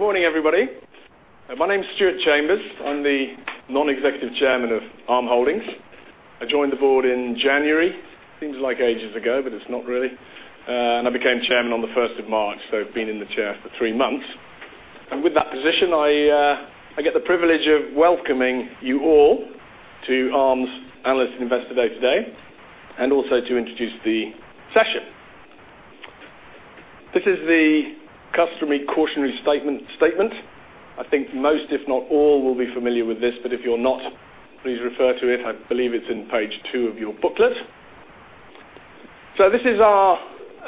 Good morning, everybody. My name is Stuart Chambers. I'm the Non-Executive Chairman of Arm Holdings. I joined the board in January. Seems like ages ago, but it's not really. I became Chairman on the 1st of March, so been in the chair for three months. With that position, I get the privilege of welcoming you all to Arm's Analyst Investor Day today, and also to introduce the session. This is the customary cautionary statement. I think most, if not all, will be familiar with this. If you're not, please refer to it. I believe it's on page two of your booklet. This is our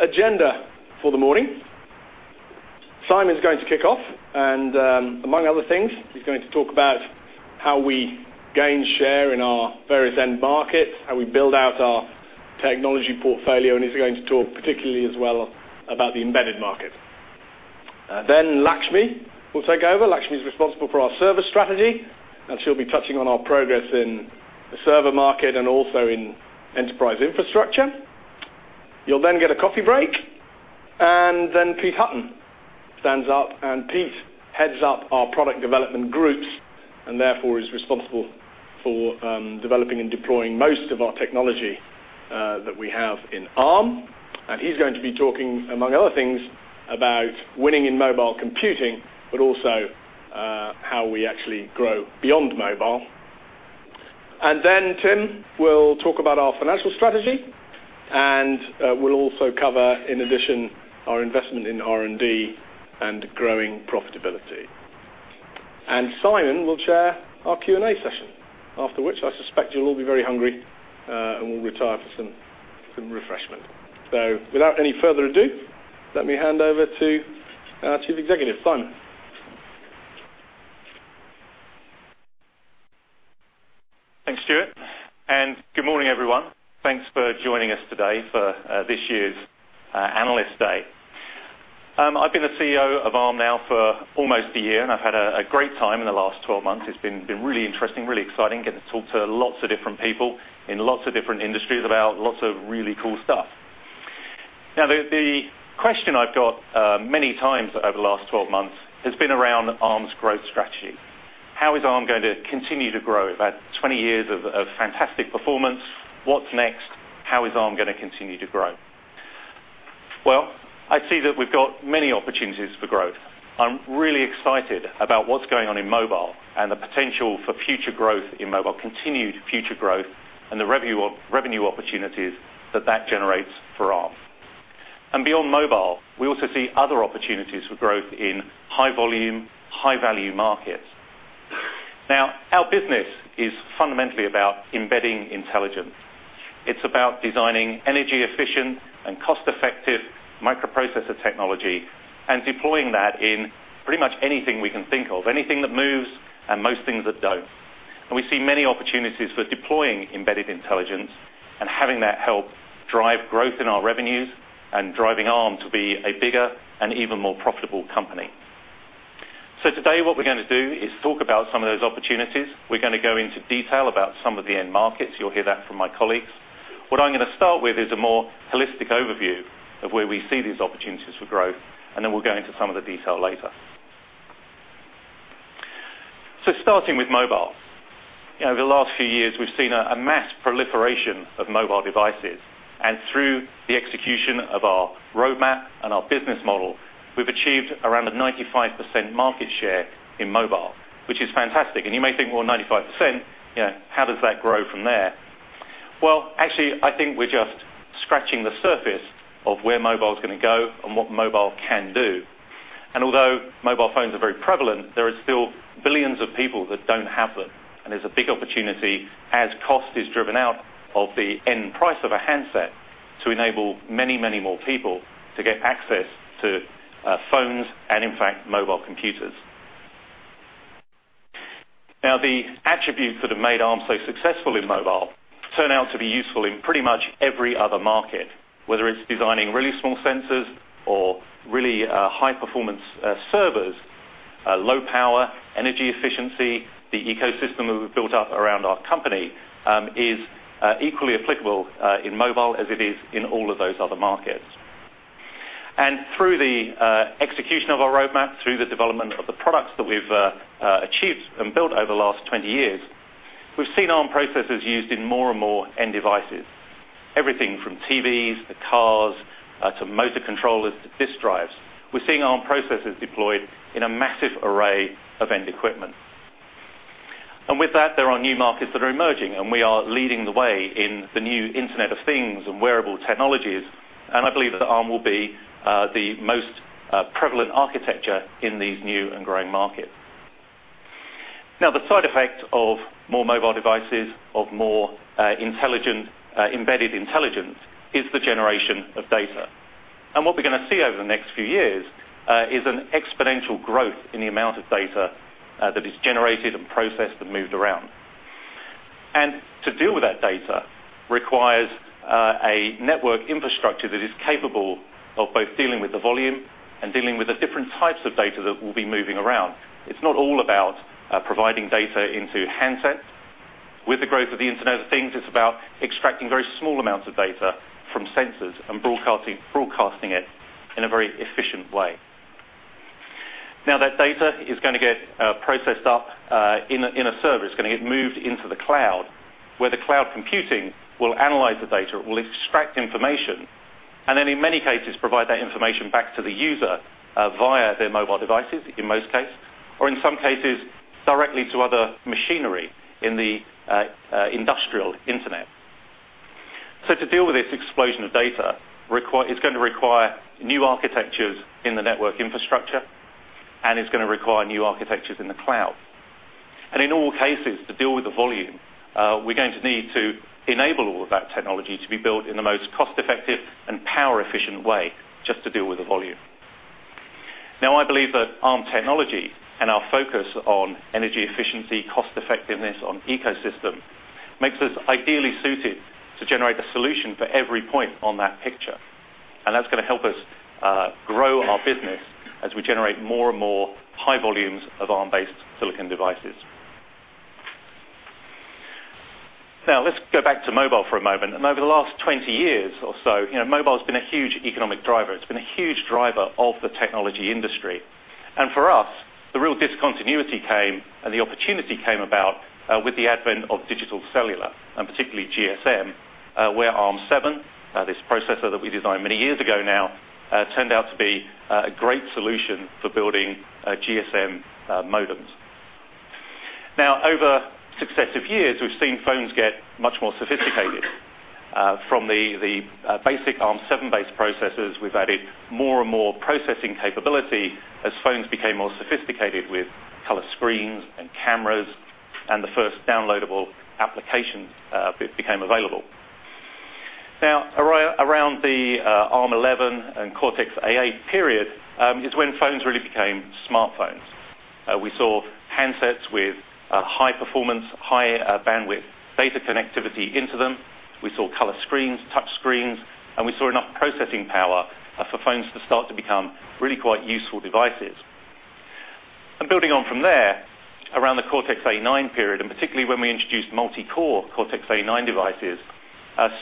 agenda for the morning. Simon is going to kick off and, among other things, he's going to talk about how we gain share in our various end markets, how we build out our technology portfolio, and he's going to talk particularly as well about the embedded market. Lakshmi will take over. Lakshmi is responsible for our service strategy, and she'll be touching on our progress in the server market and also in enterprise infrastructure. You'll get a coffee break, and Pete Hutton stands up. Pete heads up our product development groups and therefore is responsible for developing and deploying most of our technology that we have in Arm. He's going to be talking, among other things, about winning in mobile computing, but also how we actually grow beyond mobile. Tim will talk about our financial strategy and will also cover, in addition, our investment in R&D and growing profitability. Simon will chair our Q&A session, after which I suspect you'll all be very hungry, and we'll retire for some refreshment. Without any further ado, let me hand over to our Chief Executive, Simon. Thanks, Stuart, and good morning, everyone. Thanks for joining us today for this year's Analyst Day. I've been the CEO of Arm now for almost a year, and I've had a great time in the last 12 months. It's been really interesting, really exciting, getting to talk to lots of different people in lots of different industries about lots of really cool stuff. The question I've got many times over the last 12 months has been around Arm's growth strategy. How is Arm going to continue to grow? We've had 20 years of fantastic performance. What's next? How is Arm going to continue to grow? I see that we've got many opportunities for growth. I'm really excited about what's going on in mobile and the potential for future growth in mobile, continued future growth, and the revenue opportunities that that generates for Arm. Beyond mobile, we also see other opportunities for growth in high volume, high value markets. Our business is fundamentally about embedding intelligence. It's about designing energy efficient and cost-effective microprocessor technology and deploying that in pretty much anything we can think of, anything that moves, and most things that don't. We see many opportunities for deploying embedded intelligence and having that help drive growth in our revenues and driving Arm to be a bigger and even more profitable company. Today, what we're going to do is talk about some of those opportunities. We're going to go into detail about some of the end markets. You'll hear that from my colleagues. What I'm going to start with is a more holistic overview of where we see these opportunities for growth, and then we'll go into some of the detail later. Starting with mobile. Over the last few years, we've seen a mass proliferation of mobile devices, and through the execution of our roadmap and our business model, we've achieved around a 95% market share in mobile, which is fantastic. You may think, well, 95%, how does that grow from there? Well, actually, I think we're just scratching the surface of where mobile is going to go and what mobile can do. Although mobile phones are very prevalent, there are still billions of people that don't have them. There's a big opportunity as cost is driven out of the end price of a handset to enable many, many more people to get access to phones and, in fact, mobile computers. The attributes that have made Arm so successful in mobile turn out to be useful in pretty much every other market. Whether it's designing really small sensors or really high performance servers, low power, energy efficiency, the ecosystem that we've built up around our company is equally applicable in mobile as it is in all of those other markets. Through the execution of our roadmap, through the development of the products that we've achieved and built over the last 20 years, we've seen Arm processors used in more and more end devices. Everything from TVs to cars to motor controllers to disk drives. We're seeing Arm processors deployed in a massive array of end equipment. With that, there are new markets that are emerging, and we are leading the way in the new Internet of Things and wearable technologies, and I believe that Arm will be the most prevalent architecture in these new and growing markets. The side effect of more mobile devices, of more embedded intelligence, is the generation of data. What we're going to see over the next few years is an exponential growth in the amount of data that is generated and processed and moved around. To deal with that data requires a network infrastructure that is capable of both dealing with the volume and dealing with the different types of data that will be moving around. It's not all about providing data into handsets. With the growth of the Internet of Things, it's about extracting very small amounts of data from sensors and broadcasting it in a very efficient way. That data is going to get processed up in a server. It's going to get moved into the cloud, where the cloud computing will analyze the data, it will extract information, and then in many cases, provide that information back to the user via their mobile devices, in most cases, or in some cases, directly to other machinery in the industrial internet. To deal with this explosion of data, it's going to require new architectures in the network infrastructure, and it's going to require new architectures in the cloud. In all cases, to deal with the volume, we're going to need to enable all of that technology to be built in the most cost-effective and power-efficient way, just to deal with the volume. I believe that Arm technology and our focus on energy efficiency, cost effectiveness on ecosystem, makes us ideally suited to generate a solution for every point on that picture. That's going to help us grow our business as we generate more and more high volumes of Arm-based silicon devices. Let's go back to mobile for a moment. Over the last 20 years or so, mobile's been a huge economic driver. It's been a huge driver of the technology industry. For us, the real discontinuity came, and the opportunity came about, with the advent of digital cellular, and particularly GSM, where Arm7, this processor that we designed many years ago now, turned out to be a great solution for building GSM modems. Over successive years, we've seen phones get much more sophisticated. From the basic Arm7-based processors, we've added more and more processing capability as phones became more sophisticated with color screens and cameras, and the first downloadable applications became available. Around the Arm11 and Cortex-A8 period is when phones really became smartphones. We saw handsets with high performance, high bandwidth data connectivity into them. We saw color screens, touch screens, and we saw enough processing power for phones to start to become really quite useful devices. Building on from there, around the Cortex-A9 period, and particularly when we introduced multi-core Cortex-A9 devices,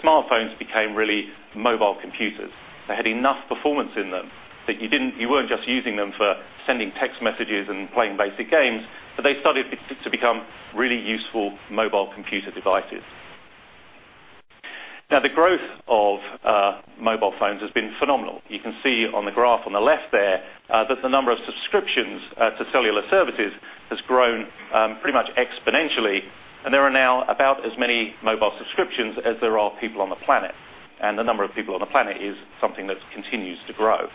smartphones became really mobile computers. They had enough performance in them that you weren't just using them for sending text messages and playing basic games, but they started to become really useful mobile computer devices. The growth of mobile phones has been phenomenal. You can see on the graph on the left there, that the number of subscriptions to cellular services has grown pretty much exponentially, and there are now about as many mobile subscriptions as there are people on the planet. The number of people on the planet is something that continues to grow.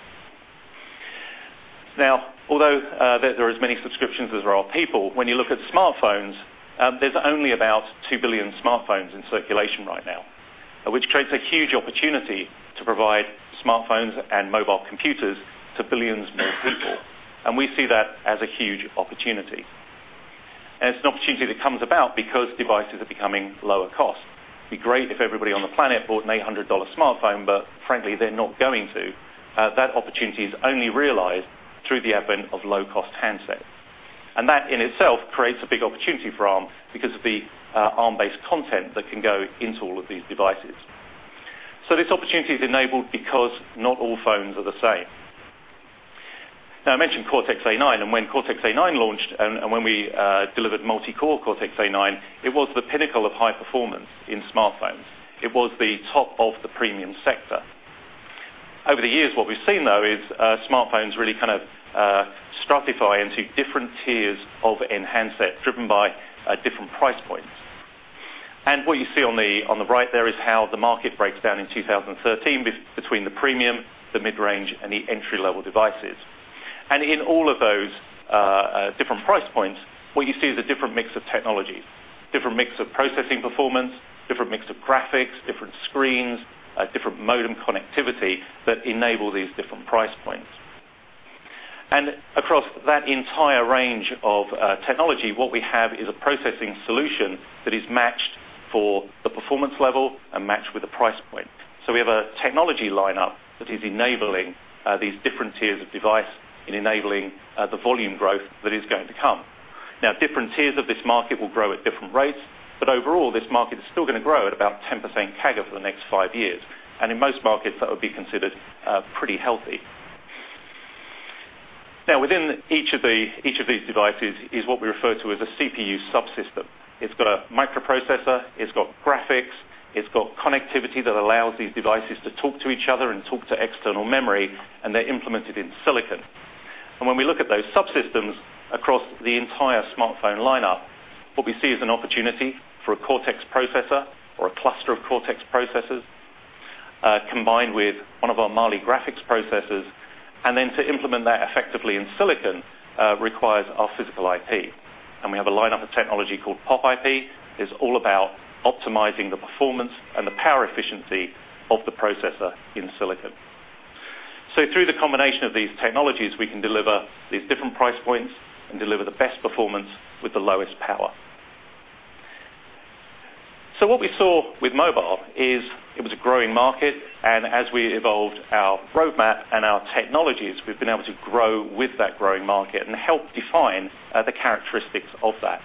Although there are as many subscriptions as there are people, when you look at smartphones, there's only about 2 billion smartphones in circulation right now. Which creates a huge opportunity to provide smartphones and mobile computers to billions more people. We see that as a huge opportunity. It's an opportunity that comes about because devices are becoming lower cost. It'd be great if everybody on the planet bought an $800 smartphone, but frankly, they're not going to. That opportunity is only realized through the advent of low-cost handsets. That in itself creates a big opportunity for Arm because of the Arm-based content that can go into all of these devices. This opportunity is enabled because not all phones are the same. Now, I mentioned Cortex-A9, and when Cortex-A9 launched, and when we delivered multi-core Cortex-A9, it was the pinnacle of high performance in smartphones. It was the top of the premium sector. Over the years, what we've seen, though, is smartphones really kind of stratify into different tiers of handsets, driven by different price points. What you see on the right there is how the market breaks down in 2013 between the premium, the mid-range, and the entry-level devices. In all of those different price points, what you see is a different mix of technologies. Different mix of processing performance, different mix of graphics, different screens, different modem connectivity that enable these different price points. Across that entire range of technology, what we have is a processing solution that is matched for the performance level and matched with the price point. We have a technology lineup that is enabling these different tiers of device and enabling the volume growth that is going to come. Different tiers of this market will grow at different rates, but overall, this market is still going to grow at about 10% CAGR for the next five years. In most markets, that would be considered pretty healthy. Within each of these devices is what we refer to as a CPU subsystem. It's got a microprocessor, it's got graphics, it's got connectivity that allows these devices to talk to each other and talk to external memory, and they're implemented in silicon. When we look at those subsystems across the entire smartphone lineup, what we see is an opportunity for a Cortex processor or a cluster of Cortex processors, combined with one of our Mali graphics processors. Then to implement that effectively in silicon requires our physical IP. We have a lineup of technology called POP IP. It's all about optimizing the performance and the power efficiency of the processor in silicon. Through the combination of these technologies, we can deliver these different price points and deliver the best performance with the lowest power. What we saw with mobile is it was a growing market, and as we evolved our roadmap and our technologies, we've been able to grow with that growing market and help define the characteristics of that.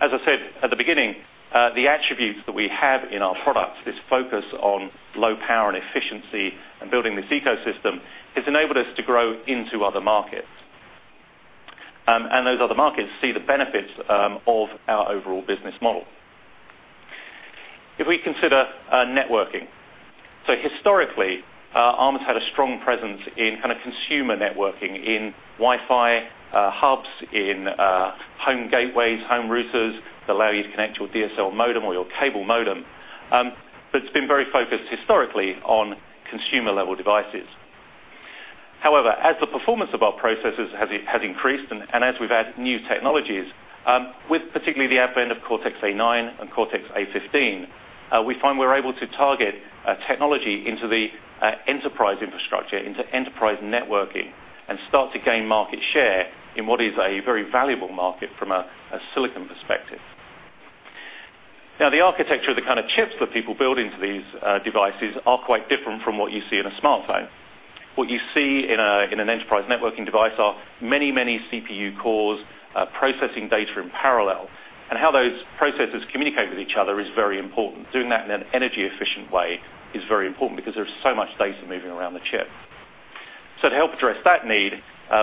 As I said at the beginning, the attributes that we have in our products, this focus on low power and efficiency and building this ecosystem, has enabled us to grow into other markets. Those other markets see the benefits of our overall business model. If we consider networking. Historically, Arm has had a strong presence in consumer networking, in Wi-Fi hubs, in home gateways, home routers that allow you to connect your DSL modem or your cable modem. It's been very focused historically on consumer-level devices. As the performance of our processors has increased and as we've added new technologies, with particularly the advent of Cortex-A9 and Cortex-A15, we find we're able to target technology into the enterprise infrastructure, into enterprise networking, and start to gain market share in what is a very valuable market from a silicon perspective. The architecture of the kind of chips that people build into these devices are quite different from what you see in a smartphone. What you see in an enterprise networking device are many, many CPU cores processing data in parallel. How those processors communicate with each other is very important. Doing that in an energy-efficient way is very important because there's so much data moving around the chip. To help address that need,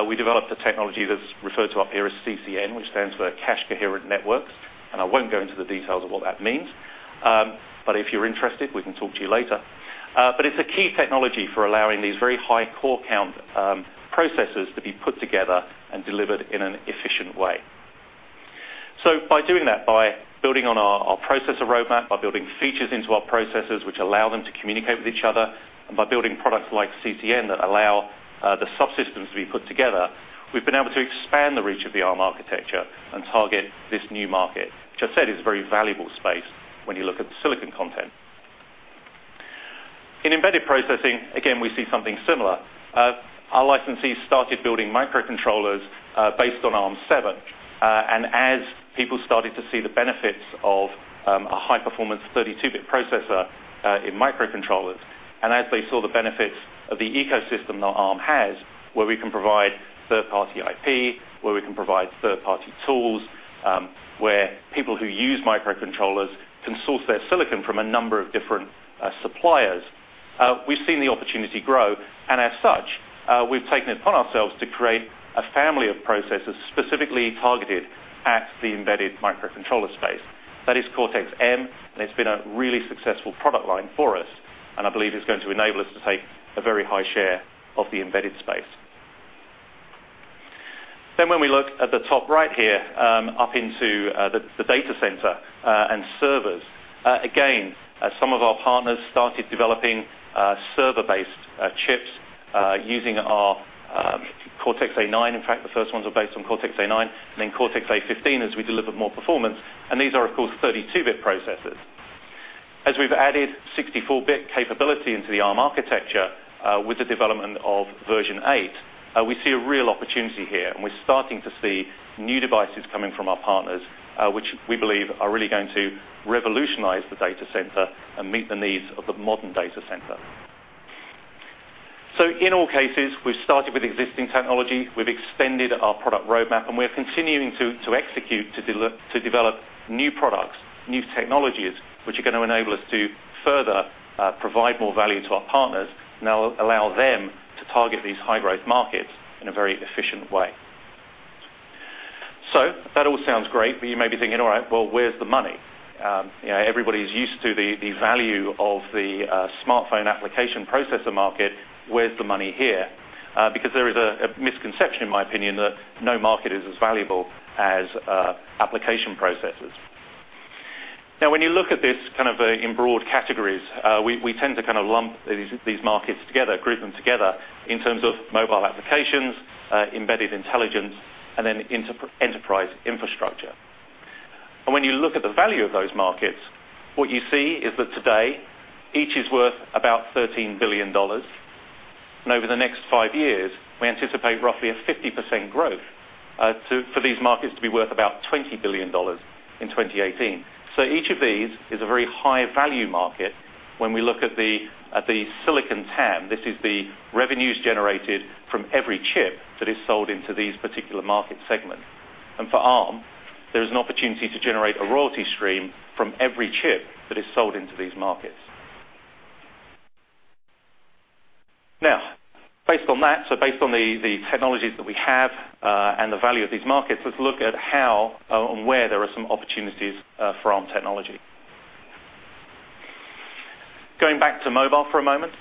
we developed a technology that's referred to up here as CCN, which stands for Cache Coherent Networks. I won't go into the details of what that means. If you're interested, we can talk to you later. It's a key technology for allowing these very high core count processors to be put together and delivered in an efficient way. By doing that, by building on our processor roadmap, by building features into our processors which allow them to communicate with each other, by building products like CCN that allow the subsystems to be put together, we've been able to expand the reach of the Arm architecture and target this new market, which I said is a very valuable space when you look at the silicon content. In embedded processing, again, we see something similar. Our licensees started building microcontrollers based on Arm7. As people started to see the benefits of a high-performance 32-bit processor in microcontrollers, as they saw the benefits of the ecosystem that Arm has, where we can provide third-party IP, where we can provide third-party tools, where people who use microcontrollers can source their silicon from a number of different suppliers, we've seen the opportunity grow. As such, we've taken it upon ourselves to create a family of processors specifically targeted at the embedded microcontroller space. That is Cortex-M, it's been a really successful product line for us, I believe it's going to enable us to take a very high share of the embedded space. When we look at the top right here, up into the data center and servers. Again, some of our partners started developing server-based chips using our Cortex-A9. In fact, the first ones were based on Cortex-A9, then Cortex-A15 as we delivered more performance. These are, of course, 32-bit processors. As we've added 64-bit capability into the Arm architecture with the development of version 8, we see a real opportunity here, we're starting to see new devices coming from our partners, which we believe are really going to revolutionize the data center and meet the needs of the modern data center. In all cases, we've started with existing technology, we've expanded our product roadmap, we're continuing to execute to develop new products, new technologies, which are going to enable us to further provide more value to our partners and allow them to target these high-growth markets in a very efficient way. All right, where's the money? Everybody's used to the value of the smartphone application processor market. Where's the money here? There is a misconception, in my opinion, that no market is as valuable as application processors. When you look at this in broad categories, we tend to lump these markets together, group them together in terms of mobile applications, embedded intelligence, and enterprise infrastructure. When you look at the value of those markets, what you see is that today, each is worth about GBP 13 billion. Over the next 5 years, we anticipate roughly a 50% growth for these markets to be worth about GBP 20 billion in 2018. Each of these is a very high-value market when we look at the silicon TAM. This is the revenues generated from every chip that is sold into these particular market segments. For Arm, there is an opportunity to generate a royalty stream from every chip that is sold into these markets. Based on the technologies that we have and the value of these markets, let's look at how and where there are some opportunities for Arm technology. Going back to mobile for a moment.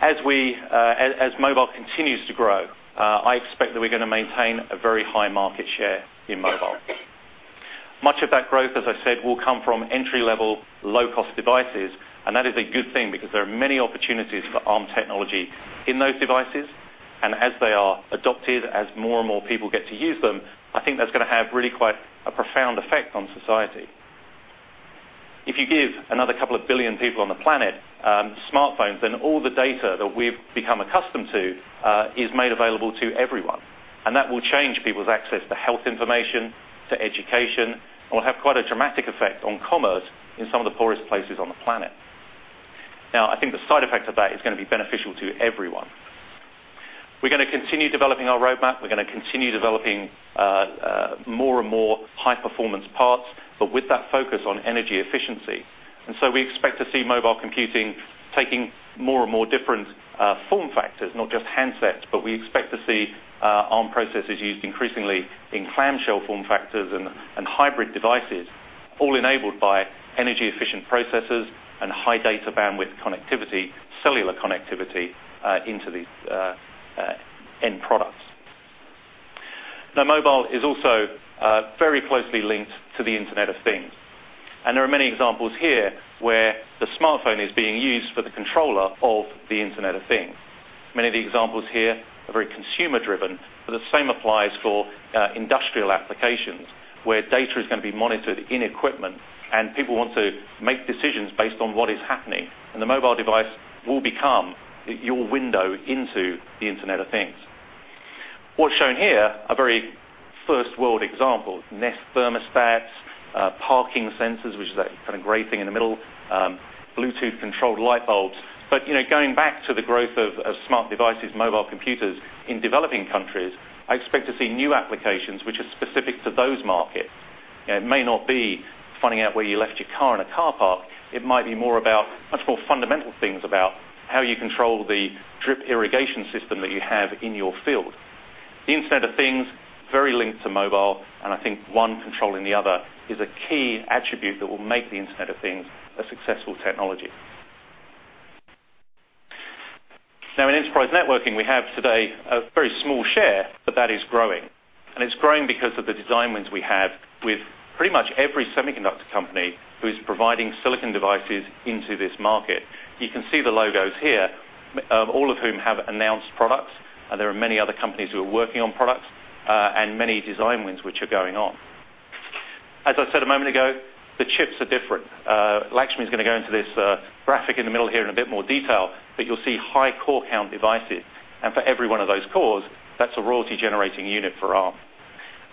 As mobile continues to grow, I expect that we're going to maintain a very high market share in mobile. Much of that growth, as I said, will come from entry-level, low-cost devices. That is a good thing because there are many opportunities for Arm technology in those devices. As they are adopted, as more and more people get to use them, I think that's going to have really quite a profound effect on society. If you give another couple of billion people on the planet smartphones, all the data that we've become accustomed to is made available to everyone, and that will change people's access to health information, to education, and will have quite a dramatic effect on commerce in some of the poorest places on the planet. I think the side effect of that is going to be beneficial to everyone. We're going to continue developing our roadmap. We're going to continue developing more and more high-performance parts, but with that focus on energy efficiency. We expect to see mobile computing taking more and more different form factors, not just handsets, but we expect to see Arm processors used increasingly in clamshell form factors and hybrid devices, all enabled by energy-efficient processors and high data bandwidth connectivity, cellular connectivity, into these end products. Mobile is also very closely linked to the Internet of Things. There are many examples here where the smartphone is being used for the controller of the Internet of Things. Many of the examples here are very consumer-driven, but the same applies for industrial applications where data is going to be monitored in equipment and people want to make decisions based on what is happening, and the mobile device will become your window into the Internet of Things. What's shown here are very first-world examples, Nest thermostats, parking sensors, which is that gray thing in the middle, Bluetooth-controlled light bulbs. Going back to the growth of smart devices, mobile computers in developing countries, I expect to see new applications which are specific to those markets. It may not be finding out where you left your car in a car park. It might be more about much more fundamental things about how you control the drip irrigation system that you have in your field. The Internet of Things, very linked to mobile, and I think one controlling the other is a key attribute that will make the Internet of Things a successful technology. In enterprise networking, we have today a very small share, but that is growing. It's growing because of the design wins we have with pretty much every semiconductor company who is providing silicon devices into this market. You can see the logos here, all of whom have announced products, and there are many other companies who are working on products, and many design wins which are going on. As I said a moment ago, the chips are different. Lakshmi is going to go into this graphic in the middle here in a bit more detail, but you'll see high core count devices. For every one of those cores, that's a royalty-generating unit for Arm.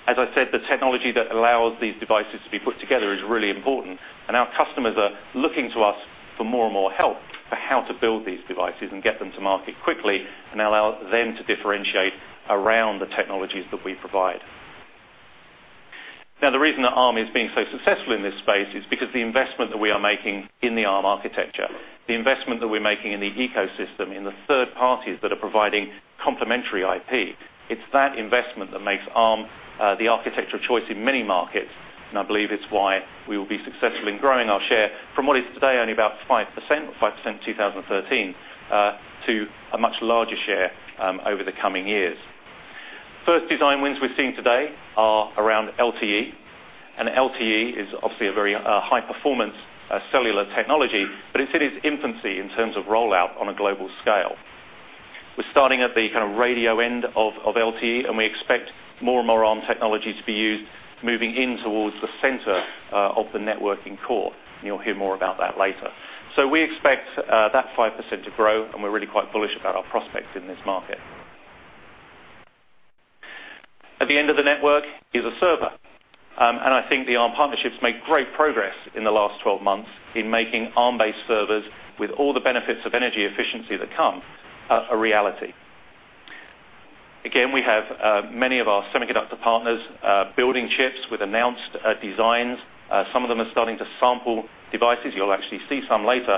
As I said, the technology that allows these devices to be put together is really important, and our customers are looking to us for more and more help for how to build these devices and get them to market quickly and allow them to differentiate around the technologies that we provide. The reason that Arm is being so successful in this space is because the investment that we are making in the Arm architecture, the investment that we're making in the ecosystem, in the third parties that are providing complementary IP. It's that investment that makes Arm the architecture of choice in many markets, and I believe it's why we will be successful in growing our share from what is today only about 5%, 5% in 2013, to a much larger share over the coming years. First design wins we're seeing today are around LTE is obviously a very high-performance cellular technology, but it's in its infancy in terms of rollout on a global scale. We're starting at the radio end of LTE, and we expect more and more Arm technology to be used moving in towards the center of the networking core. You'll hear more about that later. We expect that 5% to grow, and we're really quite bullish about our prospects in this market. At the end of the network is a server. I think the Arm partnerships made great progress in the last 12 months in making Arm-based servers with all the benefits of energy efficiency that come, a reality. Again, we have many of our semiconductor partners building chips with announced designs. Some of them are starting to sample devices. You'll actually see some later.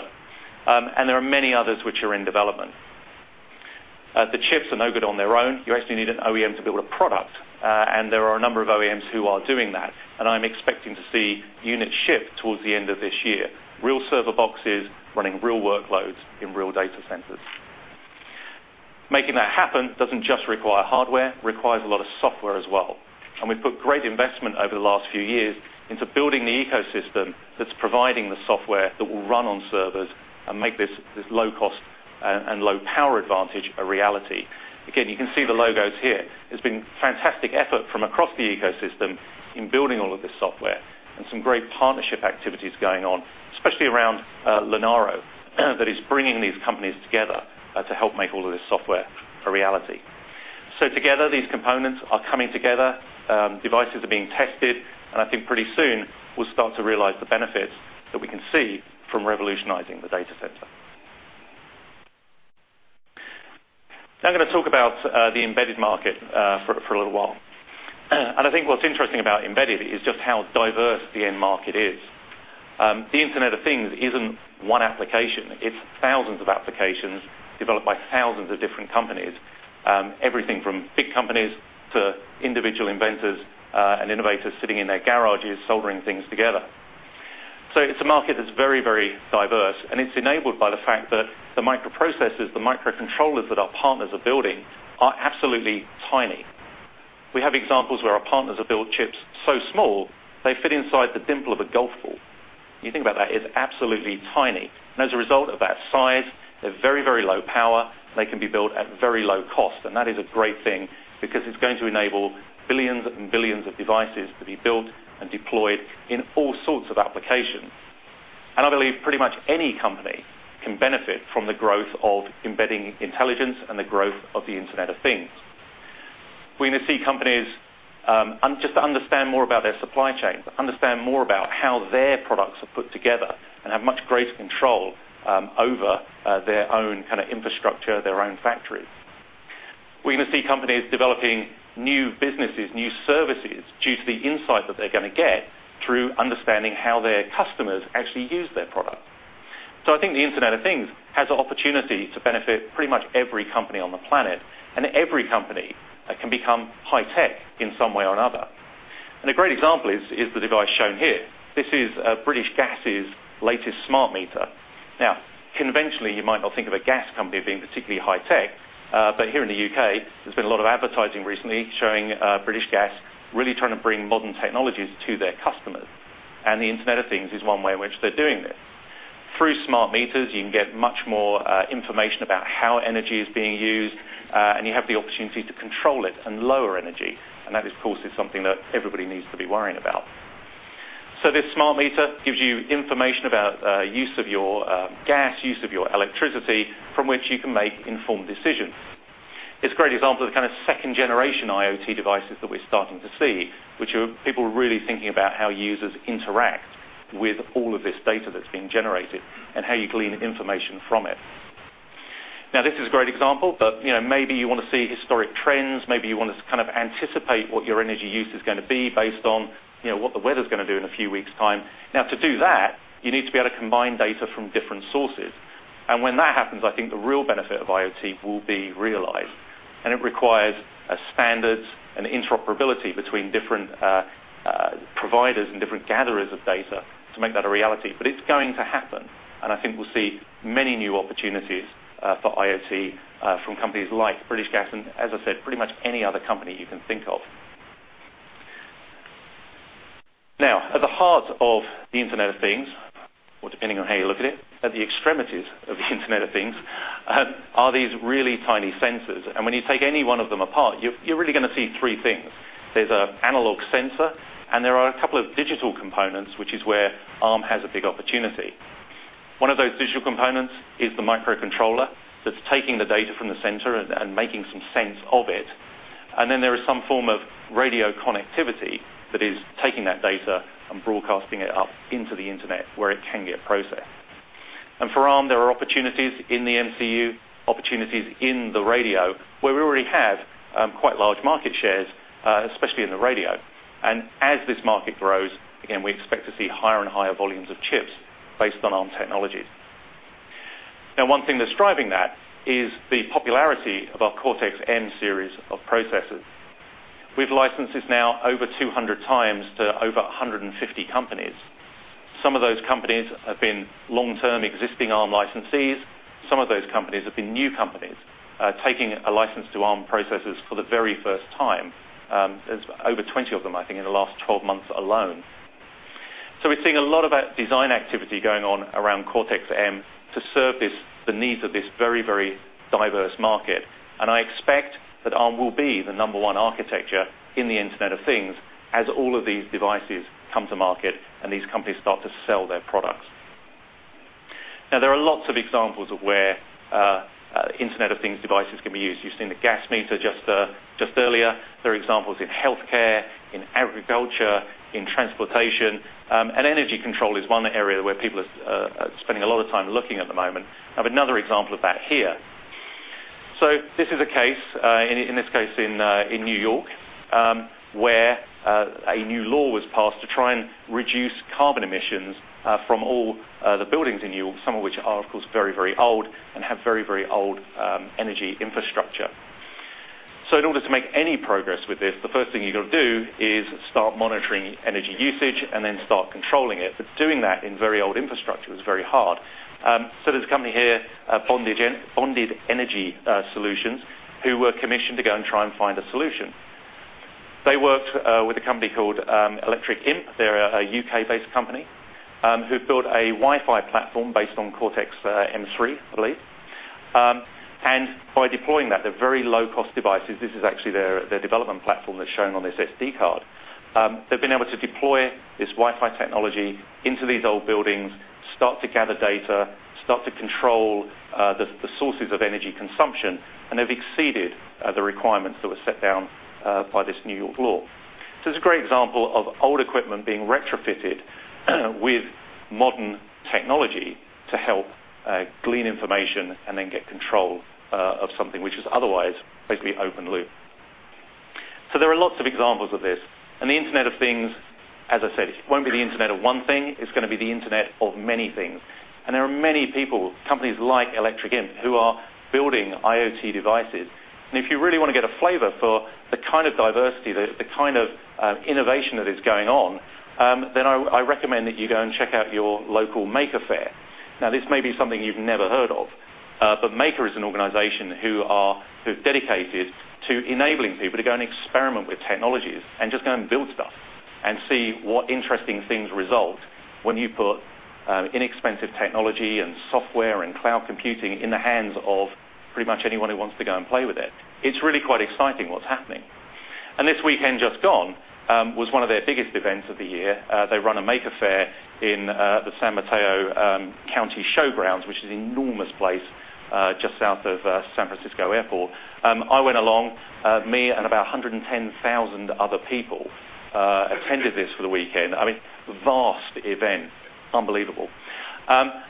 There are many others which are in development. The chips are no good on their own. You actually need an OEM to build a product. There are a number of OEMs who are doing that. I'm expecting to see units shipped towards the end of this year. Real server boxes running real workloads in real data centers. Making that happen doesn't just require hardware. It requires a lot of software as well. We've put great investment over the last few years into building the ecosystem that's providing the software that will run on servers and make this low cost and low power advantage a reality. Again, you can see the logos here. It's been fantastic effort from across the ecosystem in building all of this software and some great partnership activities going on, especially around Linaro, that is bringing these companies together to help make all of this software a reality. Together, these components are coming together, devices are being tested, and I think pretty soon we'll start to realize the benefits that we can see from revolutionizing the data center. Now I'm going to talk about the embedded market for a little while. I think what's interesting about embedded is just how diverse the end market is. The Internet of Things isn't one application. It's thousands of applications developed by thousands of different companies. Everything from big companies to individual inventors and innovators sitting in their garages soldering things together. It's a market that's very, very diverse, and it's enabled by the fact that the microprocessors, the microcontrollers that our partners are building, are absolutely tiny. We have examples where our partners have built chips so small, they fit inside the dimple of a golf ball. You think about that, it's absolutely tiny. As a result of that size, they're very low power. They can be built at very low cost. That is a great thing because it's going to enable billions and billions of devices to be built and deployed in all sorts of applications. I believe pretty much any company can benefit from the growth of embedding intelligence and the growth of the Internet of Things. We're going to see companies just understand more about their supply chains, understand more about how their products are put together, and have much greater control over their own infrastructure, their own factories. We're going to see companies developing new businesses, new services due to the insight that they're going to get through understanding how their customers actually use their product. I think the Internet of Things has the opportunity to benefit pretty much every company on the planet. Every company can become high tech in some way or another. A great example is the device shown here. This is British Gas's latest smart meter. Now, conventionally, you might not think of a gas company being particularly high tech. Here in the U.K., there's been a lot of advertising recently showing British Gas really trying to bring modern technologies to their customers. The Internet of Things is one way in which they're doing this. Through smart meters, you can get much more information about how energy is being used, and you have the opportunity to control it and lower energy. That, of course, is something that everybody needs to be worrying about. This smart meter gives you information about use of your gas, use of your electricity from which you can make informed decisions. It's a great example of the kind of second-generation IoT devices that we're starting to see, which are people really thinking about how users interact with all of this data that's being generated and how you glean information from it. This is a great example, but maybe you want to see historic trends. Maybe you want to anticipate what your energy use is going to be based on what the weather's going to do in a few weeks' time. To do that, you need to be able to combine data from different sources. When that happens, I think the real benefit of IoT will be realized, and it requires standards and interoperability between different providers and different gatherers of data to make that a reality. It's going to happen, and I think we'll see many new opportunities for IoT from companies like British Gas and, as I said, pretty much any other company you can think of. At the heart of the Internet of Things, or depending on how you look at it, at the extremities of the Internet of Things, are these really tiny sensors. When you take any one of them apart, you're really going to see three things. There's an analog sensor, and there are a couple of digital components, which is where Arm has a big opportunity. One of those digital components is the microcontroller that's taking the data from the sensor and making some sense of it. Then there is some form of radio connectivity that is taking that data and broadcasting it up into the Internet where it can get processed. For Arm, there are opportunities in the MCU, opportunities in the radio where we already have quite large market shares, especially in the radio. As this market grows, again, we expect to see higher and higher volumes of chips based on Arm technologies. One thing that's driving that is the popularity of our Cortex-M series of processors. We've licensed this now over 200 times to over 150 companies. Some of those companies have been long-term existing Arm licensees. Some of those companies have been new companies taking a license to Arm processors for the very first time. There's over 20 of them, I think, in the last 12 months alone. We're seeing a lot of design activity going on around Cortex-M to serve the needs of this very diverse market. I expect that Arm will be the number one architecture in the Internet of Things as all of these devices come to market and these companies start to sell their products. There are lots of examples of where Internet of Things devices can be used. You've seen the gas meter just earlier. There are examples in healthcare, in agriculture, in transportation. Energy control is one area where people are spending a lot of time looking at the moment. I have another example of that here. This is a case, in this case in New York, where a new law was passed to try and reduce carbon emissions from all the buildings in New York, some of which are, of course, very old and have very old energy infrastructure. In order to make any progress with this, the first thing you got to do is start monitoring energy usage and then start controlling it. Doing that in very old infrastructure is very hard. There's a company here, Bonded Energy Solutions, who were commissioned to go and try and find a solution. They worked with a company called Electric Imp. They're a U.K.-based company who built a Wi-Fi platform based on Cortex-M3, I believe. By deploying that, they're very low-cost devices. This is actually their development platform that's shown on this SD card. They've been able to deploy this Wi-Fi technology into these old buildings, start to gather data, start to control the sources of energy consumption, and they've exceeded the requirements that were set down by this New York law. It's a great example of old equipment being retrofitted with modern technology to help glean information and then get control of something which is otherwise basically open loop. There are lots of examples of this. The Internet of Things, as I said, it won't be the Internet of one thing. It's going to be the Internet of many things. There are many people, companies like Electric Imp, who are building IoT devices. If you really want to get a flavor for the kind of diversity, the kind of innovation that is going on, then I recommend that you go and check out your local Maker Faire. This may be something you've never heard of. Maker is an organization who are dedicated to enabling people to go and experiment with technologies and just go and build stuff and see what interesting things result when you put inexpensive technology and software and cloud computing in the hands of pretty much anyone who wants to go and play with it. It's really quite exciting what's happening. This weekend just gone was one of their biggest events of the year. They run a Maker Faire in the San Mateo County Showgrounds, which is enormous place just south of San Francisco Airport. I went along. Me and about 110,000 other people attended this for the weekend. I mean, vast event. Unbelievable.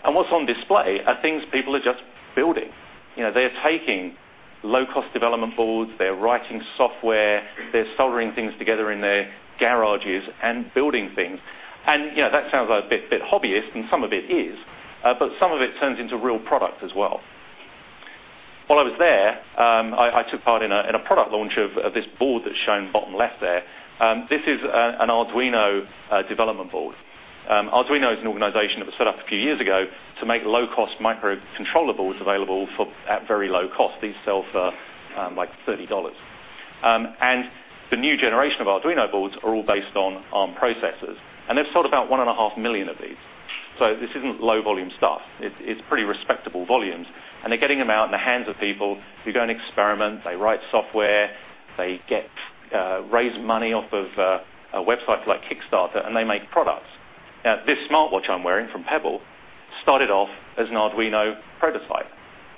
What's on display are things people are just building. They are taking low-cost development boards. They're writing software. They're soldering things together in their garages and building things. That sounds a bit hobbyist, and some of it is. Some of it turns into real product as well. While I was there, I took part in a product launch of this board that's shown bottom left there. This is an Arduino development board. Arduino is an organization that was set up a few years ago to make low-cost microcontroller boards available at very low cost. These sell for like GBP 30. The new generation of Arduino boards are all based on Arm processors, and they've sold about 1.5 million of these. This isn't low-volume stuff. It's pretty respectable volumes. They're getting them out in the hands of people who go and experiment. They write software. They raise money off of websites like Kickstarter, and they make products. Now, this smartwatch I'm wearing from Pebble started off as an Arduino prototype.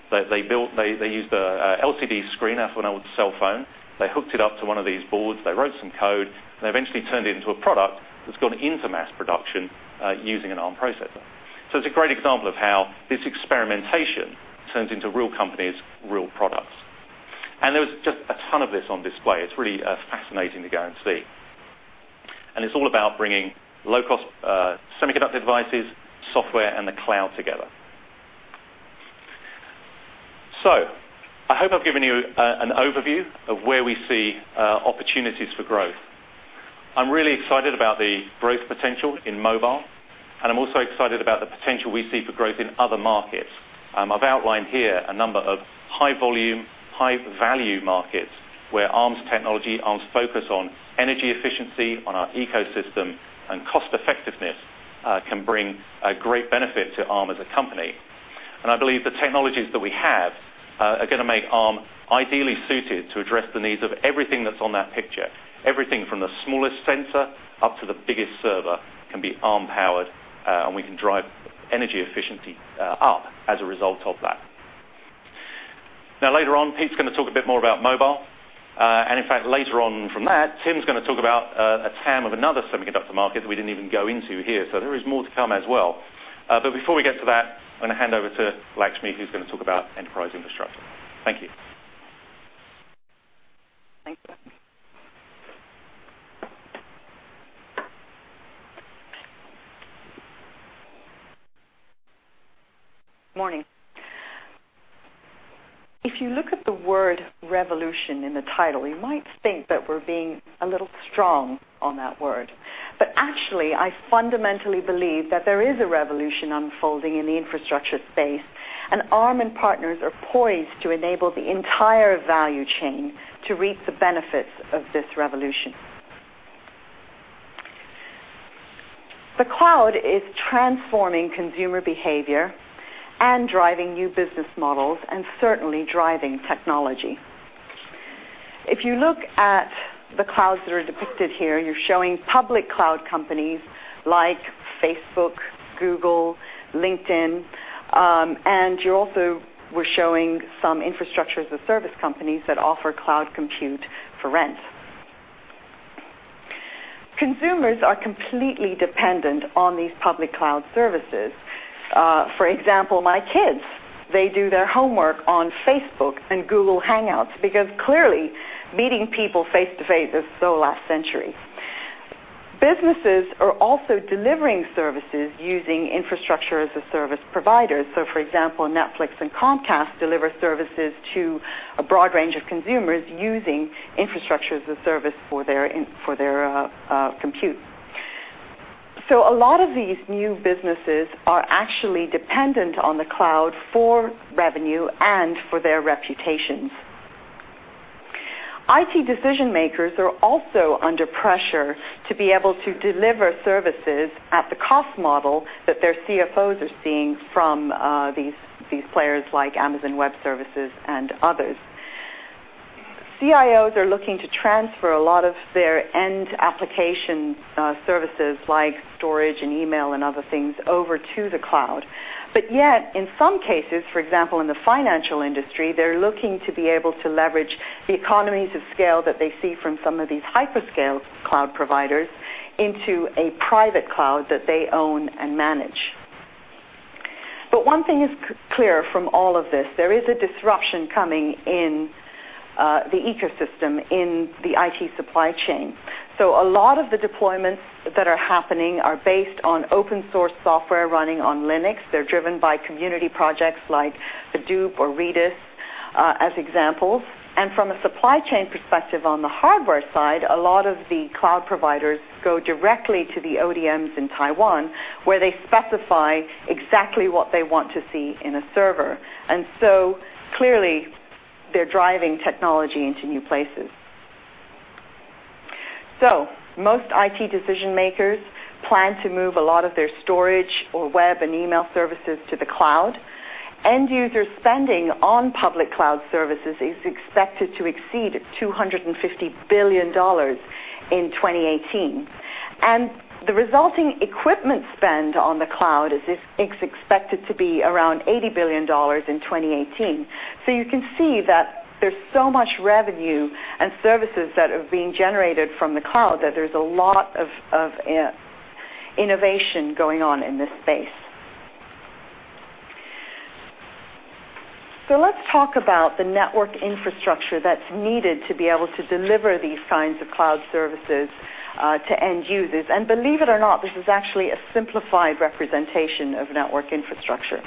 They used an LCD screen off an old cell phone. They hooked it up to one of these boards. They wrote some code, and they eventually turned it into a product that's gone into mass production using an Arm processor. It's a great example of how this experimentation turns into real companies, real products. There was just a ton of this on display. It's really fascinating to go and see. It's all about bringing low-cost semiconductor devices, software, and the cloud together. I hope I've given you an overview of where we see opportunities for growth. I'm really excited about the growth potential in mobile, and I'm also excited about the potential we see for growth in other markets. I've outlined here a number of high-volume, high-value markets where Arm's technology, Arm's focus on energy efficiency, on our ecosystem, and cost-effectiveness can bring a great benefit to Arm as a company. I believe the technologies that we have are going to make Arm ideally suited to address the needs of everything that's on that picture. Everything from the smallest sensor up to the biggest server can be Arm-powered, and we can drive energy efficiency up as a result of that. Now, later on, Pete's going to talk a bit more about mobile. In fact, later on from that, Tim's going to talk about a TAM of another semiconductor market that we didn't even go into here. There is more to come as well. Before we get to that, I'm going to hand over to Lakshmi, who's going to talk about enterprise infrastructure. Thank you. Thank you. Morning. If you look at the word revolution in the title, you might think that we're being a little strong on that word. Actually, I fundamentally believe that there is a revolution unfolding in the infrastructure space, and Arm and partners are poised to enable the entire value chain to reap the benefits of this revolution. The cloud is transforming consumer behavior and driving new business models, and certainly driving technology. If you look at the clouds that are depicted here, you're showing public cloud companies like Facebook, Google, LinkedIn, and you also were showing some infrastructure as a service companies that offer cloud compute for rent. Consumers are completely dependent on these public cloud services. For example, my kids, they do their homework on Facebook and Google Hangouts because clearly meeting people face-to-face is so last century. Businesses are also delivering services using infrastructure as a service provider. For example, Netflix and Comcast deliver services to a broad range of consumers using infrastructure as a service for their compute. A lot of these new businesses are actually dependent on the cloud for revenue and for their reputations. IT decision-makers are also under pressure to be able to deliver services at the cost model that their CFOs are seeing from these players like Amazon Web Services and others. CIOs are looking to transfer a lot of their end application services like storage and email and other things over to the cloud. Yet, in some cases, for example, in the financial industry, they're looking to be able to leverage the economies of scale that they see from some of these hyperscale cloud providers into a private cloud that they own and manage. One thing is clear from all of this. There is a disruption coming in the ecosystem in the IT supply chain. A lot of the deployments that are happening are based on open source software running on Linux. They're driven by community projects like Hadoop or Redis as examples. From a supply chain perspective on the hardware side, a lot of the cloud providers go directly to the ODMs in Taiwan, where they specify exactly what they want to see in a server. Clearly, they're driving technology into new places. Most IT decision-makers plan to move a lot of their storage or web and email services to the cloud. End-user spending on public cloud services is expected to exceed $250 billion in 2018. The resulting equipment spend on the cloud is expected to be around $80 billion in 2018. You can see that there's so much revenue and services that are being generated from the cloud that there's a lot of innovation going on in this space. Let's talk about the network infrastructure that's needed to be able to deliver these kinds of cloud services to end users. Believe it or not, this is actually a simplified representation of network infrastructure.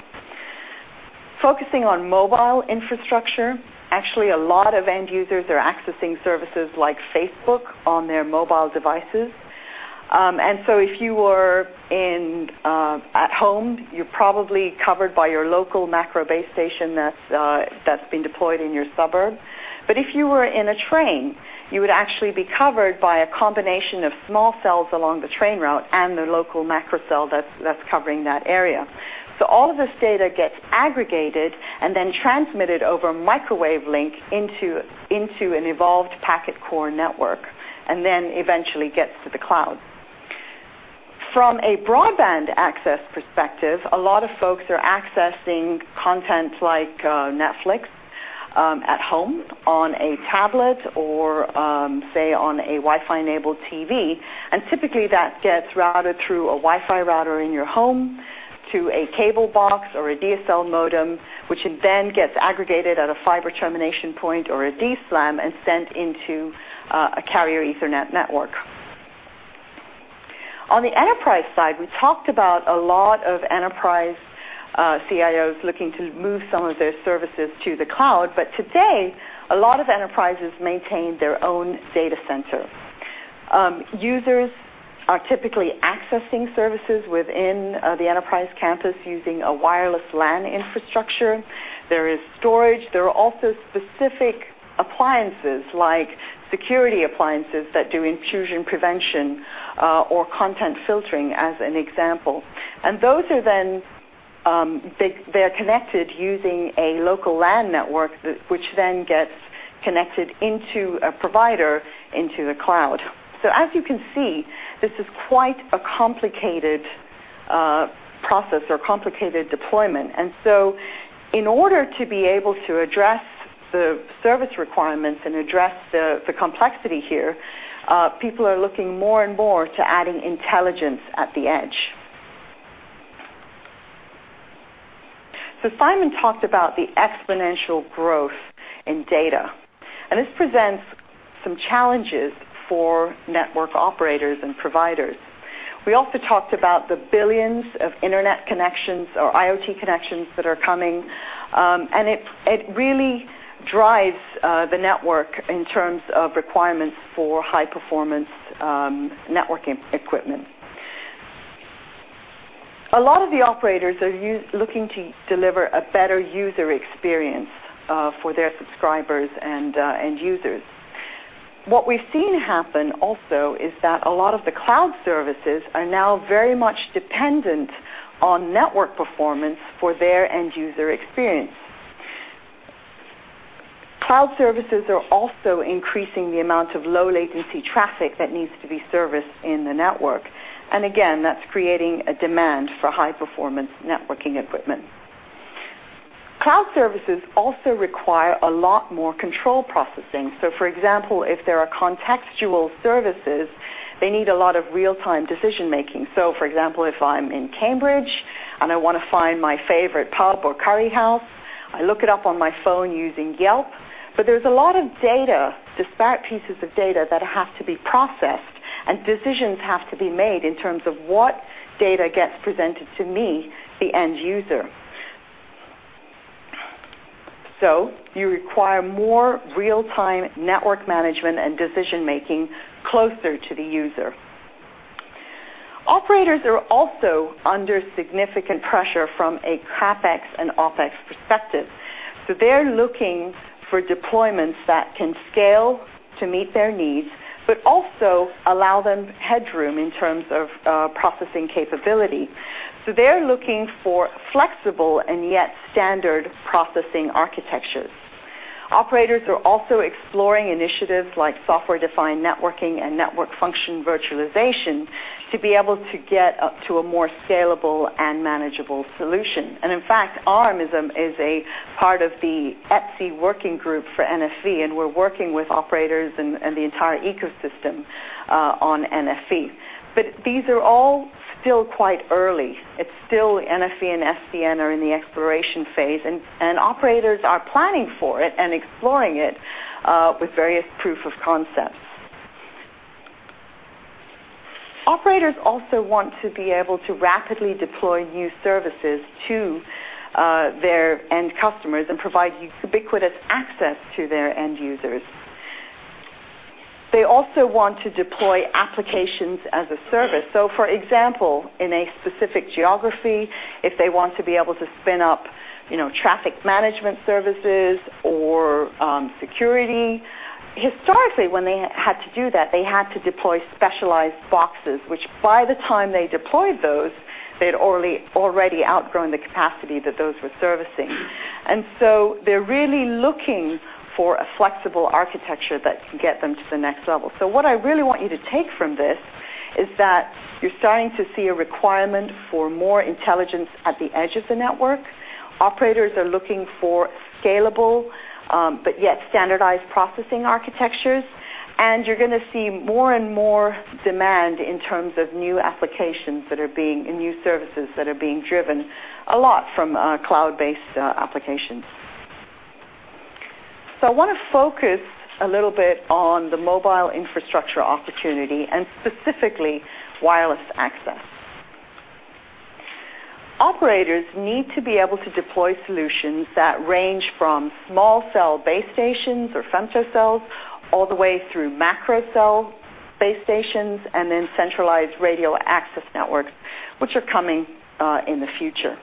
Focusing on mobile infrastructure, actually, a lot of end users are accessing services like Facebook on their mobile devices. If you were at home, you're probably covered by your local macro base station that's been deployed in your suburb. If you were in a train, you would actually be covered by a combination of small cells along the train route and the local macro cell that's covering that area. All of this data gets aggregated and then transmitted over a microwave link into an evolved packet core network, and then eventually gets to the cloud. From a broadband access perspective, a lot of folks are accessing content like Netflix at home on a tablet or, say, on a Wi-Fi-enabled TV, and typically that gets routed through a Wi-Fi router in your home to a cable box or a DSL modem, which then gets aggregated at a fiber termination point or a DSLAM and sent into a Carrier Ethernet network. On the enterprise side, we talked about a lot of enterprise CIOs looking to move some of their services to the cloud. Today, a lot of enterprises maintain their own data center. Users are typically accessing services within the enterprise campus using a wireless LAN infrastructure. There is storage. There are also specific appliances, like security appliances that do intrusion prevention or content filtering, as an example. Those are then connected using a local LAN network, which then gets connected into a provider into the cloud. As you can see, this is quite a complicated process or complicated deployment. In order to be able to address the service requirements and address the complexity here, people are looking more and more to adding intelligence at the edge. Simon talked about the exponential growth in data, and this presents some challenges for network operators and providers. We also talked about the billions of internet connections or IoT connections that are coming, and it really drives the network in terms of requirements for high-performance networking equipment. A lot of the operators are looking to deliver a better user experience for their subscribers and end users. What we've seen happen also is that a lot of the cloud services are now very much dependent on network performance for their end-user experience. Cloud services are also increasing the amount of low-latency traffic that needs to be serviced in the network. Again, that's creating a demand for high-performance networking equipment. Cloud services also require a lot more control processing. For example, if there are contextual services, they need a lot of real-time decision-making. For example, if I'm in Cambridge and I want to find my favorite pub or curry house, I look it up on my phone using Yelp, but there's a lot of data, disparate pieces of data that have to be processed, and decisions have to be made in terms of what data gets presented to me, the end user. You require more real-time network management and decision-making closer to the user. Operators are also under significant pressure from a CapEx and OpEx perspective. They're looking for deployments that can scale to meet their needs but also allow them headroom in terms of processing capability. They're looking for flexible and yet standard processing architectures. Operators are also exploring initiatives like Software-Defined Networking and Network Functions Virtualization to be able to get to a more scalable and manageable solution. In fact, Arm is a part of the ETSI working group for NFV, and we're working with operators and the entire ecosystem on NFV. These are all still quite early. Still, NFV and SDN are in the exploration phase, and operators are planning for it and exploring it with various proof of concepts. Operators also want to be able to rapidly deploy new services to their end customers and provide ubiquitous access to their end users. They also want to deploy applications as a service. For example, in a specific geography, if they want to be able to spin up traffic management services or security. Historically, when they had to do that, they had to deploy specialized boxes, which by the time they deployed those, they had already outgrown the capacity that those were servicing. They're really looking for a flexible architecture that can get them to the next level. What I really want you to take from this is that you're starting to see a requirement for more intelligence at the edge of the network. Operators are looking for scalable, but yet standardized processing architectures. You're going to see more and more demand in terms of new applications and new services that are being driven a lot from cloud-based applications. I want to focus a little bit on the mobile infrastructure opportunity and specifically wireless access. Operators need to be able to deploy solutions that range from small cell base stations or femtocells all the way through macrocell base stations, and then centralized radio access networks, which are coming in the future.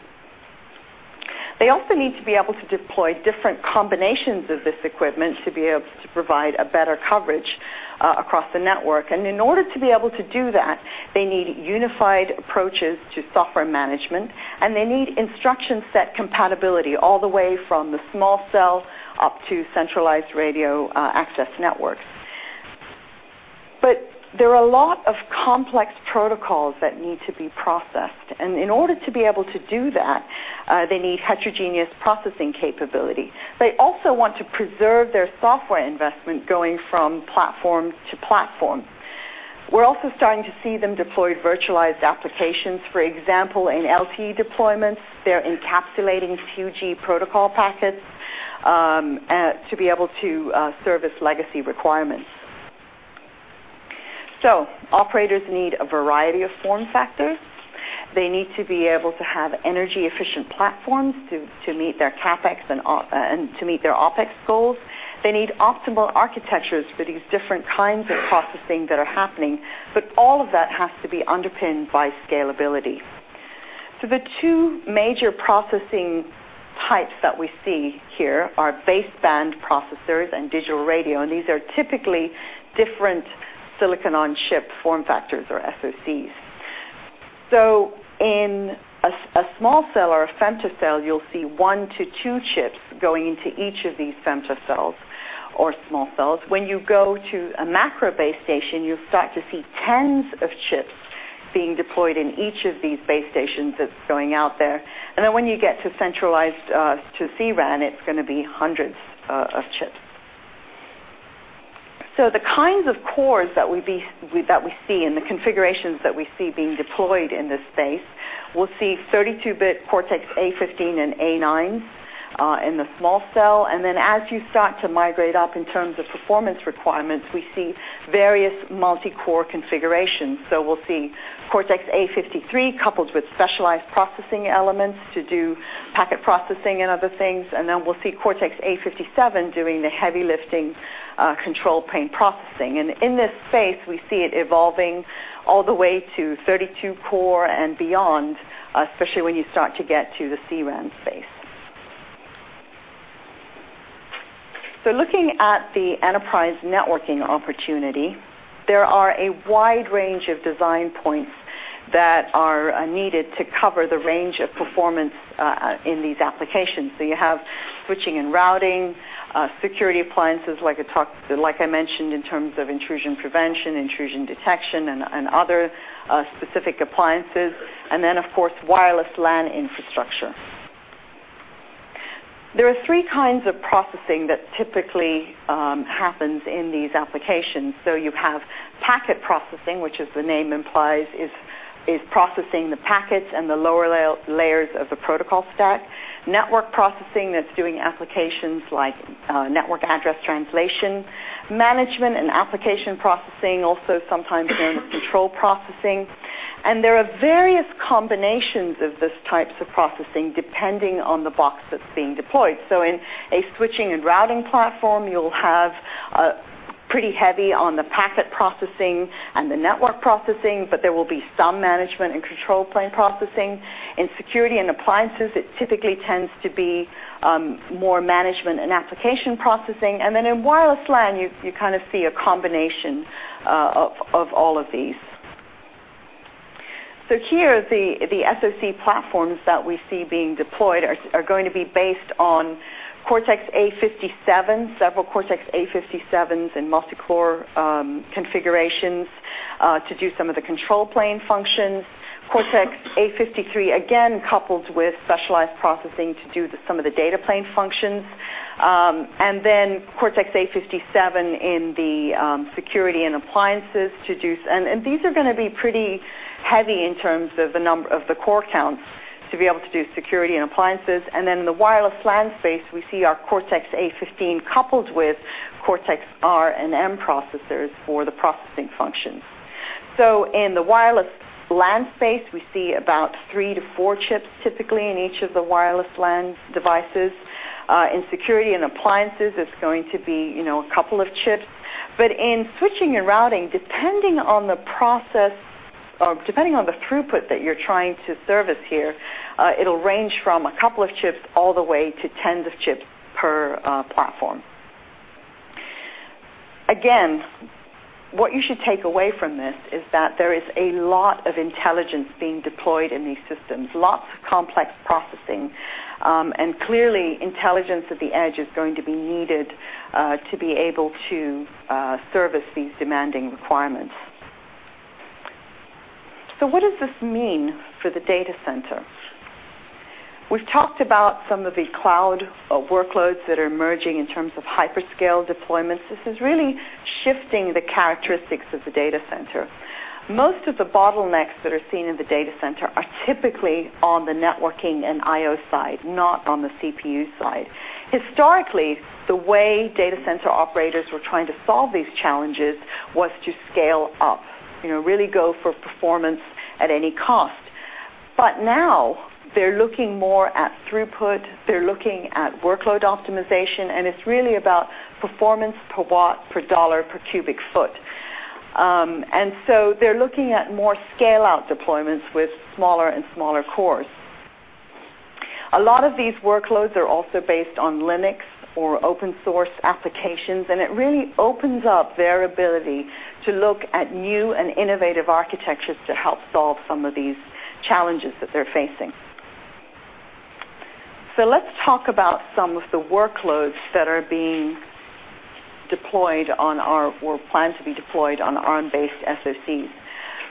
They also need to be able to deploy different combinations of this equipment to be able to provide a better coverage across the network. In order to be able to do that, they need unified approaches to software management, and they need instruction set compatibility all the way from the small cell up to centralized radio access networks. There are a lot of complex protocols that need to be processed. In order to be able to do that, they need heterogeneous processing capability. They also want to preserve their software investment going from platform to platform. We're also starting to see them deploy virtualized applications. For example, in LTE deployments, they're encapsulating 2G protocol packets to be able to service legacy requirements. Operators need a variety of form factors. They need to be able to have energy-efficient platforms to meet their CapEx and to meet their OpEx goals. They need optimal architectures for these different kinds of processing that are happening. All of that has to be underpinned by scalability. The two major processing types that we see here are baseband processors and digital radio, and these are typically different silicon on chip form factors or SoCs. In a small cell or a femtocell, you'll see 1 to 2 chips going into each of these femtocells or small cells. When you go to a macrocell base station, you start to see tens of chips being deployed in each of these base stations that's going out there. When you get to centralized to C-RAN, it's going to be hundreds of chips. The kinds of cores that we see and the configurations that we see being deployed in this space, we'll see 32-bit Cortex-A15 and A9 in the small cell. As you start to migrate up in terms of performance requirements, we see various multi-core configurations. We'll see Cortex-A53 coupled with specialized processing elements to do packet processing and other things. We'll see Cortex-A57 doing the heavy lifting control plane processing. In this space, we see it evolving all the way to 32-core and beyond, especially when you start to get to the C-RAN space. Looking at the enterprise networking opportunity, there are a wide range of design points that are needed to cover the range of performance in these applications. You have switching and routing, security appliances, like I mentioned in terms of intrusion prevention, intrusion detection, and other specific appliances. Of course, wireless LAN infrastructure. There are 3 kinds of processing that typically happens in these applications. You have packet processing, which as the name implies, is processing the packets and the lower layers of the protocol stack. Network processing, that's doing applications like network address translation. Management and application processing also sometimes known as control processing. There are various combinations of these types of processing depending on the box that's being deployed. In a switching and routing platform, you'll have pretty heavy on the packet processing and the network processing, but there will be some management and control plane processing. In security and appliances, it typically tends to be more management and application processing. In wireless LAN, you kind of see a combination of all of these. Here, the SoC platforms that we see being deployed are going to be based on Cortex-A57, several Cortex-A57s and multi-core configurations to do some of the control plane functions. Cortex-A53, again, coupled with specialized processing to do some of the data plane functions. Cortex-A57 in the security and appliances. These are going to be pretty heavy in terms of the core counts to be able to do security and appliances. In the wireless LAN space, we see our Cortex-A15 coupled with Cortex-R and Cortex-M processors for the processing functions. In the wireless LAN space, we see about 3 to 4 chips typically in each of the wireless LAN devices. In security and appliances, it's going to be a couple of chips. In switching and routing, depending on the throughput that you're trying to service here, it'll range from a couple of chips all the way to tens of chips per platform. What you should take away from this is that there is a lot of intelligence being deployed in these systems, lots of complex processing. Clearly, intelligence at the edge is going to be needed to be able to service these demanding requirements. What does this mean for the data center? We've talked about some of the cloud workloads that are emerging in terms of hyperscale deployments. This is really shifting the characteristics of the data center. Most of the bottlenecks that are seen in the data center are typically on the networking and IO side, not on the CPU side. Historically, the way data center operators were trying to solve these challenges was to scale up, really go for performance at any cost. Now they're looking more at throughput, they're looking at workload optimization, and it's really about performance per watt, per dollar, per cubic foot. They're looking at more scale-out deployments with smaller and smaller cores. A lot of these workloads are also based on Linux or open source applications, it really opens up their ability to look at new and innovative architectures to help solve some of these challenges that they're facing. Let's talk about some of the workloads that are being deployed on our, or planned to be deployed on Arm-based SoCs.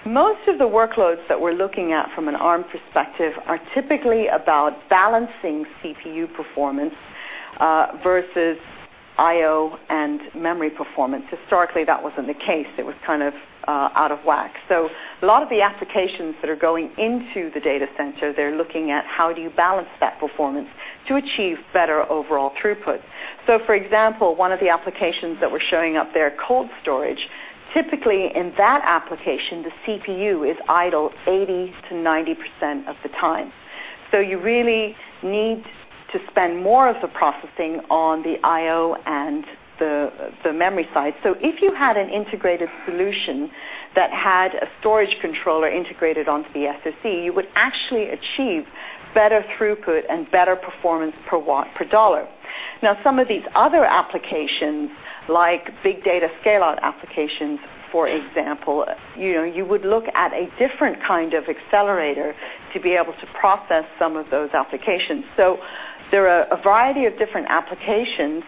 Most of the workloads that we're looking at from an Arm perspective are typically about balancing CPU performance versus IO and memory performance. Historically, that wasn't the case. It was out of whack. A lot of the applications that are going into the data center, they're looking at how do you balance that performance to achieve better overall throughput. For example, one of the applications that we're showing up there, cold storage, typically in that application, the CPU is idle 80% to 90% of the time. You really need to spend more of the processing on the IO and the memory side. If you had an integrated solution that had a storage controller integrated onto the SoC, you would actually achieve better throughput and better performance per watt, per GBP. Some of these other applications, like big data scale-out applications, for example, you would look at a different kind of accelerator to be able to process some of those applications. There are a variety of different applications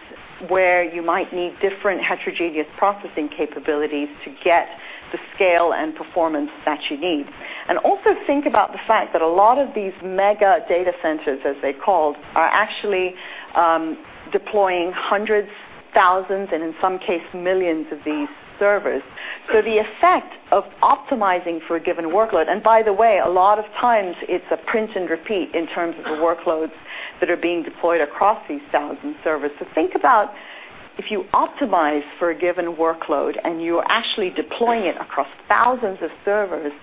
where you might need different heterogeneous processing capabilities to get the scale and performance that you need. Also think about the fact that a lot of these mega data centers, as they're called, are actually deploying hundreds, thousands, and in some case, millions of these servers. The effect of optimizing for a given workload, and by the way, a lot of times it's a print and repeat in terms of the workloads that are being deployed across these thousands of servers. Think about if you optimize for a given workload and you're actually deploying it across thousands of servers,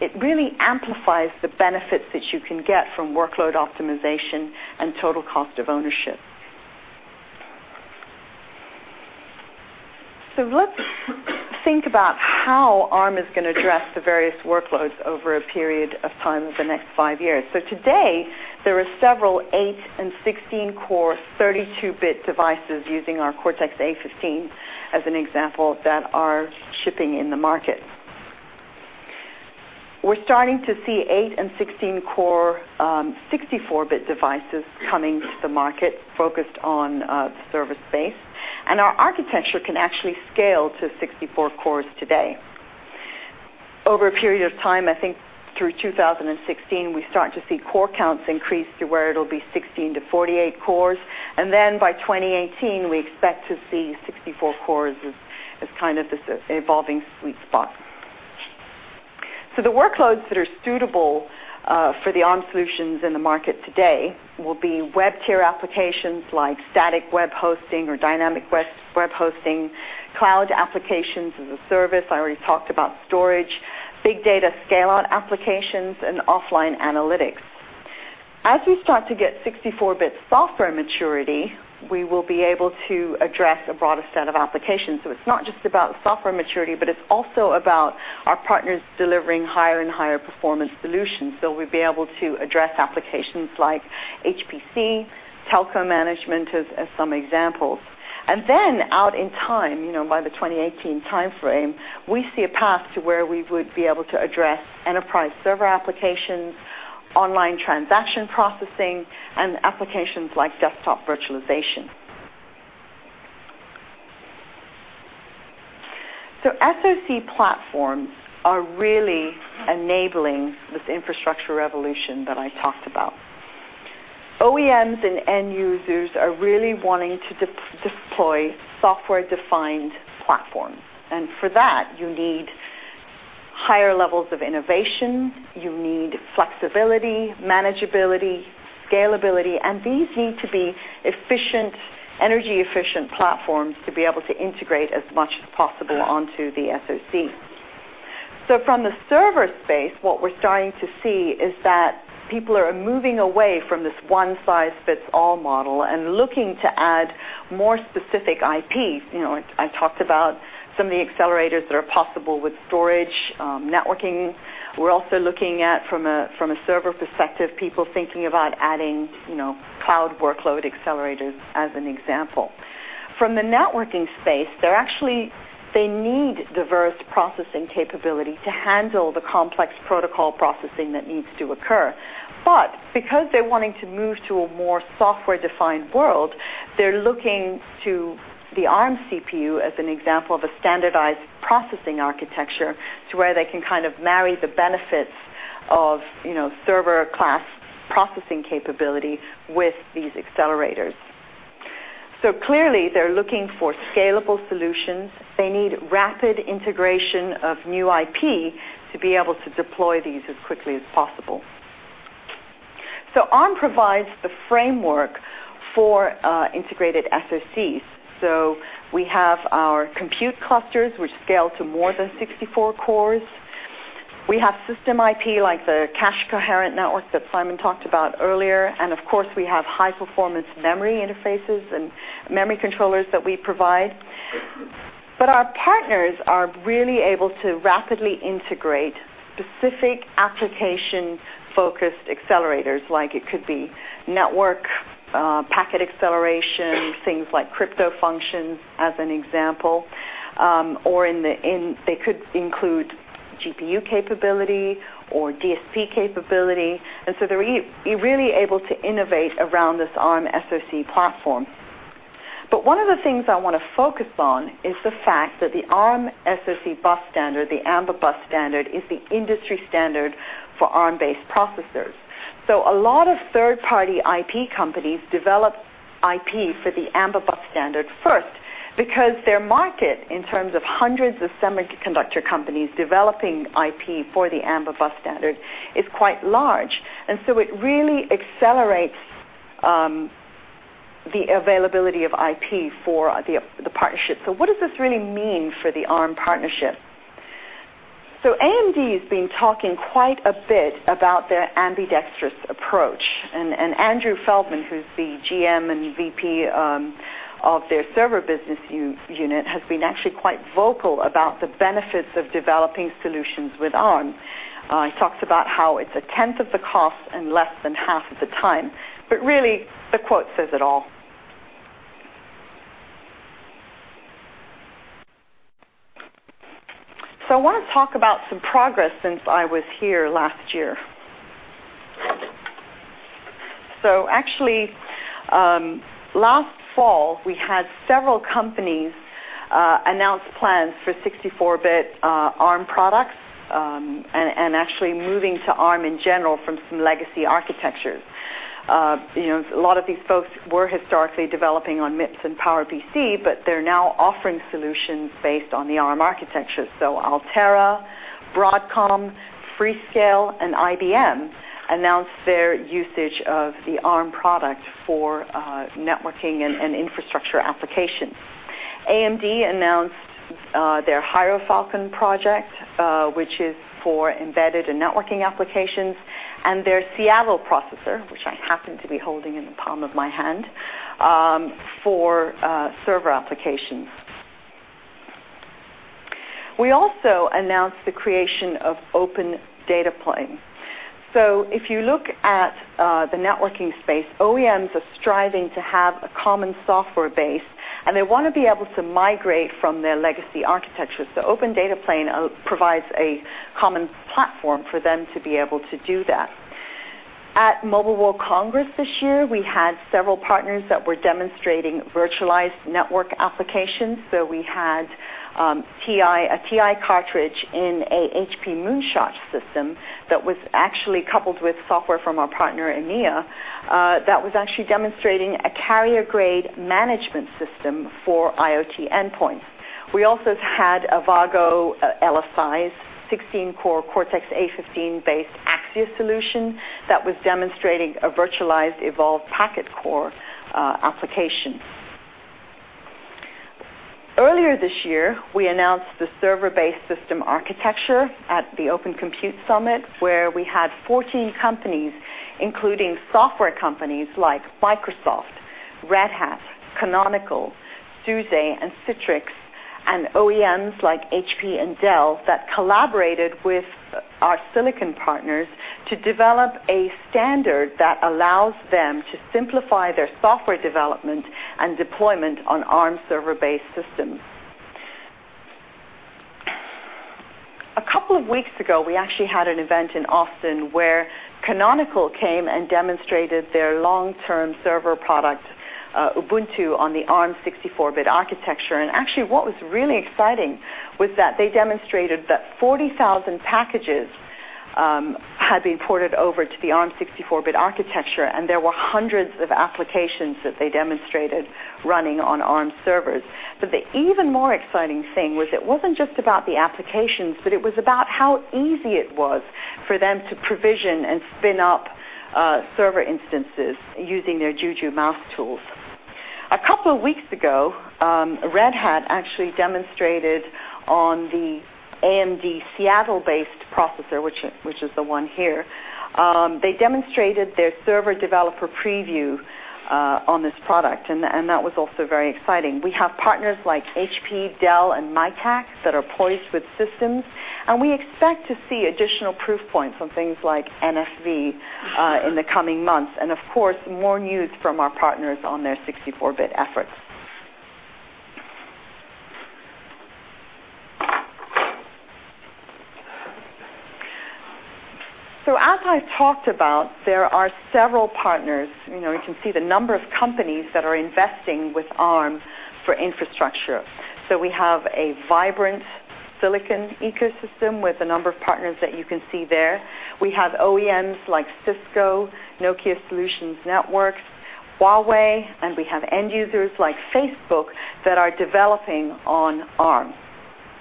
it really amplifies the benefits that you can get from workload optimization and total cost of ownership. Let's think about how Arm is going to address the various workloads over a period of time over the next 5 years. Today, there are several 8 and 16-core 32-bit devices using our Cortex-A15 as an example that are shipping in the market. We're starting to see 8 and 16-core 64-bit devices coming to the market focused on the service space, and our architecture can actually scale to 64 cores today. Over a period of time, I think through 2016, we start to see core counts increase to where it'll be 16-48 cores. By 2018, we expect to see 64 cores as this evolving sweet spot. The workloads that are suitable for the Arm solutions in the market today will be web tier applications like static web hosting or dynamic web hosting, cloud applications as a service, I already talked about storage, big data scale-out applications, and offline analytics. As we start to get 64-bit software maturity, we will be able to address a broader set of applications. It's not just about software maturity, but it's also about our partners delivering higher and higher performance solutions. We'll be able to address applications like HPC, telecom management, as some examples. Out in time, by the 2018 timeframe, we see a path to where we would be able to address enterprise server applications, online transaction processing, and applications like desktop virtualization. SoC platforms are really enabling this infrastructure revolution that I talked about. OEMs and end users are really wanting to deploy software-defined platforms. For that, you need higher levels of innovation. You need flexibility, manageability, scalability, and these need to be energy-efficient platforms to be able to integrate as much as possible onto the SoC. From the server space, what we're starting to see is that people are moving away from this one-size-fits-all model and looking to add more specific IPs. I talked about some of the accelerators that are possible with storage, networking. We're also looking at, from a server perspective, people thinking about adding cloud workload accelerators, as an example. From the networking space, they need diverse processing capability to handle the complex protocol processing that needs to occur. Because they're wanting to move to a more software-defined world, they're looking to the Arm CPU as an example of a standardized processing architecture to where they can marry the benefits of server-class processing capability with these accelerators. Clearly they're looking for scalable solutions. They need rapid integration of new IP to be able to deploy these as quickly as possible. Arm provides the framework for integrated SoCs. We have our compute clusters, which scale to more than 64 cores. We have system IP, like the Cache Coherent Network that Simon talked about earlier, and of course we have high performance memory interfaces and memory controllers that we provide. Our partners are really able to rapidly integrate specific application-focused accelerators. It could be network packet acceleration, things like crypto functions, as an example. Or they could include GPU capability or DSP capability, and they're really able to innovate around this Arm SoC platform. One of the things I want to focus on is the fact that the Arm SoC bus standard, the AMBA bus standard, is the industry standard for Arm-based processors. A lot of third-party IP companies develop IP for the AMBA bus standard first because their market, in terms of hundreds of semiconductor companies developing IP for the AMBA bus standard, is quite large. It really accelerates the availability of IP for the partnership. What does this really mean for the Arm partnership? AMD has been talking quite a bit about their ambidextrous approach, and Andrew Feldman, who's the GM and VP of their server business unit, has been actually quite vocal about the benefits of developing solutions with Arm. He talks about how it's a tenth of the cost and less than half of the time, but really, the quote says it all. I want to talk about some progress since I was here last year. Actually, last fall, we had several companies announce plans for 64-bit Arm products, and actually moving to Arm in general from some legacy architectures. A lot of these folks were historically developing on MIPS and PowerPC, but they're now offering solutions based on the Arm architecture. Altera, Broadcom, Freescale, and IBM announced their usage of the Arm product for networking and infrastructure applications. AMD announced their Hierofalcon project, which is for embedded and networking applications, and their Seattle processor, which I happen to be holding in the palm of my hand, for server applications. We also announced the creation of OpenDataPlane. If you look at the networking space, OEMs are striving to have a common software base, and they want to be able to migrate from their legacy architecture. OpenDataPlane provides a common platform for them to be able to do that. At Mobile World Congress this year, we had several partners that were demonstrating virtualized network applications. We had a TI cartridge in a HP Moonshot system that was actually coupled with software from our partner Enea that was actually demonstrating a carrier-grade management system for IoT endpoints. We also had Avago LSI's 16-core Cortex-A15 based Axxia solution that was demonstrating a virtualized evolved packet core application. Earlier this year, we announced the server-based system architecture at the Open Compute Summit, where we had 14 companies, including software companies like Microsoft, Red Hat, Canonical, SUSE, and Citrix, and OEMs like HP and Dell, that collaborated with our silicon partners to develop a standard that allows them to simplify their software development and deployment on Arm server-based systems. A couple of weeks ago, we actually had an event in Austin where Canonical came and demonstrated their long-term server product, Ubuntu, on the Arm 64-bit architecture. Actually what was really exciting was that they demonstrated that 40,000 packages had been ported over to the Arm 64-bit architecture, and there were hundreds of applications that they demonstrated running on Arm servers. The even more exciting thing was it wasn't just about the applications, but it was about how easy it was for them to provision and spin up server instances using their Juju MAAS tools. A couple of weeks ago, Red Hat actually demonstrated on the AMD Seattle-based processor, which is the one here. They demonstrated their server developer preview on this product, and that was also very exciting. We have partners like HP, Dell, and MiTAC that are poised with systems, and we expect to see additional proof points on things like NFV in the coming months. Of course, more news from our partners on their 64-bit efforts. As I talked about, there are several partners. You can see the number of companies that are investing with Arm for infrastructure. We have a vibrant silicon ecosystem with a number of partners that you can see there. We have OEMs like Cisco, Nokia Solutions Networks, Huawei, and we have end users like Facebook that are developing on Arm.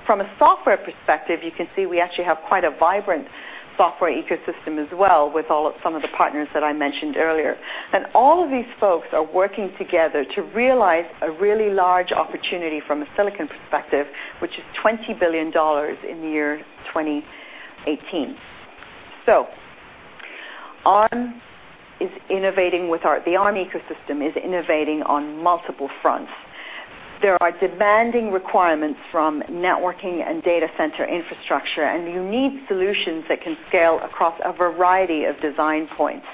From a software perspective, you can see we actually have quite a vibrant software ecosystem as well with some of the partners that I mentioned earlier. All of these folks are working together to realize a really large opportunity from a silicon perspective, which is GBP 20 billion in the year 2018. The Arm ecosystem is innovating on multiple fronts. There are demanding requirements from networking and data center infrastructure, and you need solutions that can scale across a variety of design points.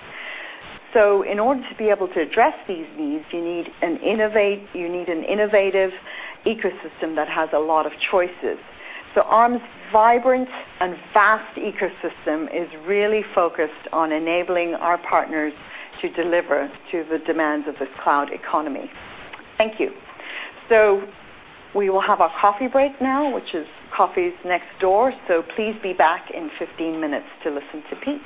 In order to be able to address these needs, you need an innovative ecosystem that has a lot of choices. Arm's vibrant and vast ecosystem is really focused on enabling our partners to deliver to the demands of the cloud economy. Thank you. We will have our coffee break now, which is coffee is next door. Please be back in 15 minutes to listen to Pete.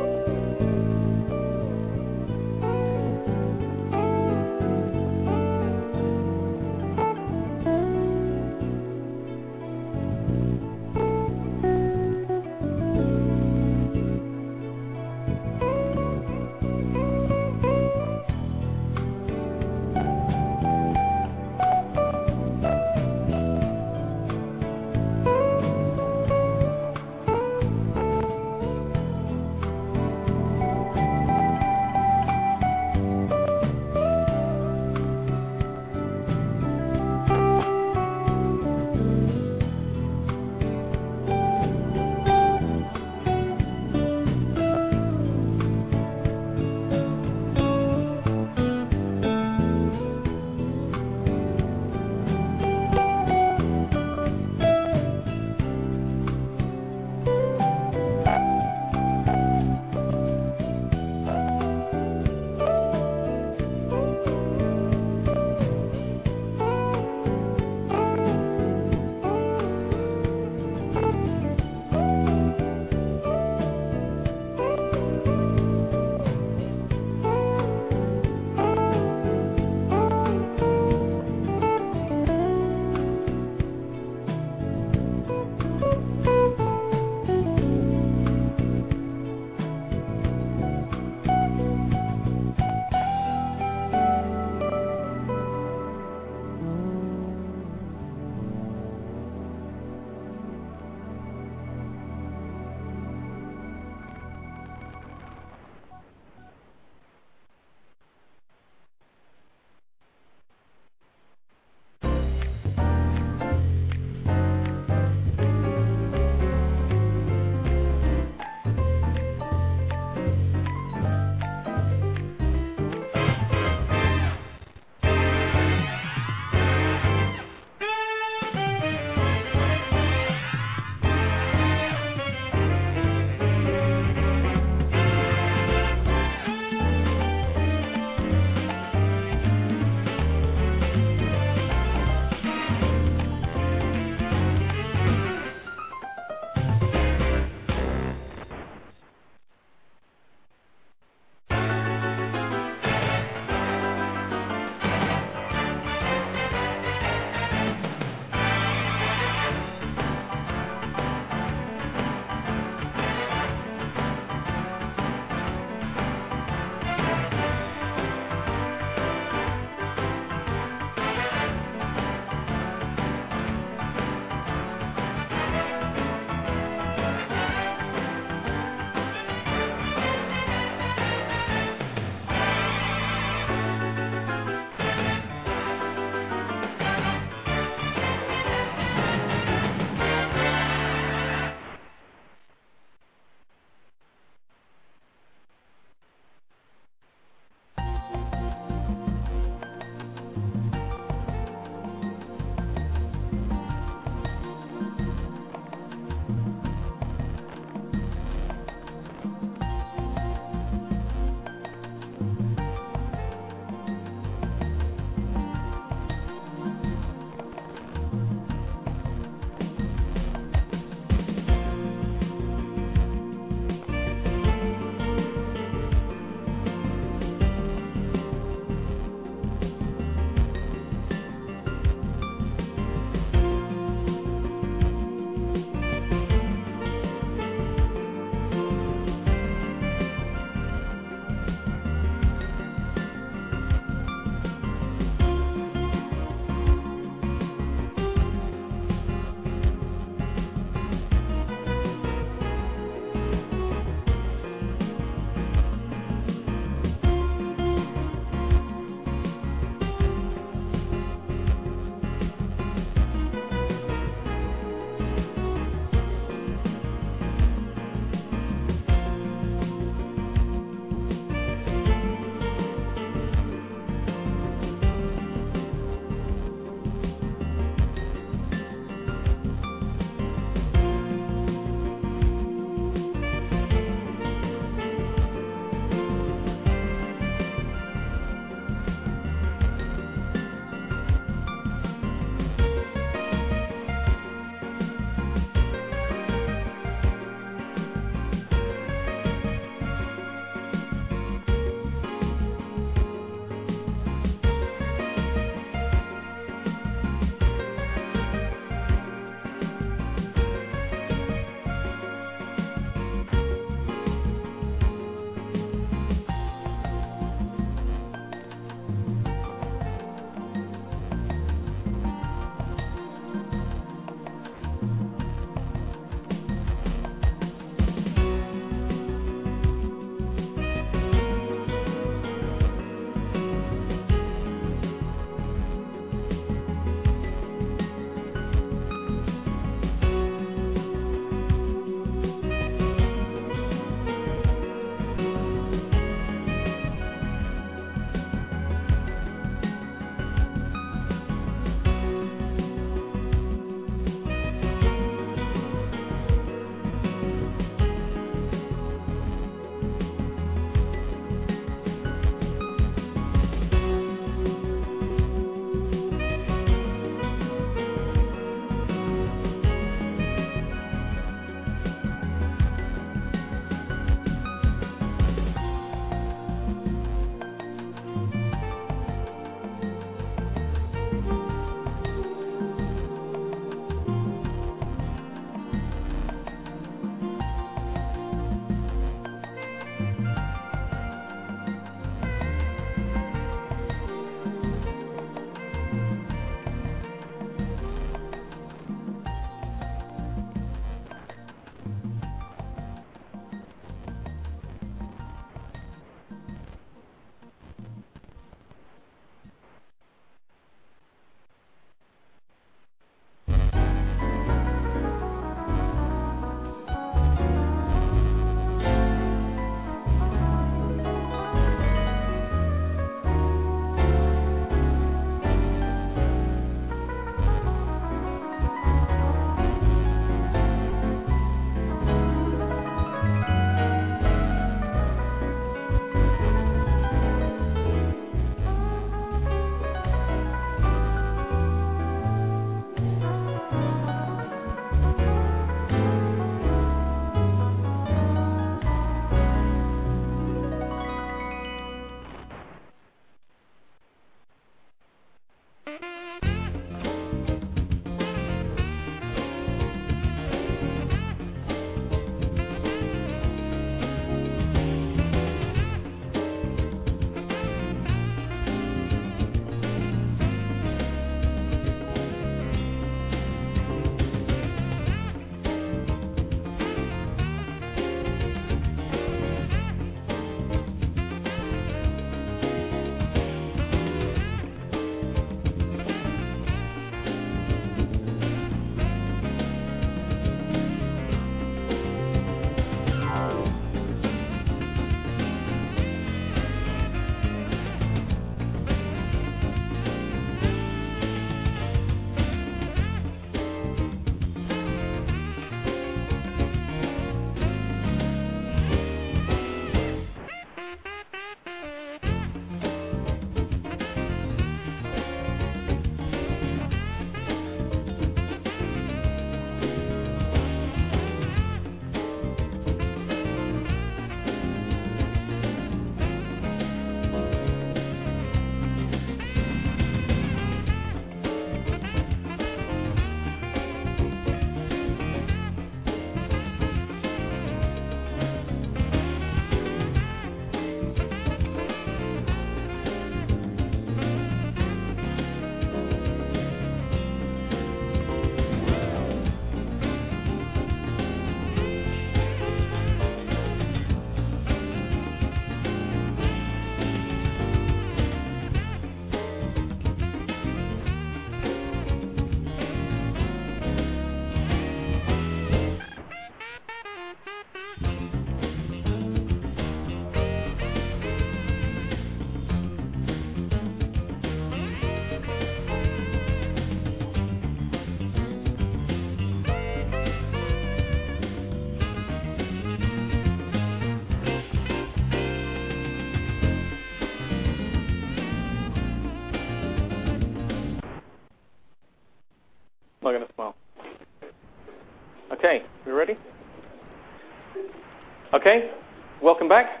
I'm not going to smile. Okay, we ready? Welcome back.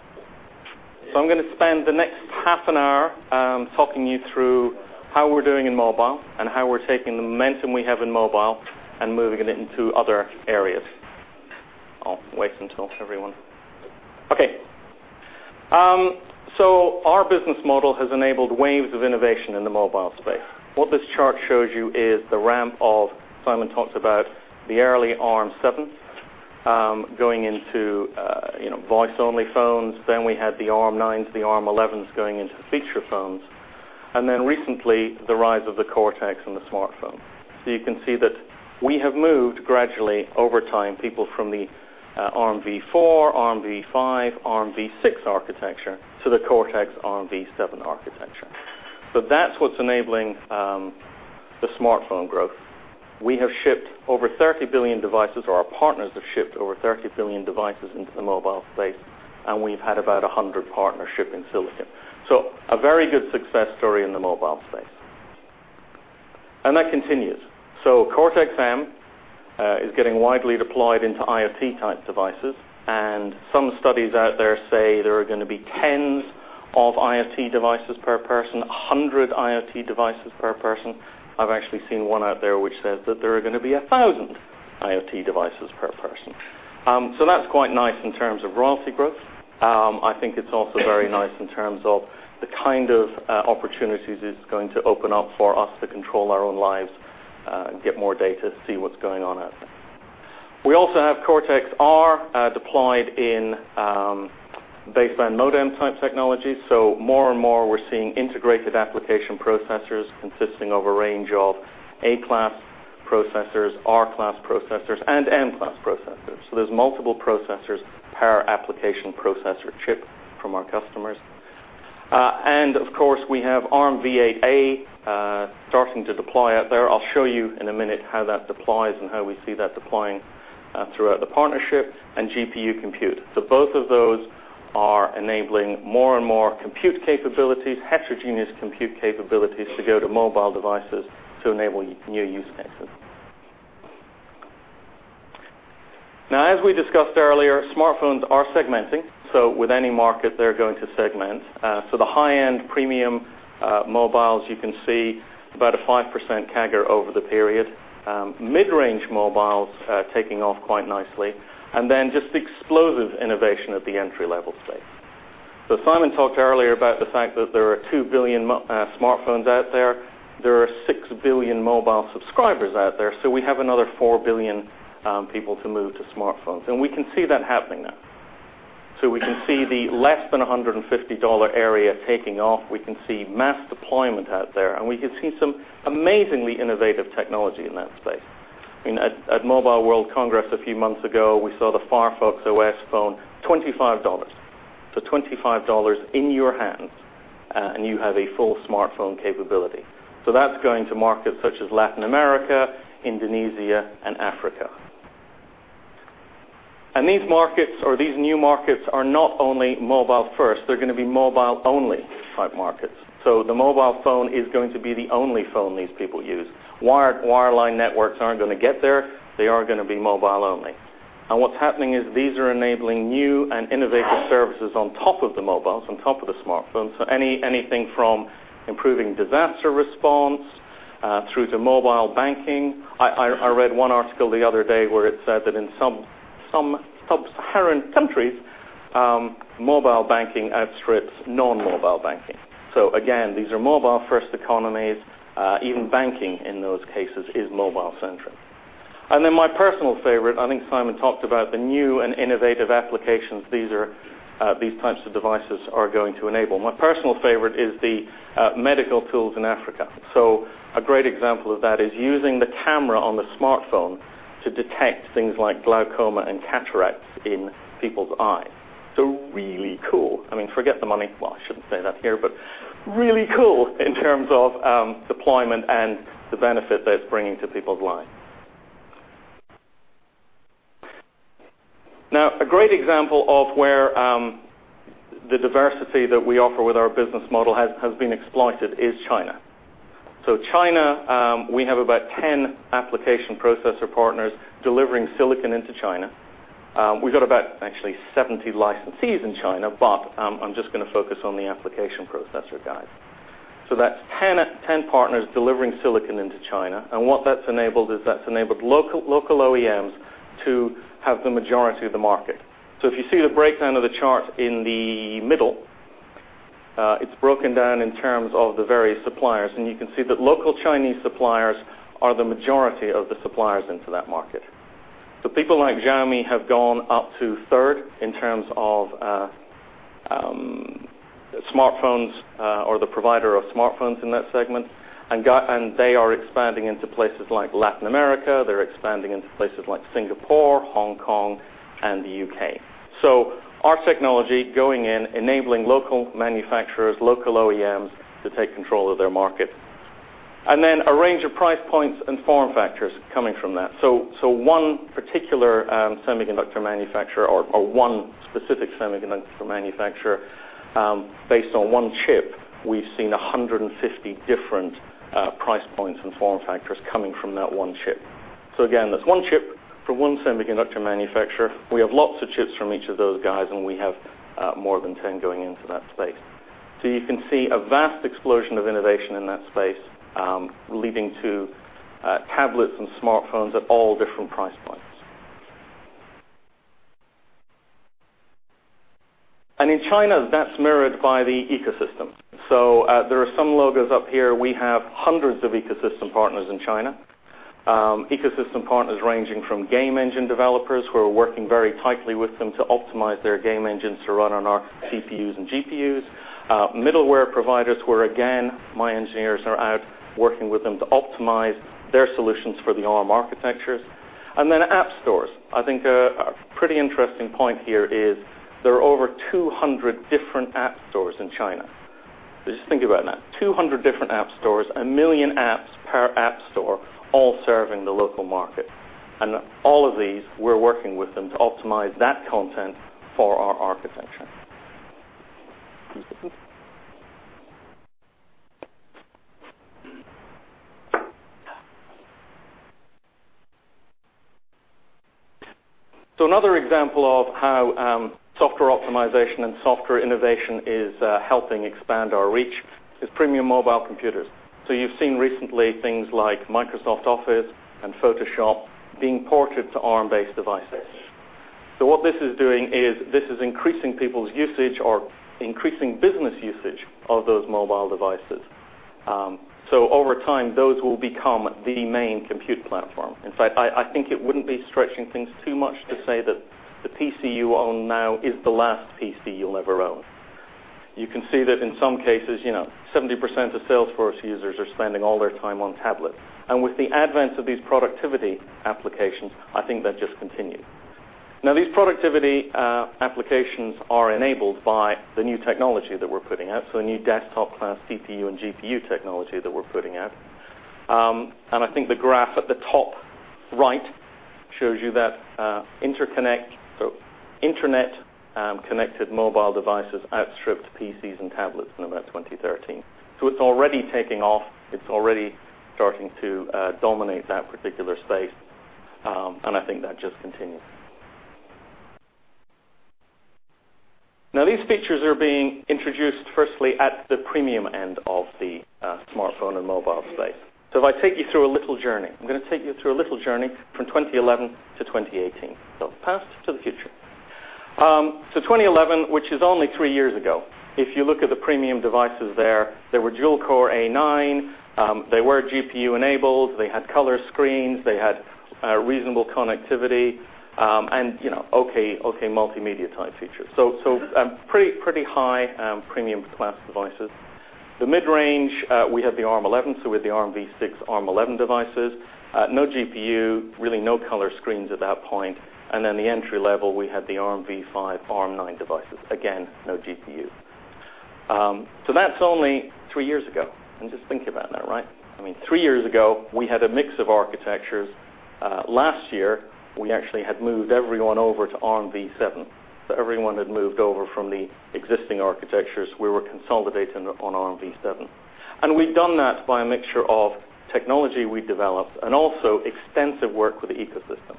I'm going to spend the next half an hour talking you through how we're doing in mobile and how we're taking the momentum we have in mobile and moving it into other areas. I'll wait until everyone Okay. Our business model has enabled waves of innovation in the mobile space. What this chart shows you is the ramp of, Simon talks about the early Arm7 going into voice-only phones. Then we had the ARM9s, the Arm11s going into feature phones, and then recently the rise of the Cortex in the smartphone. You can see that we have moved gradually over time, people from the ARMv4, ARMv5, ARMv6 architecture to the Cortex-ARMv7 architecture. That's what's enabling the smartphone growth. We have shipped over 30 billion devices, or our partners have shipped over 30 billion devices into the mobile space, and we've had about 100 partners shipping silicon. A very good success story in the mobile space. That continues. Cortex-M is getting widely deployed into IoT-type devices, and some studies out there say there are going to be tens of IoT devices per person, 100 IoT devices per person. I've actually seen one out there which says that there are going to be 1,000 IoT devices per person. That's quite nice in terms of royalty growth. I think it's also very nice in terms of the kind of opportunities it's going to open up for us to control our own lives, get more data, see what's going on out there. We also have Cortex-R deployed in baseline modem-type technologies. More and more we're seeing integrated application processors consisting of a range of A-class processors, R-class processors, and M-class processors. There's multiple processors per application processor chip from our customers. Of course, we have ARMv8-A starting to deploy out there. I'll show you in a minute how that deploys and how we see that deploying throughout the partnership, and GPU compute. Both of those are enabling more and more compute capabilities, heterogeneous compute capabilities to go to mobile devices to enable new use cases. As we discussed earlier, smartphones are segmenting. With any market, they're going to segment. The high-end premium mobiles, you can see about a 5% CAGR over the period. Mid-range mobiles taking off quite nicely. Then just explosive innovation at the entry-level space. Simon talked earlier about the fact that there are 2 billion smartphones out there. There are 6 billion mobile subscribers out there. We have another 4 billion people to move to smartphones, and we can see that happening now. We can see the less than GBP 150 area taking off. We can see mass deployment out there, and we can see some amazingly innovative technology in that space. At Mobile World Congress a few months ago, we saw the Firefox OS phone, GBP 25. GBP 25 in your hands, and you have a full smartphone capability. That's going to markets such as Latin America, Indonesia, and Africa. These markets or these new markets are not only mobile first, they're going to be mobile-only type markets. The mobile phone is going to be the only phone these people use. Wired wireline networks aren't going to get there. They are going to be mobile-only. What's happening is these are enabling new and innovative services on top of the mobiles, on top of the smartphones. Anything from improving disaster response through to mobile banking. I read one article the other day where it said that in some sub-Saharan countries mobile banking outstrips non-mobile banking. Again, these are mobile first economies. Even banking in those cases is mobile-centric. My personal favorite, I think Simon talked about the new and innovative applications these types of devices are going to enable. My personal favorite is the medical tools in Africa. A great example of that is using the camera on the smartphone to detect things like glaucoma and cataracts in people's eyes. Really cool. Forget the money. Well, I shouldn't say that here, but really cool in terms of deployment and the benefit that it's bringing to people's lives. Now, a great example of where the diversity that we offer with our business model has been exploited is China. China, we have about 10 application processor partners delivering silicon into China. We've got about actually 70 licensees in China, but I'm just going to focus on the application processor guys. That's 10 partners delivering silicon into China. What that's enabled is it's enabled local OEMs to have the majority of the market. If you see the breakdown of the chart in the middle, it's broken down in terms of the various suppliers, and you can see that local Chinese suppliers are the majority of the suppliers into that market. People like Xiaomi have gone up to third in terms of smartphones, or the provider of smartphones in that segment, and they are expanding into places like Latin America. They're expanding into places like Singapore, Hong Kong, and the U.K. Our technology going in, enabling local manufacturers, local OEMs to take control of their market. A range of price points and form factors coming from that. One particular semiconductor manufacturer, or one specific semiconductor manufacturer, based on one chip, we've seen 150 different price points and form factors coming from that one chip. Again, that's one chip from one semiconductor manufacturer. We have lots of chips from each of those guys, and we have more than 10 going into that space. You can see a vast explosion of innovation in that space, leading to tablets and smartphones at all different price points. In China, that's mirrored by the ecosystem. There are some logos up here. We have hundreds of ecosystem partners in China. Ecosystem partners ranging from game engine developers who are working very tightly with them to optimize their game engines to run on our CPUs and GPUs. Middleware providers where, again, my engineers are out working with them to optimize their solutions for the Arm architectures. App stores. I think a pretty interesting point here is there are over 200 different app stores in China. Just think about that. 200 different app stores, a million apps per app store, all serving the local market. All of these, we're working with them to optimize that content for our architecture. Another example of how software optimization and software innovation is helping expand our reach is premium mobile computers. You've seen recently things like Microsoft Office and Photoshop being ported to Arm-based devices. What this is doing is this is increasing people's usage or increasing business usage of those mobile devices. Over time, those will become the main compute platform. In fact, I think it wouldn't be stretching things too much to say that the PC you own now is the last PC you'll ever own. You can see that in some cases, 70% of Salesforce users are spending all their time on tablets. With the advent of these productivity applications, I think that just continues. These productivity applications are enabled by the new technology that we're putting out, new desktop-class CPU and GPU technology that we're putting out. I think the graph at the top right shows you that internet-connected mobile devices outstripped PCs and tablets in about 2013. It's already taking off. It's already starting to dominate that particular space, I think that just continues. These features are being introduced firstly at the premium end of the smartphone and mobile space. If I take you through a little journey, I'm going to take you through a little journey from 2011 to 2018. Past to the future. 2011, which is only three years ago. If you look at the premium devices there, they were dual-core ARM9. They were GPU-enabled. They had color screens. They had reasonable connectivity, and okay multimedia-type features. Pretty high premium-class devices. The mid-range, we had the Arm11, we had the ARMv6, Arm11 devices. No GPU, really no color screens at that point. The entry level, we had the ARMv5, ARM9 devices. Again, no GPU. That's only three years ago, and just think about that. I mean, three years ago, we had a mix of architectures. Last year, we actually had moved everyone over to ARMv7. Everyone had moved over from the existing architectures. We were consolidating on ARMv7. We'd done that by a mixture of technology we developed and also extensive work with the ecosystem.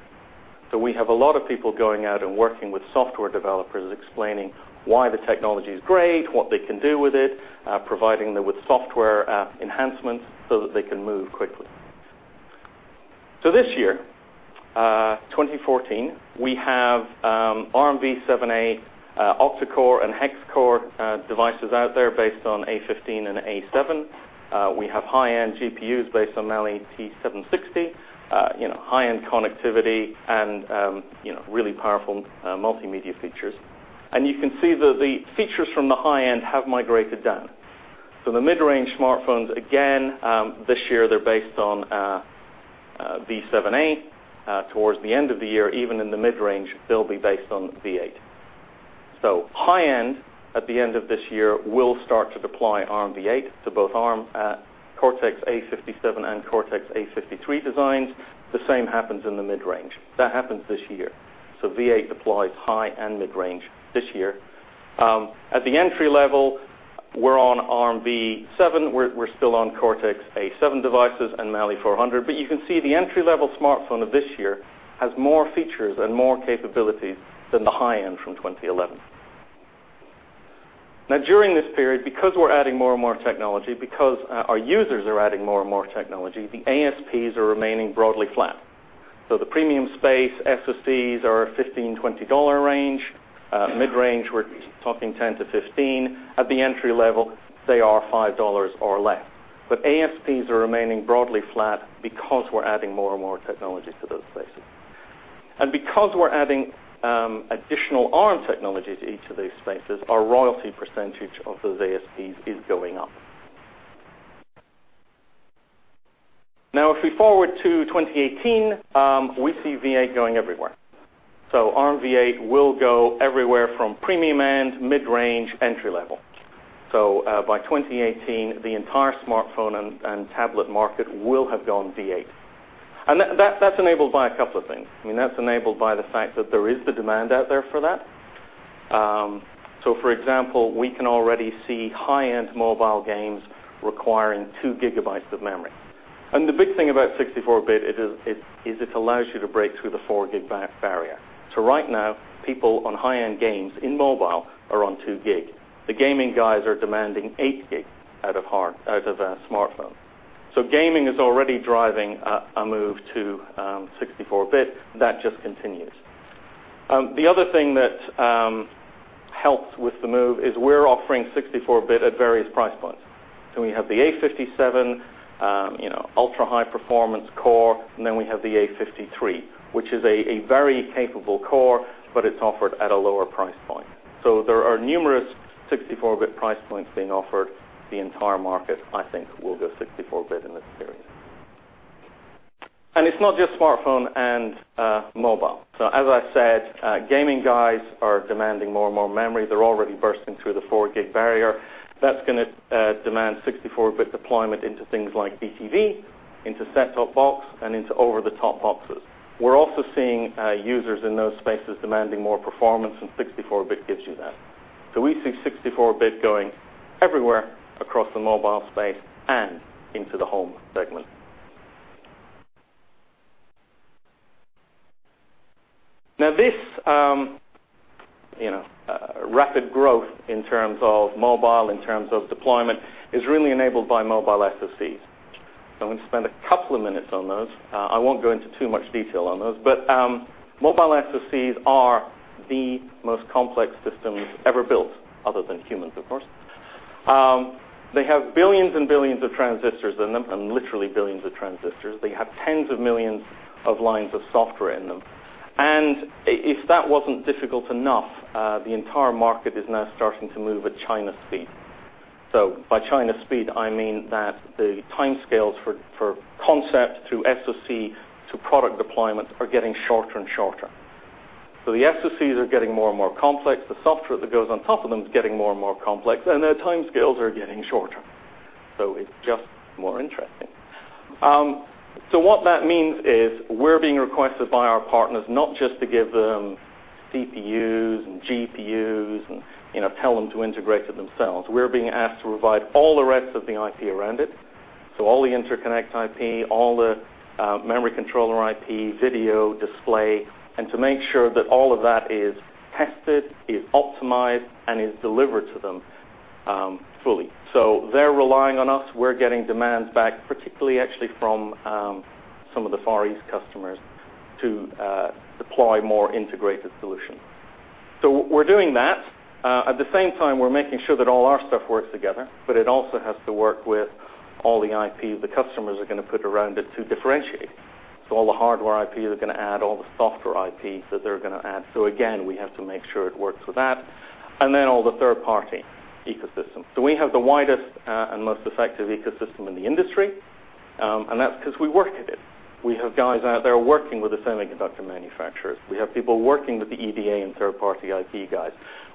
We have a lot of people going out and working with software developers, explaining why the technology is great, what they can do with it, providing them with software enhancements so that they can move quickly. This year, 2014, we have ARMv7-A octa-core and hexacore devices out there based on A15 and A7. We have high-end GPUs based on Mali-T760, high-end connectivity, and really powerful multimedia features. You can see that the features from the high end have migrated down. The mid-range smartphones, again, this year they're based on ARMv7-A. Towards the end of the year, even in the mid-range, they'll be based on ARMv8. High end at the end of this year will start to deploy ARMv8, both Arm Cortex-A57 and Cortex-A53 designs. The same happens in the mid-range. That happens this year. ARMv8 applies high and mid-range this year. At the entry level, we're on ARMv7. We're still on Cortex-A7 devices and Mali-400. You can see the entry-level smartphone of this year has more features and more capabilities than the high end from 2011. During this period, because we're adding more and more technology, because our users are adding more and more technology, the ASPs are remaining broadly flat. The premium space SoCs are a 15, GBP 20 range. Mid-range, we're talking 10-15. At the entry level, they are GBP 5 or less. ASPs are remaining broadly flat because we're adding more and more technology to those spaces. Because we're adding additional Arm technology to each of these spaces, our royalty percentage of those ASPs is going up. If we forward to 2018, we see ARMv8 going everywhere. ARMv8 will go everywhere from premium-end, mid-range, entry-level. By 2018, the entire smartphone and tablet market will have gone ARMv8. That's enabled by a couple of things. That's enabled by the fact that there is the demand out there for that. For example, we can already see high-end mobile games requiring 2 gigabytes of memory. The big thing about 64-bit is it allows you to break through the 4 gigabyte barrier. Right now, people on high-end games in mobile are on 2 gig. The gaming guys are demanding 8 gig out of a smartphone. Gaming is already driving a move to 64-bit. That just continues. The other thing that helped with the move is we're offering 64-bit at various price points. We have the Cortex-A57 ultra-high performance core, and we have the Cortex-A53, which is a very capable core, but it's offered at a lower price point. There are numerous 64-bit price points being offered. The entire market, I think, will go 64-bit in this period. It's not just smartphone and mobile. As I said, gaming guys are demanding more and more memory. They're already bursting through the 4 gig barrier. That's going to demand 64-bit deployment into things like DTV, into set-top box, and into over-the-top boxes. We're also seeing users in those spaces demanding more performance, and 64-bit gives you that. We see 64-bit going everywhere across the mobile space and into the home segment. This rapid growth in terms of mobile, in terms of deployment, is really enabled by mobile SoCs. I'm going to spend 2 minutes on those. I won't go into too much detail on those, but mobile SoCs are the most complex systems ever built, other than humans, of course. They have billions and billions of transistors in them, and literally billions of transistors. They have tens of millions of lines of software in them. If that wasn't difficult enough, the entire market is now starting to move at China speed. By China speed, I mean that the timescales for concept to SoC to product deployments are getting shorter and shorter. The SoCs are getting more and more complex. The software that goes on top of them is getting more and more complex, and their timescales are getting shorter. It's just more interesting. What that means is we're being requested by our partners not just to give them CPUs and GPUs and tell them to integrate it themselves. We're being asked to provide all the rest of the IP around it. All the interconnect IP, all the memory controller IP, video display, and to make sure that all of that is tested, is optimized, and is delivered to them fully. They're relying on us. We're getting demands back, particularly actually from some of the Far East customers, to deploy more integrated solutions. We're doing that. At the same time, we're making sure that all our stuff works together, but it also has to work with all the IP the customers are going to put around it to differentiate. All the hardware IP they're going to add, all the software IPs that they're going to add. Again, we have to make sure it works with that. Then all the third-party ecosystem. We have the widest and most effective ecosystem in the industry, and that's because we work at it. We have guys out there working with the semiconductor manufacturers. We have people working with the EDA and third-party IP guys.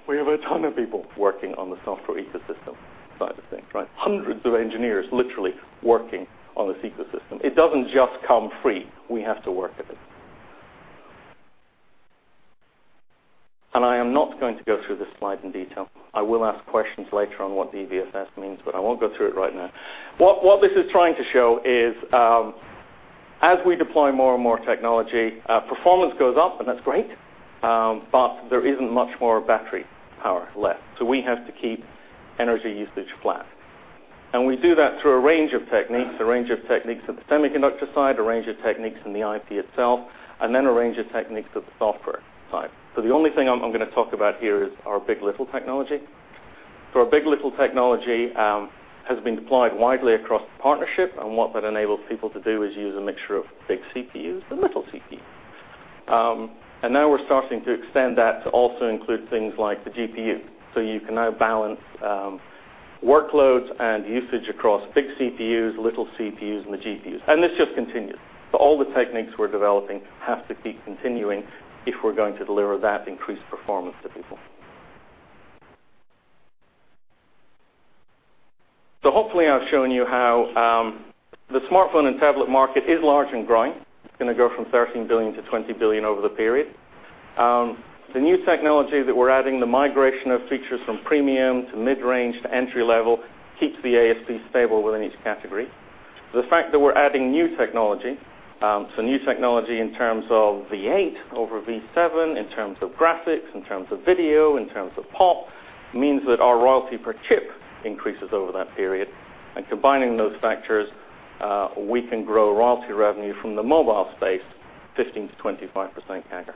We have a ton of people working on the software ecosystem side of things, right? Hundreds of engineers literally working on this ecosystem. It doesn't just come free. We have to work at it. I am not going to go through this slide in detail. I will ask questions later on what DVFS means, but I won't go through it right now. This is trying to show is as we deploy more and more technology, performance goes up, and that's great. There isn't much more battery power left. We have to keep energy usage flat. We do that through a range of techniques, a range of techniques at the semiconductor side, a range of techniques in the IP itself, and then a range of techniques at the software side. The only thing I'm going to talk about here is our big. LITTLE technology. Our big. LITTLE technology has been deployed widely across the partnership, and what that enables people to do is use a mixture of big CPUs and little CPUs. Now we're starting to extend that to also include things like the GPU. You can now balance workloads and usage across big CPUs, little CPUs, and the GPUs. This just continues. All the techniques we're developing have to keep continuing if we're going to deliver that increased performance to people. Hopefully I've shown you how the smartphone and tablet market is large and growing. It's going to go from 13 billion-20 billion over the period. The new technology that we're adding, the migration of features from premium to mid-range to entry-level, keeps the ASP stable within each category. The fact that we're adding new technology, new technology in terms of ARMv8 over ARMv7, in terms of graphics, in terms of video, in terms of POP, means that our royalty per chip increases over that period. Combining those factors, we can grow royalty revenue from the mobile space 15%-25% CAGR.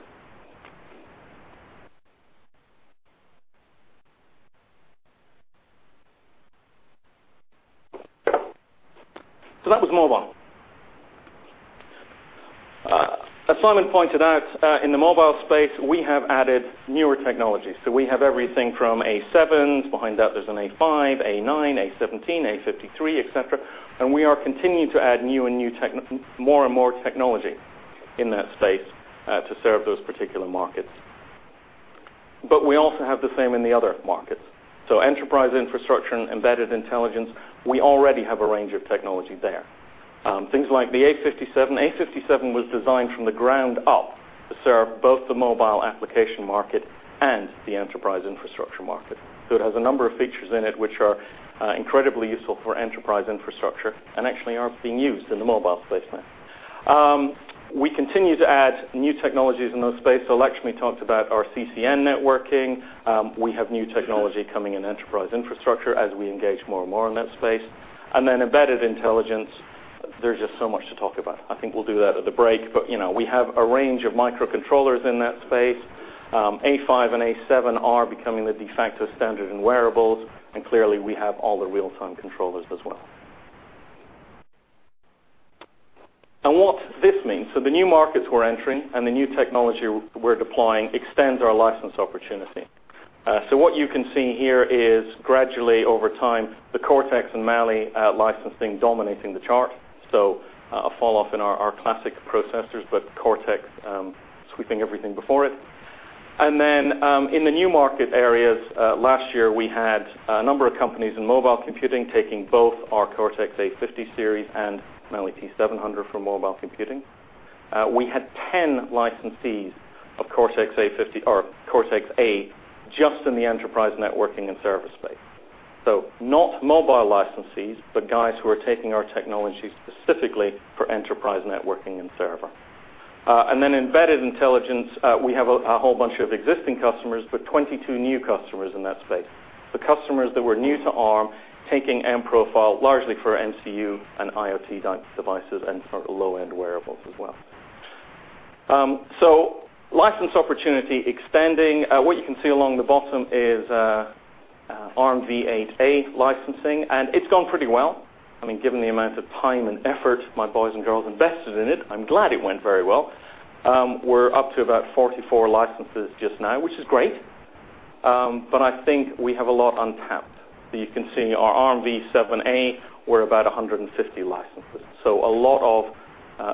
That was mobile. As Simon pointed out, in the mobile space, we have added newer technology. We have everything from Cortex-A7, behind that there's a Cortex-A5, Cortex-A9, Cortex-A17, Cortex-A53, et cetera, we are continuing to add more and more technology in that space to serve those particular markets. We also have the same in the other markets. Enterprise infrastructure and embedded intelligence, we already have a range of technology there. Things like the Cortex-A57. Cortex-A57 was designed from the ground up to serve both the mobile application market and the enterprise infrastructure market. It has a number of features in it which are incredibly useful for enterprise infrastructure and actually are being used in the mobile space now. We continue to add new technologies in those spaces. Lakshmi talked about our CCN networking. We have new technology coming in enterprise infrastructure as we engage more and more in that space. Embedded intelligence, there's just so much to talk about. I think we'll do that at the break. We have a range of microcontrollers in that space. A5 and A7 are becoming the de facto standard in wearables, and clearly, we have all the real-time controllers as well. What this means. The new markets we're entering and the new technology we're deploying extends our license opportunity. What you can see here is gradually over time, the Cortex and Mali licensing dominating the chart. A fall off in our classic processors, but Cortex sweeping everything before it. In the new market areas, last year we had a number of companies in mobile computing taking both our Cortex-A50 series and Mali-T700 for mobile computing. We had 10 licensees of Cortex-A just in the enterprise networking and server space. Not mobile licensees, but guys who are taking our technology specifically for enterprise networking and server. Embedded intelligence, we have a whole bunch of existing customers, but 22 new customers in that space. Customers that were new to Arm, taking M-profile largely for MCU and IoT devices and for low-end wearables as well. License opportunity extending. What you can see along the bottom is ARMv8-A licensing, and it's gone pretty well. Given the amount of time and effort my boys and girls invested in it, I'm glad it went very well. We're up to about 44 licenses just now, which is great. I think we have a lot untapped. You can see our ARMv7-A, we're about 150 licenses. A lot of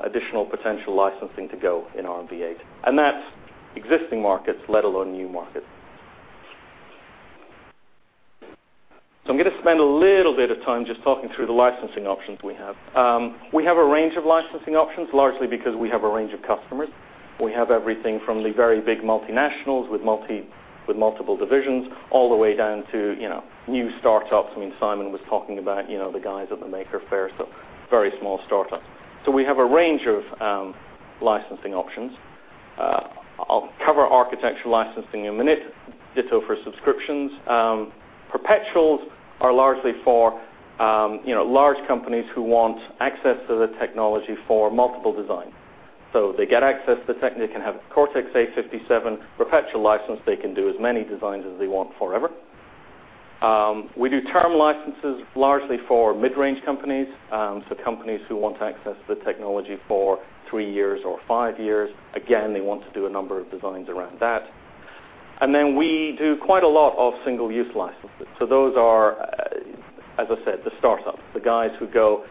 additional potential licensing to go in ARMv8. That's existing markets, let alone new markets. I'm going to spend a little bit of time just talking through the licensing options we have. We have a range of licensing options, largely because we have a range of customers. We have everything from the very big multinationals with multiple divisions, all the way down to new startups. Simon was talking about the guys at the Maker Faire, so very small startups. We have a range of licensing options. I'll cover architecture licensing in a minute. Ditto for subscriptions. Perpetuals are largely for large companies who want access to the technology for multiple designs. They get access to technology. They can have a Cortex-A57 perpetual license. They can do as many designs as they want forever. We do term licenses largely for mid-range companies, so companies who want access to the technology for three years or five years. Again, they want to do a number of designs around that. We do quite a lot of single-use licenses. Those are, as I said, the startups. The guys who go,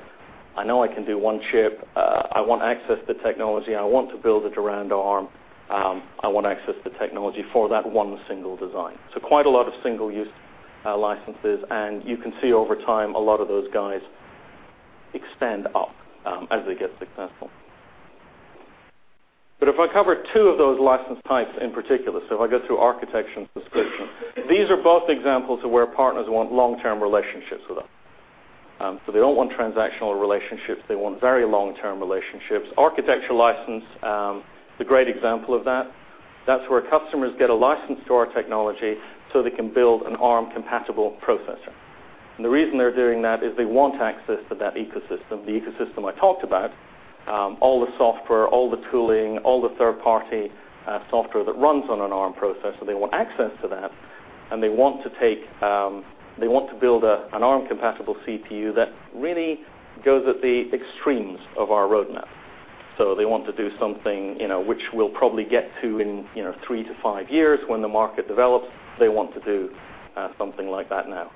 "I know I can do one chip. I want access to technology, and I want to build it around Arm. I want access to technology for that one single design." Quite a lot of single-use licenses, and you can see over time, a lot of those guys extend up as they get successful. If I cover two of those license types in particular, if I go through architecture and subscriptions, these are both examples of where partners want long-term relationships with us. They don't want transactional relationships. They want very long-term relationships. Architecture license is a great example of that. That's where customers get a license to our technology so they can build an Arm-compatible processor. The reason they're doing that is they want access to that ecosystem, the ecosystem I talked about. All the software, all the tooling, all the third-party software that runs on an Arm processor, they want access to that, and they want to build an Arm-compatible CPU that really goes at the extremes of our roadmap. They want to do something which we'll probably get to in three to five years when the market develops. They want to do something like that now.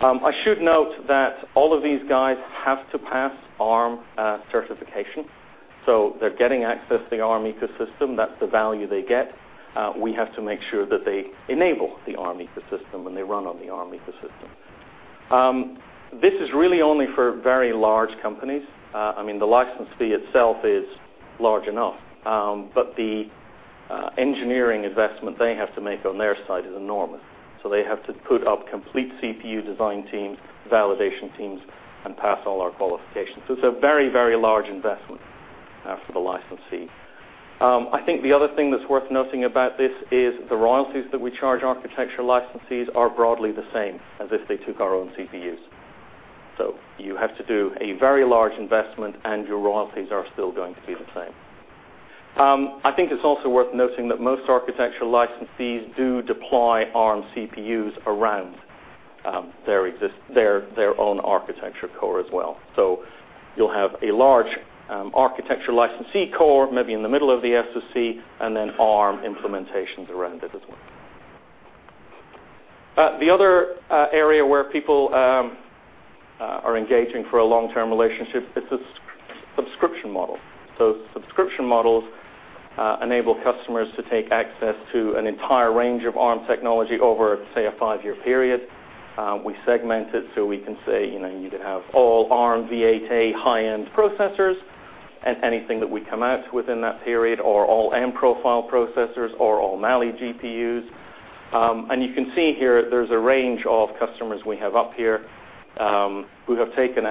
I should note that all of these guys have to pass Arm certification. They're getting access to the Arm ecosystem. That's the value they get. We have to make sure that they enable the Arm ecosystem when they run on the Arm ecosystem. This is really only for very large companies. The license fee itself is large enough. The engineering investment they have to make on their side is enormous. They have to put up complete CPU design teams, validation teams, and pass all our qualifications. It's a very large investment for the licensee. I think the other thing that's worth noting about this is the royalties that we charge architecture licensees are broadly the same as if they took our own CPUs. You have to do a very large investment, and your royalties are still going to be the same. I think it's also worth noting that most architecture licensees do deploy Arm CPUs around their own architecture core as well. You'll have a large architecture licensee core maybe in the middle of the SoC, and then Arm implementations around it as well. The other area where people are engaging for a long-term relationship is the subscription model. Subscription models enable customers to take access to an entire range of Arm technology over, say, a five-year period. We segment it so we can say you can have all ARMv8 high-end processors and anything that we come out with in that period, or all M-profile processors, or all Mali GPUs. You can see here there's a range of customers we have up here who have taken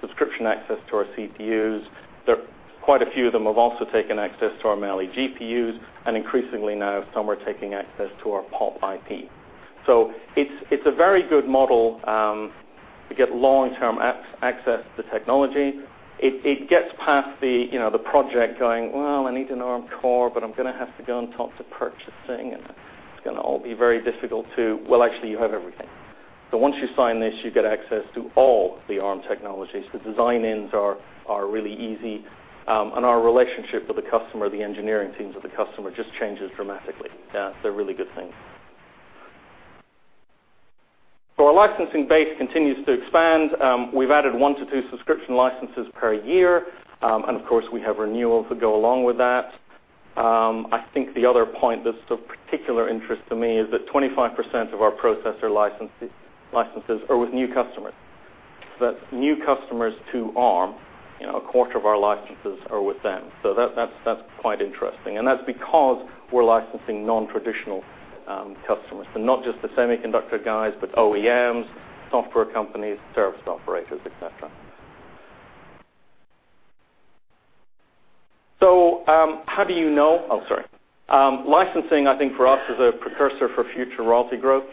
subscription access to our CPUs. Quite a few of them have also taken access to our Mali GPUs, and increasingly now, some are taking access to our POP IP. It's a very good model to get long-term access to technology. It gets past the project going, "Well, I need an Arm core, but I'm going to have to go and talk to purchasing, and it's going to all be very difficult." Well, actually, you have everything. Once you sign this, you get access to all the Arm technologies. The design-ins are really easy. Our relationship with the customer, the engineering teams with the customer just changes dramatically. They're really good things. Our licensing base continues to expand. We've added one to two subscription licenses per year. Of course, we have renewals that go along with that. I think the other point that's of particular interest to me is that 25% of our processor licenses are with new customers. That new customers to Arm, a quarter of our licenses are with them. That's quite interesting, and that's because we're licensing non-traditional customers. Not just the semiconductor guys, but OEMs, software companies, service operators, et cetera. Licensing, I think, for us, is a precursor for future royalty growth.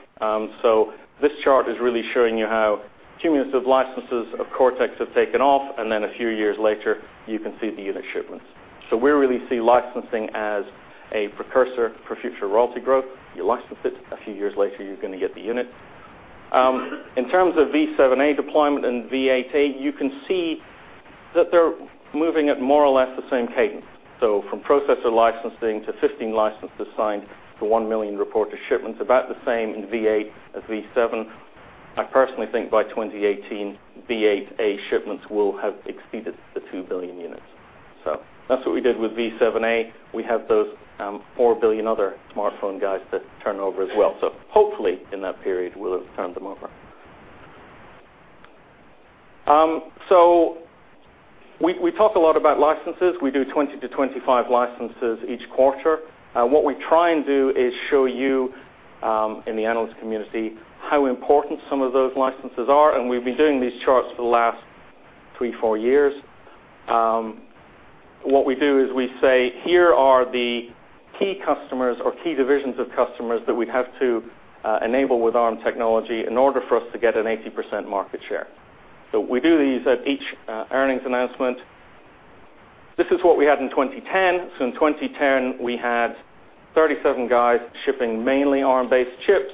This chart is really showing you how cumulative licenses of Cortex have taken off, and then a few years later, you can see the unit shipments. We really see licensing as a precursor for future royalty growth. You license it, a few years later, you're going to get the unit. In terms of v7a deployment and v8a, you can see that they're moving at more or less the same cadence. From processor licensing to 15 licenses signed to 1 million reported shipments, about the same in v8 as v7. I personally think by 2018, v8a shipments will have exceeded the 2 billion units. That's what we did with v7a. We have those 4 billion other smartphone guys to turn over as well. Hopefully, in that period, we'll have turned them over. We talk a lot about licenses. We do 20 to 25 licenses each quarter. What we try and do is show you in the analyst community how important some of those licenses are, and we've been doing these charts for the last 3, 4 years. What we do is we say, here are the key customers or key divisions of customers that we have to enable with Arm technology in order for us to get an 80% market share. We do these at each earnings announcement. This is what we had in 2010. In 2010, we had 37 guys shipping mainly Arm-based chips,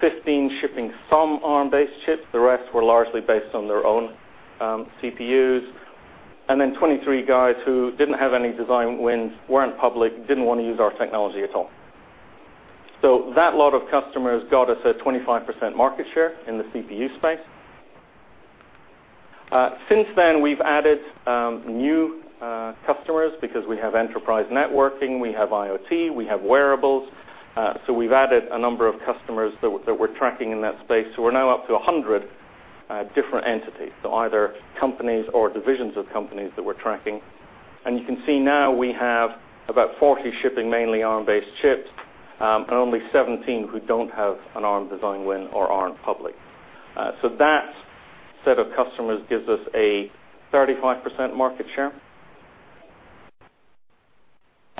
15 shipping some Arm-based chips. The rest were largely based on their own CPUs. Then 23 guys who didn't have any design wins weren't public, didn't want to use our technology at all. That lot of customers got us a 25% market share in the CPU space. Since then, we've added new customers because we have enterprise networking, we have IoT, we have wearables. We've added a number of customers that we're tracking in that space. We're now up to 100 different entities. Either companies or divisions of companies that we're tracking. You can see now we have about 40 shipping mainly Arm-based chips, and only 17 who don't have an Arm design win or aren't public. That set of customers gives us a 35% market share.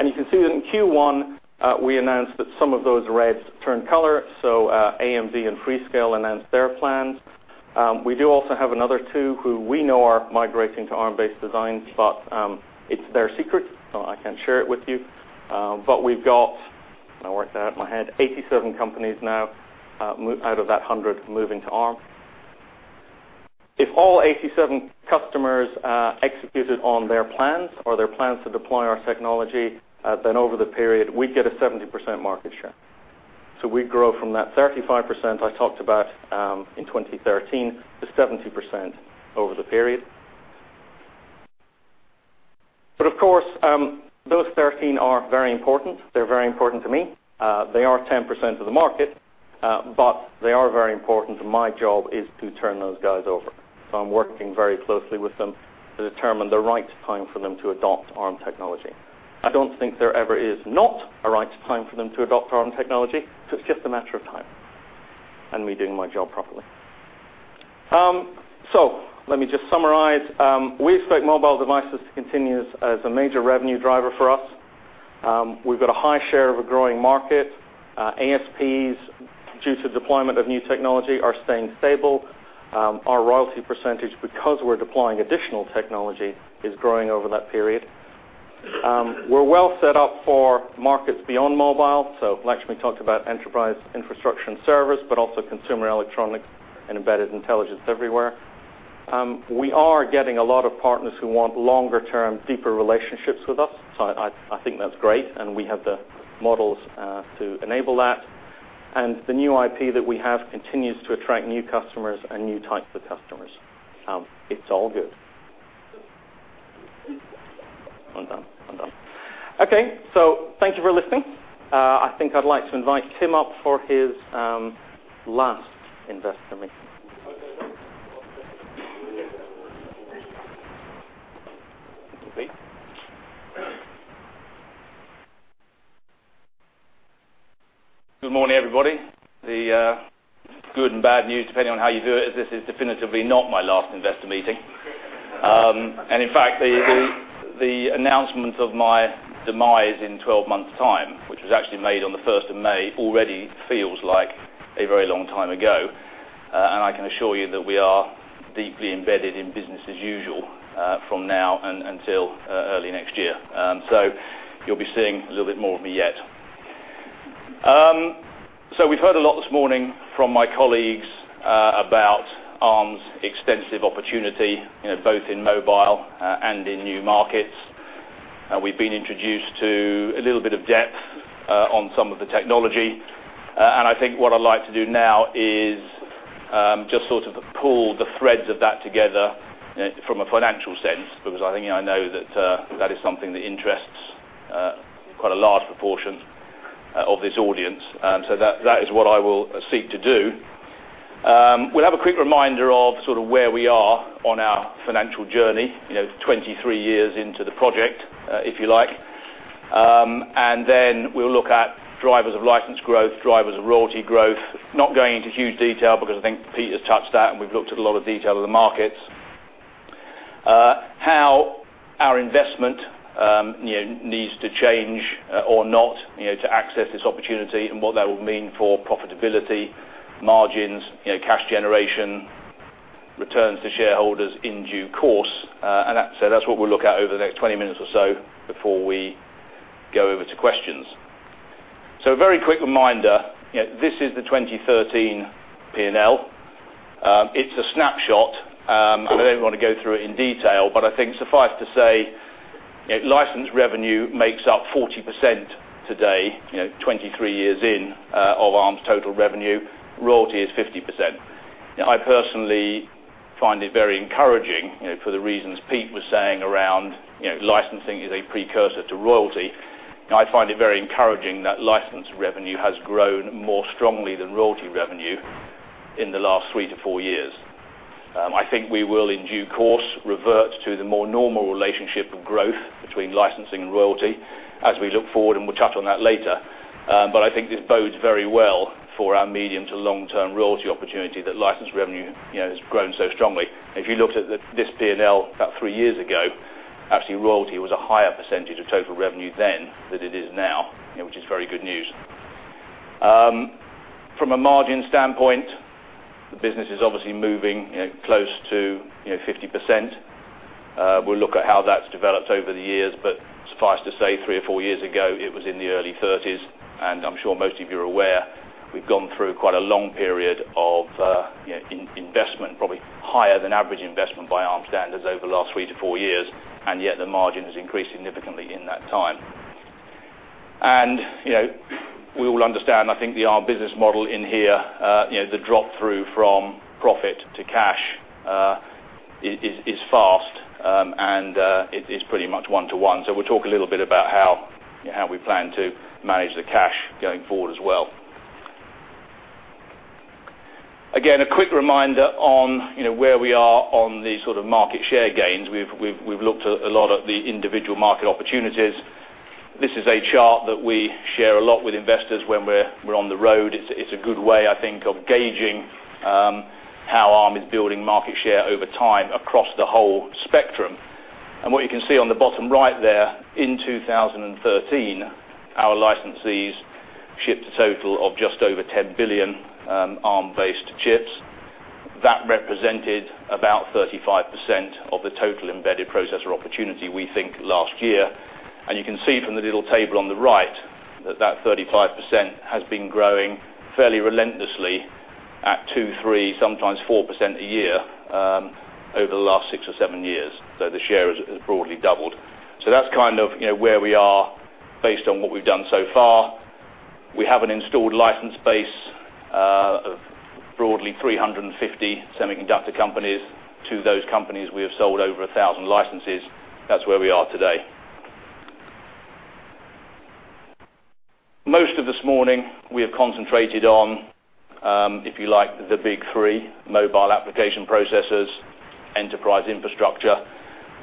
You can see that in Q1, we announced that some of those reds turned color. AMD and Freescale announced their plans. We do also have another two who we know are migrating to Arm-based designs, it's their secret, I can't share it with you. We've got, and I worked it out in my head, 87 companies now out of that 100 moving to Arm. If all 87 customers executed on their plans or their plans to deploy our technology, over the period, we'd get a 70% market share. We'd grow from that 35% I talked about in 2013 to 70% over the period. Of course, those 13 are very important. They're very important to me. They are 10% of the market. They are very important, and my job is to turn those guys over. I'm working very closely with them to determine the right time for them to adopt Arm technology. I don't think there ever is not a right time for them to adopt Arm technology. It's just a matter of time and me doing my job properly. Let me just summarize. We expect mobile devices to continue as a major revenue driver for us. We've got a high share of a growing market. ASPs, due to deployment of new technology, are staying stable. Our royalty percentage, because we're deploying additional technology, is growing over that period. We're well set up for markets beyond mobile. Lakshmi talked about enterprise infrastructure and service, but also consumer electronics and embedded intelligence everywhere. We are getting a lot of partners who want longer-term, deeper relationships with us. I think that's great, and we have the models to enable that. The new IP that we have continues to attract new customers and new types of customers. It's all good. Well done. Okay. Thank you for listening. I think I'd like to invite Tim up for his last investor meeting. Okay. Okay. Good morning, everybody. The good and bad news, depending on how you do it, is this is definitively not my last investor meeting. In fact, the announcement of my demise in 12 months' time, which was actually made on the 1st of May, already feels like a very long time ago. I can assure you that we are deeply embedded in business as usual from now until early next year. You'll be seeing a little bit more of me yet. We've heard a lot this morning from my colleagues about Arm's extensive opportunity, both in mobile and in new markets. We've been introduced to a little bit of depth on some of the technology. I think what I'd like to do now is just sort of pull the threads of that together from a financial sense, because I think I know that that is something that interests quite a large proportion of this audience. That is what I will seek to do. We'll have a quick reminder of sort of where we are on our financial journey, 23 years into the project, if you like. Then we'll look at drivers of license growth, drivers of royalty growth. Not going into huge detail because I think Pete's touched that, and we've looked at a lot of detail of the markets. How our investment needs to change or not to access this opportunity and what that will mean for profitability, margins, cash generation, returns to shareholders in due course. That's what we'll look at over the next 20 minutes or so before we go over to questions. A very quick reminder. This is the 2013 P&L. It's a snapshot. I don't want to go through it in detail, but I think suffice to say, license revenue makes up 40% today, 23 years in, of Arm's total revenue. Royalty is 50%. I personally find it very encouraging for the reasons Pete was saying around licensing is a precursor to royalty. I find it very encouraging that license revenue has grown more strongly than royalty revenue in the last three to four years. I think we will, in due course, revert to the more normal relationship of growth between licensing and royalty as we look forward, and we'll touch on that later. I think this bodes very well for our medium to long-term royalty opportunity that license revenue has grown so strongly. If you looked at this P&L about three years ago, actually royalty was a higher percentage of total revenue then than it is now, which is very good news. From a margin standpoint, the business is obviously moving close to 50%. We'll look at how that's developed over the years, but suffice to say, three or four years ago, it was in the early 30s. I'm sure most of you are aware we've gone through quite a long period of investment, probably higher than average investment by Arm standards over the last three to four years, and yet the margin has increased significantly in that time. We all understand, I think, the Arm business model in here, the drop-through from profit to cash is fast, and it's pretty much one to one. We'll talk a little bit about how we plan to manage the cash going forward as well. Again, a quick reminder on where we are on the sort of market share gains. We've looked at a lot of the individual market opportunities. This is a chart that we share a lot with investors when we're on the road. It's a good way, I think, of gauging how Arm is building market share over time across the whole spectrum. What you can see on the bottom right there, in 2013, our licensees shipped a total of just over 10 billion Arm-based chips. That represented about 35% of the total embedded processor opportunity we think last year. You can see from the little table on the right that that 35% has been growing fairly relentlessly at 2%, 3%, sometimes 4% a year over the last six or seven years. The share has broadly doubled. That's kind of where we are based on what we've done so far. We have an installed license base of broadly 350 semiconductor companies. To those companies, we have sold over 1,000 licenses. That's where we are today. Most of this morning, we have concentrated on, if you like, the big three mobile application processors, enterprise infrastructure,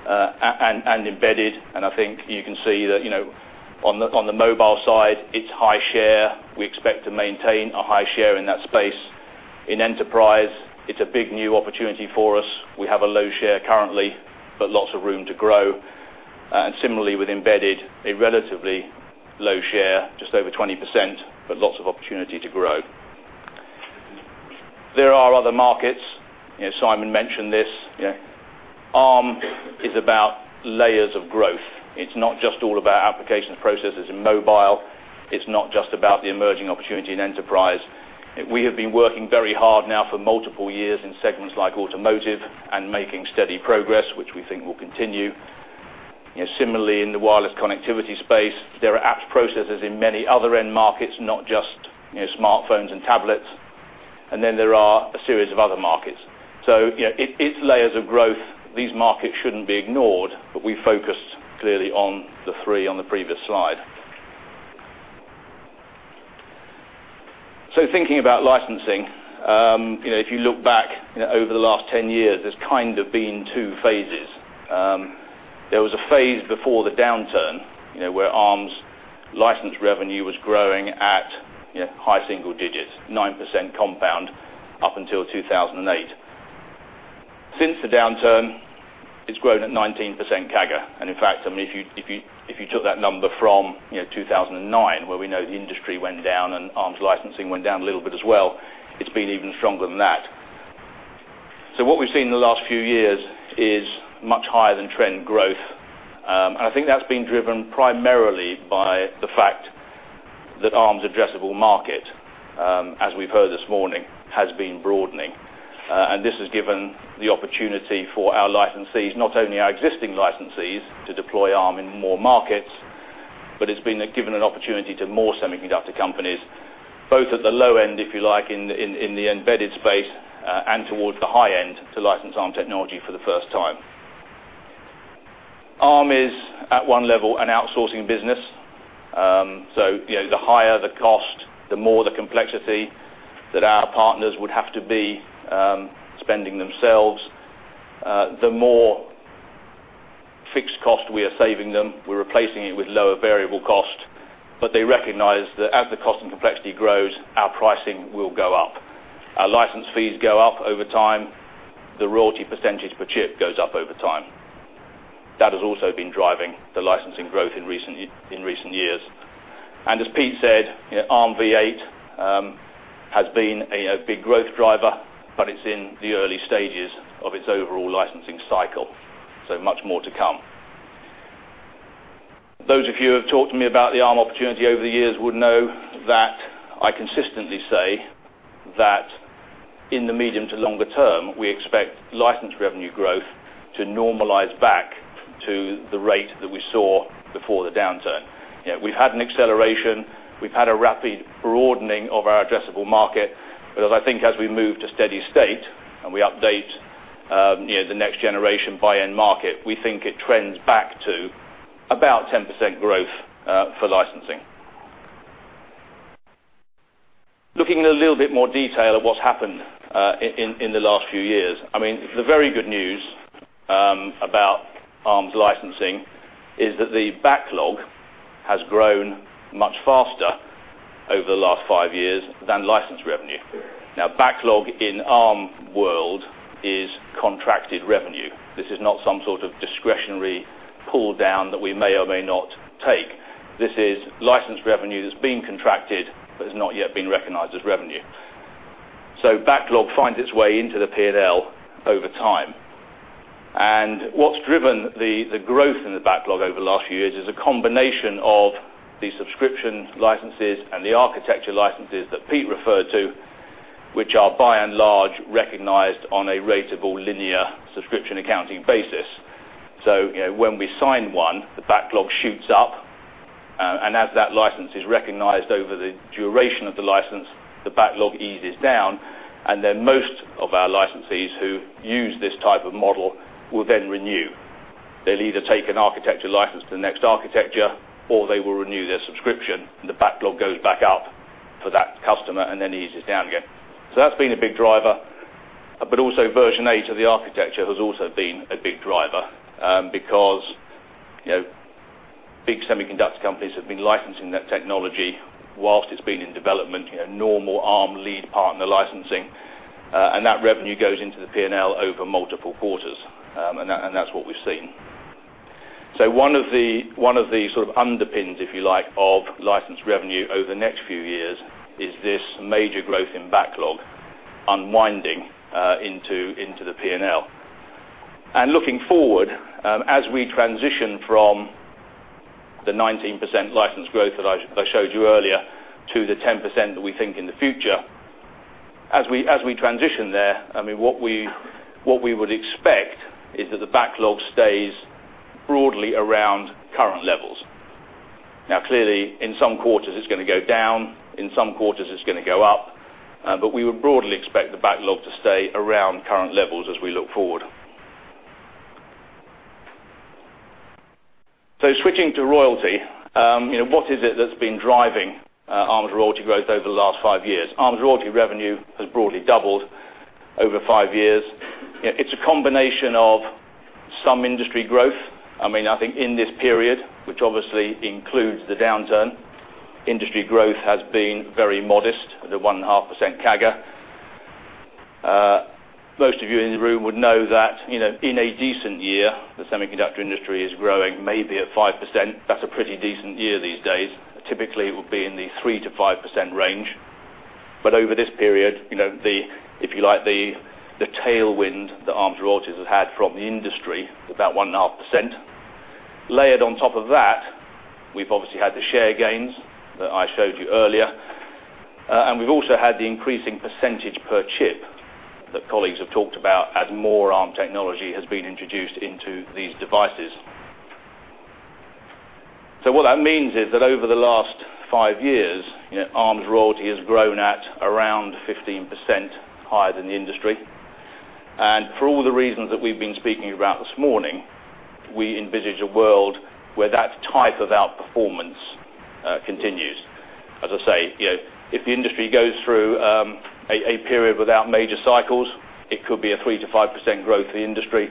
and embedded. I think you can see that on the mobile side, it's high share. We expect to maintain a high share in that space. In enterprise, it's a big new opportunity for us. We have a low share currently, but lots of room to grow. Similarly, with embedded, a relatively low share, just over 20%, but lots of opportunity to grow. There are other markets. Simon mentioned this. Arm is about layers of growth. It's not just all about application processors in mobile. It's not just about the emerging opportunity in enterprise. We have been working very hard now for multiple years in segments like automotive and making steady progress, which we think will continue. Similarly, in the wireless connectivity space, there are apps processors in many other end markets, not just smartphones and tablets. There are a series of other markets. It's layers of growth. These markets shouldn't be ignored, but we focused clearly on the three on the previous slide. Thinking about licensing. If you look back over the last 10 years, there's kind of been two phases. There was a phase before the downturn, where Arm's license revenue was growing at high single digits, 9% compound, up until 2008. Since the downturn, it's grown at 19% CAGR. In fact, if you took that number from 2009, where we know the industry went down and Arm's licensing went down a little bit as well, it's been even stronger than that. What we've seen in the last few years is much higher than trend growth. I think that's been driven primarily by the fact that Arm's addressable market, as we've heard this morning, has been broadening. This has given the opportunity for our licensees, not only our existing licensees, to deploy Arm in more markets, but it's been given an opportunity to more semiconductor companies, both at the low end, if you like, in the embedded space and towards the high end to license Arm technology for the first time. Arm is, at one level, an outsourcing business. The higher the cost, the more the complexity that our partners would have to be spending themselves. The more fixed cost we are saving them, we're replacing it with lower variable cost. They recognize that as the cost and complexity grows, our pricing will go up. Our license fees go up over time. The royalty percentage per chip goes up over time. That has also been driving the licensing growth in recent years. As Pete said, ARMv8 has been a big growth driver, but it's in the early stages of its overall licensing cycle, much more to come. Those of you who have talked to me about the Arm opportunity over the years would know that I consistently say that in the medium to longer term, we expect licensed revenue growth to normalize back to the rate that we saw before the downturn. We've had an acceleration. We've had a rapid broadening of our addressable market, because I think as we move to steady state and we update the next generation buy-in market, we think it trends back to about 10% growth for licensing. Looking in a little bit more detail at what's happened in the last few years. The very good news about Arm's licensing is that the backlog has grown much faster over the last 5 years than licensed revenue. Backlog in Arm world is contracted revenue. This is not some sort of discretionary pull down that we may or may not take. This is licensed revenue that's been contracted but has not yet been recognized as revenue. Backlog finds its way into the P&L over time. What's driven the growth in the backlog over the last few years is a combination of the subscription licenses and the architecture licenses that Pete referred to, which are by and large recognized on a ratable linear subscription accounting basis. When we sign one, the backlog shoots up. As that license is recognized over the duration of the license, the backlog eases down, and then most of our licensees who use this type of model will then renew. They'll either take an architecture license to the next architecture, or they will renew their subscription, and the backlog goes back up for that customer and then eases down again. That's been a big driver. Also version 8 of the architecture has also been a big driver, because big semiconductor companies have been licensing that technology whilst it's been in development, normal Arm lead partner licensing. That revenue goes into the P&L over multiple quarters. That's what we've seen. One of the sort of underpins, if you like, of licensed revenue over the next few years is this major growth in backlog unwinding into the P&L. Looking forward, as we transition from the 19% license growth that I showed you earlier to the 10% that we think in the future. As we transition there, what we would expect is that the backlog stays broadly around current levels. Clearly, in some quarters, it's going to go down. In some quarters, it's going to go up. We would broadly expect the backlog to stay around current levels as we look forward. Switching to royalty. What is it that's been driving Arm's royalty growth over the last 5 years? Arm's royalty revenue has broadly doubled over 5 years. It's a combination of some industry growth. I think in this period, which obviously includes the downturn, industry growth has been very modest at a 1.5% CAGR. Most of you in the room would know that, in a decent year, the semiconductor industry is growing maybe at 5%. That's a pretty decent year these days. Typically, it would be in the 3%-5% range. Over this period, if you like, the tailwind that Arm's royalties have had from the industry is about 1.5%. Layered on top of that, we've obviously had the share gains that I showed you earlier. We've also had the increasing percentage per chip that colleagues have talked about as more Arm technology has been introduced into these devices. What that means is that over the last 5 years, Arm's royalty has grown at around 15% higher than the industry. For all the reasons that we've been speaking about this morning, we envisage a world where that type of outperformance continues. As I say, if the industry goes through a period without major cycles, it could be a 3%-5% growth for the industry.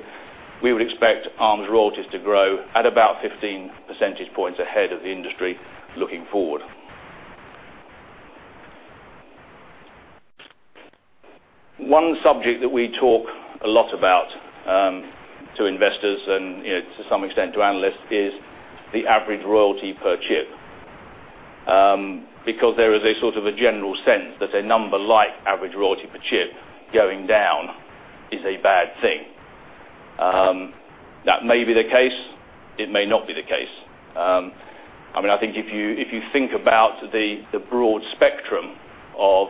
We would expect Arm's royalties to grow at about 15 percentage points ahead of the industry looking forward. One subject that we talk a lot about to investors and, to some extent, to analysts is the average royalty per chip. There is a sort of a general sense that a number like average royalty per chip going down is a bad thing. That may be the case, it may not be the case. I think if you think about the broad spectrum of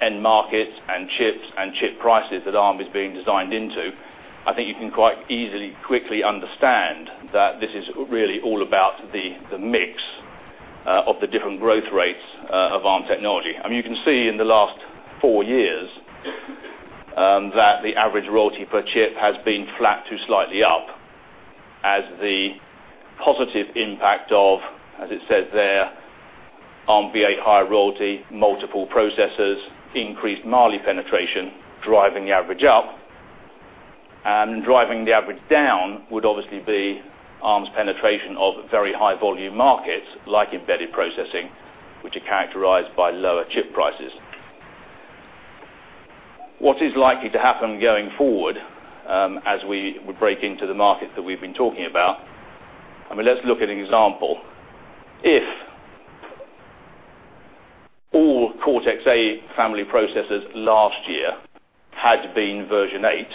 end markets and chips and chip prices that Arm is being designed into, I think you can quite easily quickly understand that this is really all about the mix of the different growth rates of Arm technology. You can see in the last four years that the average royalty per chip has been flat to slightly up as the positive impact of, as it says there, ARMv8 higher royalty, multiple processors, increased Mali penetration, driving the average up. Driving the average down would obviously be Arm's penetration of very high volume markets like embedded processing, which are characterized by lower chip prices. What is likely to happen going forward as we break into the markets that we have been talking about? Let's look at an example. If all Cortex-A family processors last year had been version 8,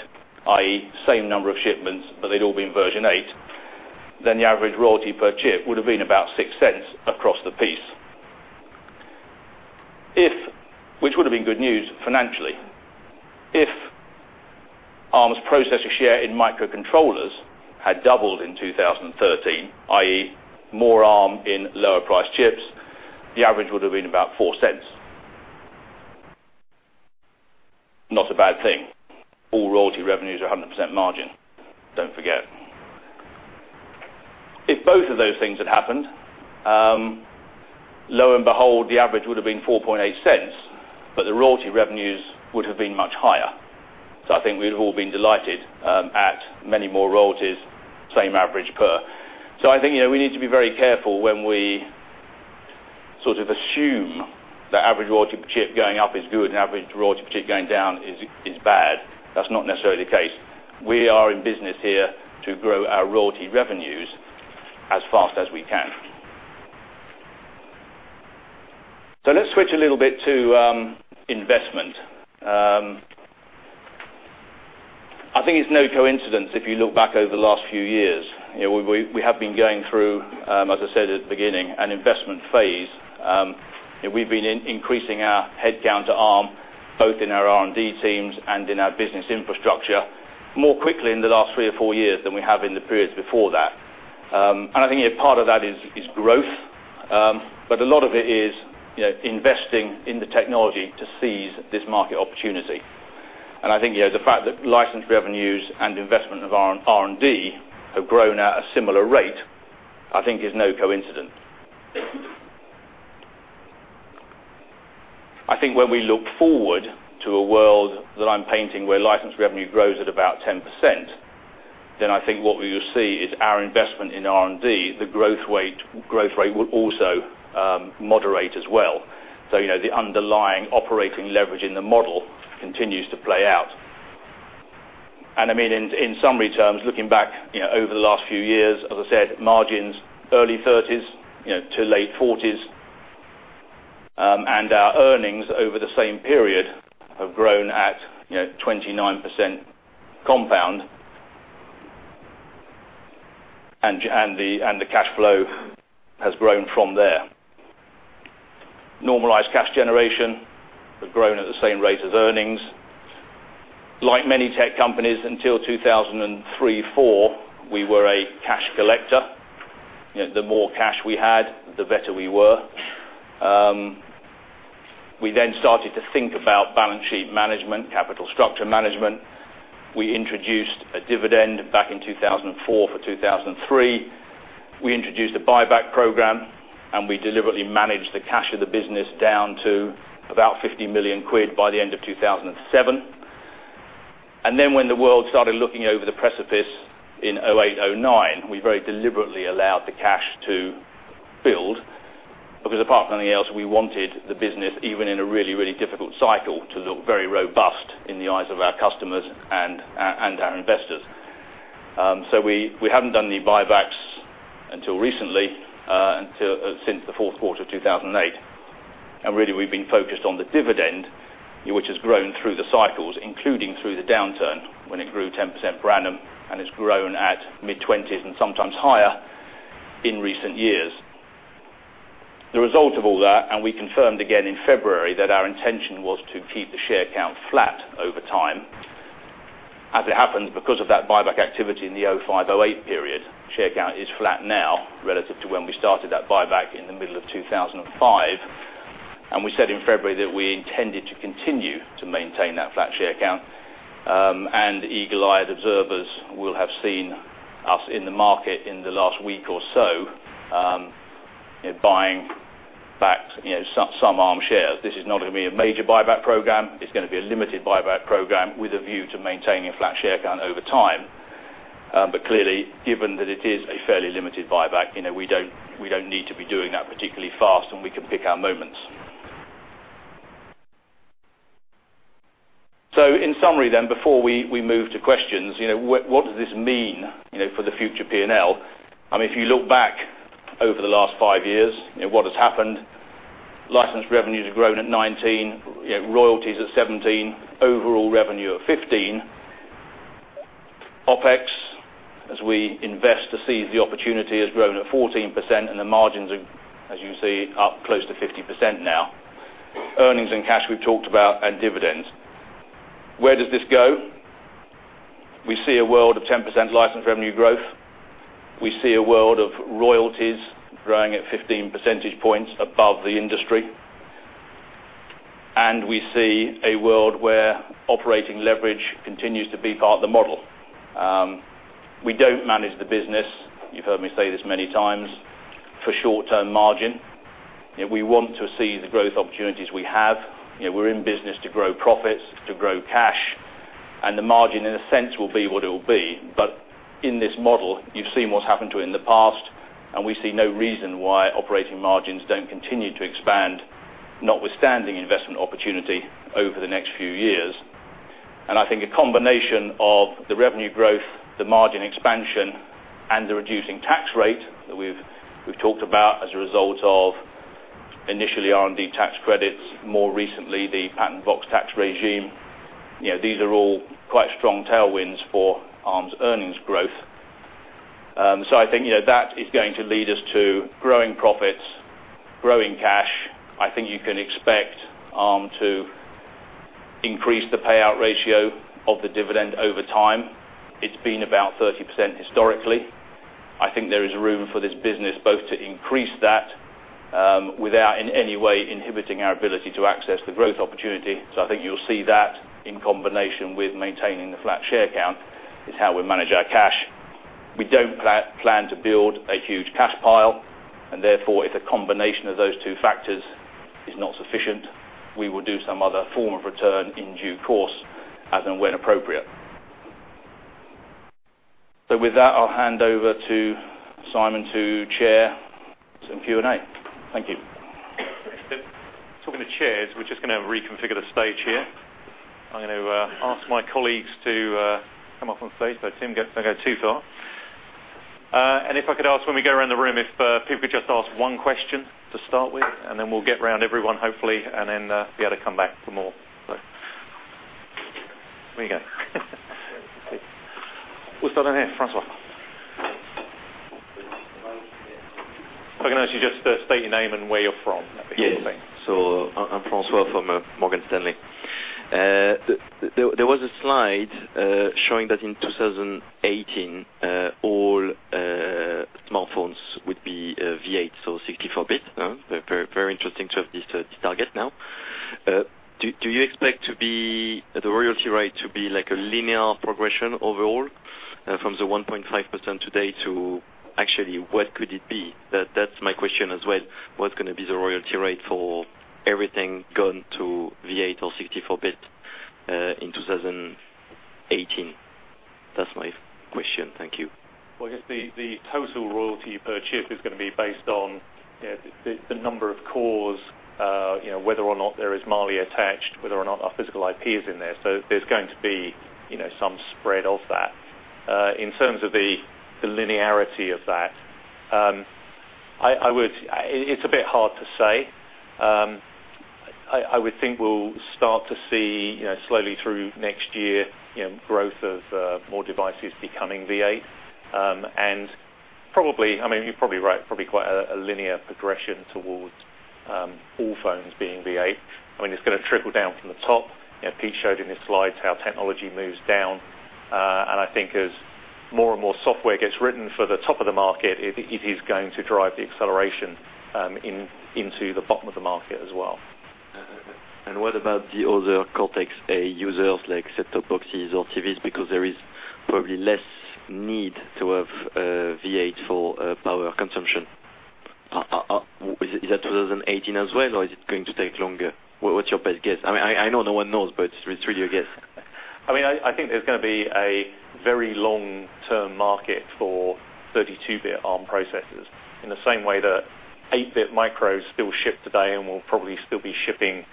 i.e., same number of shipments, but they had all been version 8, then the average royalty per chip would have been about 0.06 across the piece, which would have been good news financially. If Arm's processor share in microcontrollers had doubled in 2013, i.e., more Arm in lower priced chips, the average would have been about 0.04. Not a bad thing. All royalty revenues are 100% margin, don't forget. If both of those things had happened, lo and behold, the average would have been 0.048, but the royalty revenues would have been much higher. I think we would have all been delighted at many more royalties, same average per. I think we need to be very careful when we sort of assume that average royalty per chip going up is good and average royalty per chip going down is bad. That's not necessarily the case. We are in business here to grow our royalty revenues as fast as we can. Let's switch a little bit to investment. I think it is no coincidence if you look back over the last few years. We have been going through, as I said at the beginning, an investment phase. We have been increasing our headcount to Arm, both in our R&D teams and in our business infrastructure more quickly in the last three or four years than we have in the periods before that. I think part of that is growth. A lot of it is investing in the technology to seize this market opportunity. I think the fact that license revenues and investment of our R&D have grown at a similar rate, I think is no coincidence. I think when we look forward to a world that I am painting where license revenue grows at about 10%, I think what we will see is our investment in R&D, the growth rate will also moderate as well. The underlying operating leverage in the model continues to play out. In summary terms, looking back over the last few years, as I said, margins early 30s-late 40s, our earnings over the same period have grown at 29% compound, the cash flow has grown from there. Normalized cash generation have grown at the same rate as earnings. Like many tech companies until 2003, 2004, we were a cash collector. The more cash we had, the better we were. We started to think about balance sheet management, capital structure management. We introduced a dividend back in 2004 for 2003. We introduced a buyback program, we deliberately managed the cash of the business down to about 50 million quid by the end of 2007. When the world started looking over the precipice in 2008, 2009, we very deliberately allowed the cash to build. Apart from anything else, we wanted the business, even in a really difficult cycle, to look very robust in the eyes of our customers and our investors. We haven't done the buybacks until recently, since the fourth quarter of 2008. We've been focused on the dividend, which has grown through the cycles, including through the downturn, when it grew 10% per annum, has grown at mid-20s and sometimes higher in recent years. The result of all that, we confirmed again in February that our intention was to keep the share count flat over time. As it happens, because of that buyback activity in the 2005, 2008 period, share count is flat now relative to when we started that buyback in the middle of 2005. We said in February that we intended to continue to maintain that flat share count. Eagle-eyed observers will have seen us in the market in the last week or so buying back some Arm shares. This is not going to be a major buyback program. It's going to be a limited buyback program with a view to maintaining a flat share count over time. Clearly, given that it is a fairly limited buyback, we don't need to be doing that particularly fast, we can pick our moments. In summary then, before we move to questions, what does this mean for the future P&L? If you look back over the last five years, what has happened? License revenues have grown at 19%, royalties at 17%, overall revenue at 15%. OpEx, as we invest to seize the opportunity, has grown at 14%, the margins are, as you see, up close to 50% now. Earnings and cash we've talked about, and dividends. Where does this go? We see a world of 10% license revenue growth. We see a world of royalties growing at 15 percentage points above the industry. We see a world where operating leverage continues to be part of the model. We don't manage the business, you've heard me say this many times, for short-term margin. We want to seize the growth opportunities we have. We're in business to grow profits, to grow cash, the margin in a sense will be what it will be. In this model, you've seen what's happened to it in the past, we see no reason why operating margins don't continue to expand, notwithstanding investment opportunity over the next few years. I think a combination of the revenue growth, the margin expansion, and the reducing tax rate that we've talked about as a result of initially R&D tax credits, more recently, the Patent Box tax regime. These are all quite strong tailwinds for Arm's earnings growth. I think that is going to lead us to growing profits, growing cash. I think you can expect Arm to increase the payout ratio of the dividend over time. It's been about 30% historically. I think there is room for this business both to increase that without in any way inhibiting our ability to access the growth opportunity. I think you'll see that in combination with maintaining the flat share count is how we manage our cash. We don't plan to build a huge cash pile, and therefore, if a combination of those two factors is not sufficient, we will do some other form of return in due course, as and when appropriate. With that, I'll hand over to Simon to chair some Q&A. Thank you. Talking of chairs, we're just going to reconfigure the stage here. I'm going to ask my colleagues to come up on stage. Tim, don't go too far. If I could ask when we go around the room, if people could just ask one question to start with, and then we'll get around everyone, hopefully, and then be able to come back for more. Here we go. We'll start down here, Francois. If I can ask you just to state your name and where you're from. That'd be great. Yes. I'm Francois from Morgan Stanley. There was a slide showing that in 2018, all smartphones would be V8, so 64-bit. Very interesting to have this target now. Do you expect the royalty rate to be like a linear progression overall from the 1.5% today to actually what could it be? That's my question as well. What's going to be the royalty rate for everything going to V8 or 64-bit in 2018? That's my question. Thank you. Well, I guess the total royalty per chip is going to be based on the number of cores, whether or not there is Mali attached, whether or not our physical IP is in there. There's going to be some spread of that. In terms of the linearity of that, it's a bit hard to say. I would think we'll start to see slowly through next year growth of more devices becoming V8. You're probably right, probably quite a linear progression towards all phones being V8. It's going to trickle down from the top. Pete showed in his slides how technology moves down. I think as More and more software gets written for the top of the market, it is going to drive the acceleration into the bottom of the market as well. What about the other Cortex-A users, like set-top boxes or TVs? Because there is probably less need to have V8 for power consumption. Is that 2018 as well, or is it going to take longer? What's your best guess? I know no one knows, but it's really a guess. I think there's going to be a very long-term market for 32-bit Arm processors. In the same way that eight-bit micros still ship today and will probably still be shipping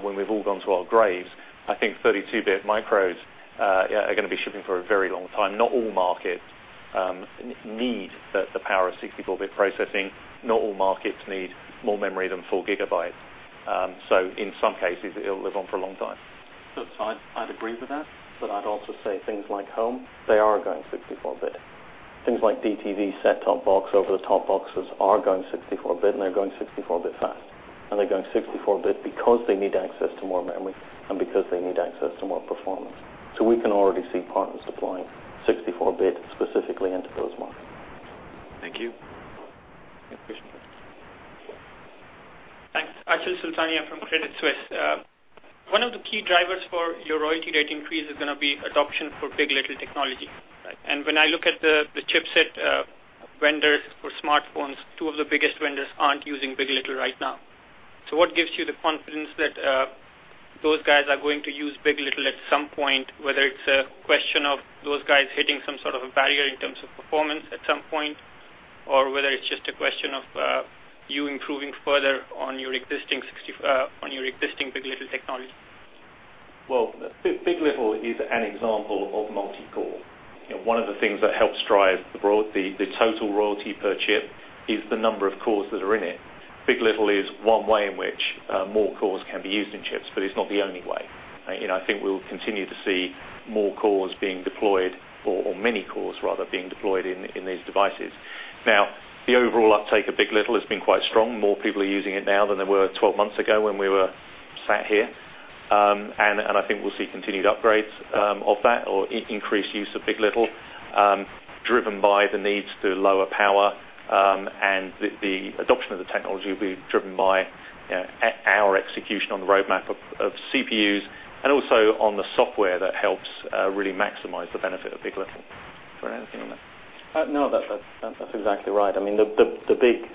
when we've all gone to our graves. I think 32-bit micros are going to be shipping for a very long time. Not all markets need the power of 64-bit processing. Not all markets need more memory than four gigabytes. In some cases, it'll live on for a long time. I'd agree with that, but I'd also say things like home, they are going 64-bit. Things like DTV, set-top box, over-the-top boxes are going 64-bit, and they're going 64-bit fast. They're going 64-bit because they need access to more memory and because they need access to more performance. We can already see partners supplying 64-bit specifically into those markets. Thank you. Yeah, Krish. Thanks. Anshul Gupta from Credit Suisse. One of the key drivers for your royalty rate increase is going to be adoption for big. LITTLE technology. Right. When I look at the chipset vendors for smartphones, two of the biggest vendors aren't using big. LITTLE right now. What gives you the confidence that those guys are going to use big. LITTLE at some point, whether it's a question of those guys hitting some sort of a barrier in terms of performance at some point, or whether it's just a question of you improving further on your existing big. LITTLE technology? Well, big. LITTLE is an example of multi-core. One of the things that helps drive the total royalty per chip is the number of cores that are in it. Big.LITTLE is one way in which more cores can be used in chips, but it's not the only way. I think we'll continue to see more cores being deployed, or many cores rather, being deployed in these devices. Now, the overall uptake of big. LITTLE has been quite strong. More people are using it now than there were 12 months ago when we were sat here. I think we'll see continued upgrades of that or increased use of big. LITTLE driven by the needs to lower power, and the adoption of the technology will be driven by our execution on the roadmap of CPUs and also on the software that helps really maximize the benefit of big. LITTLE. Darren, anything on that? No. That's exactly right. The big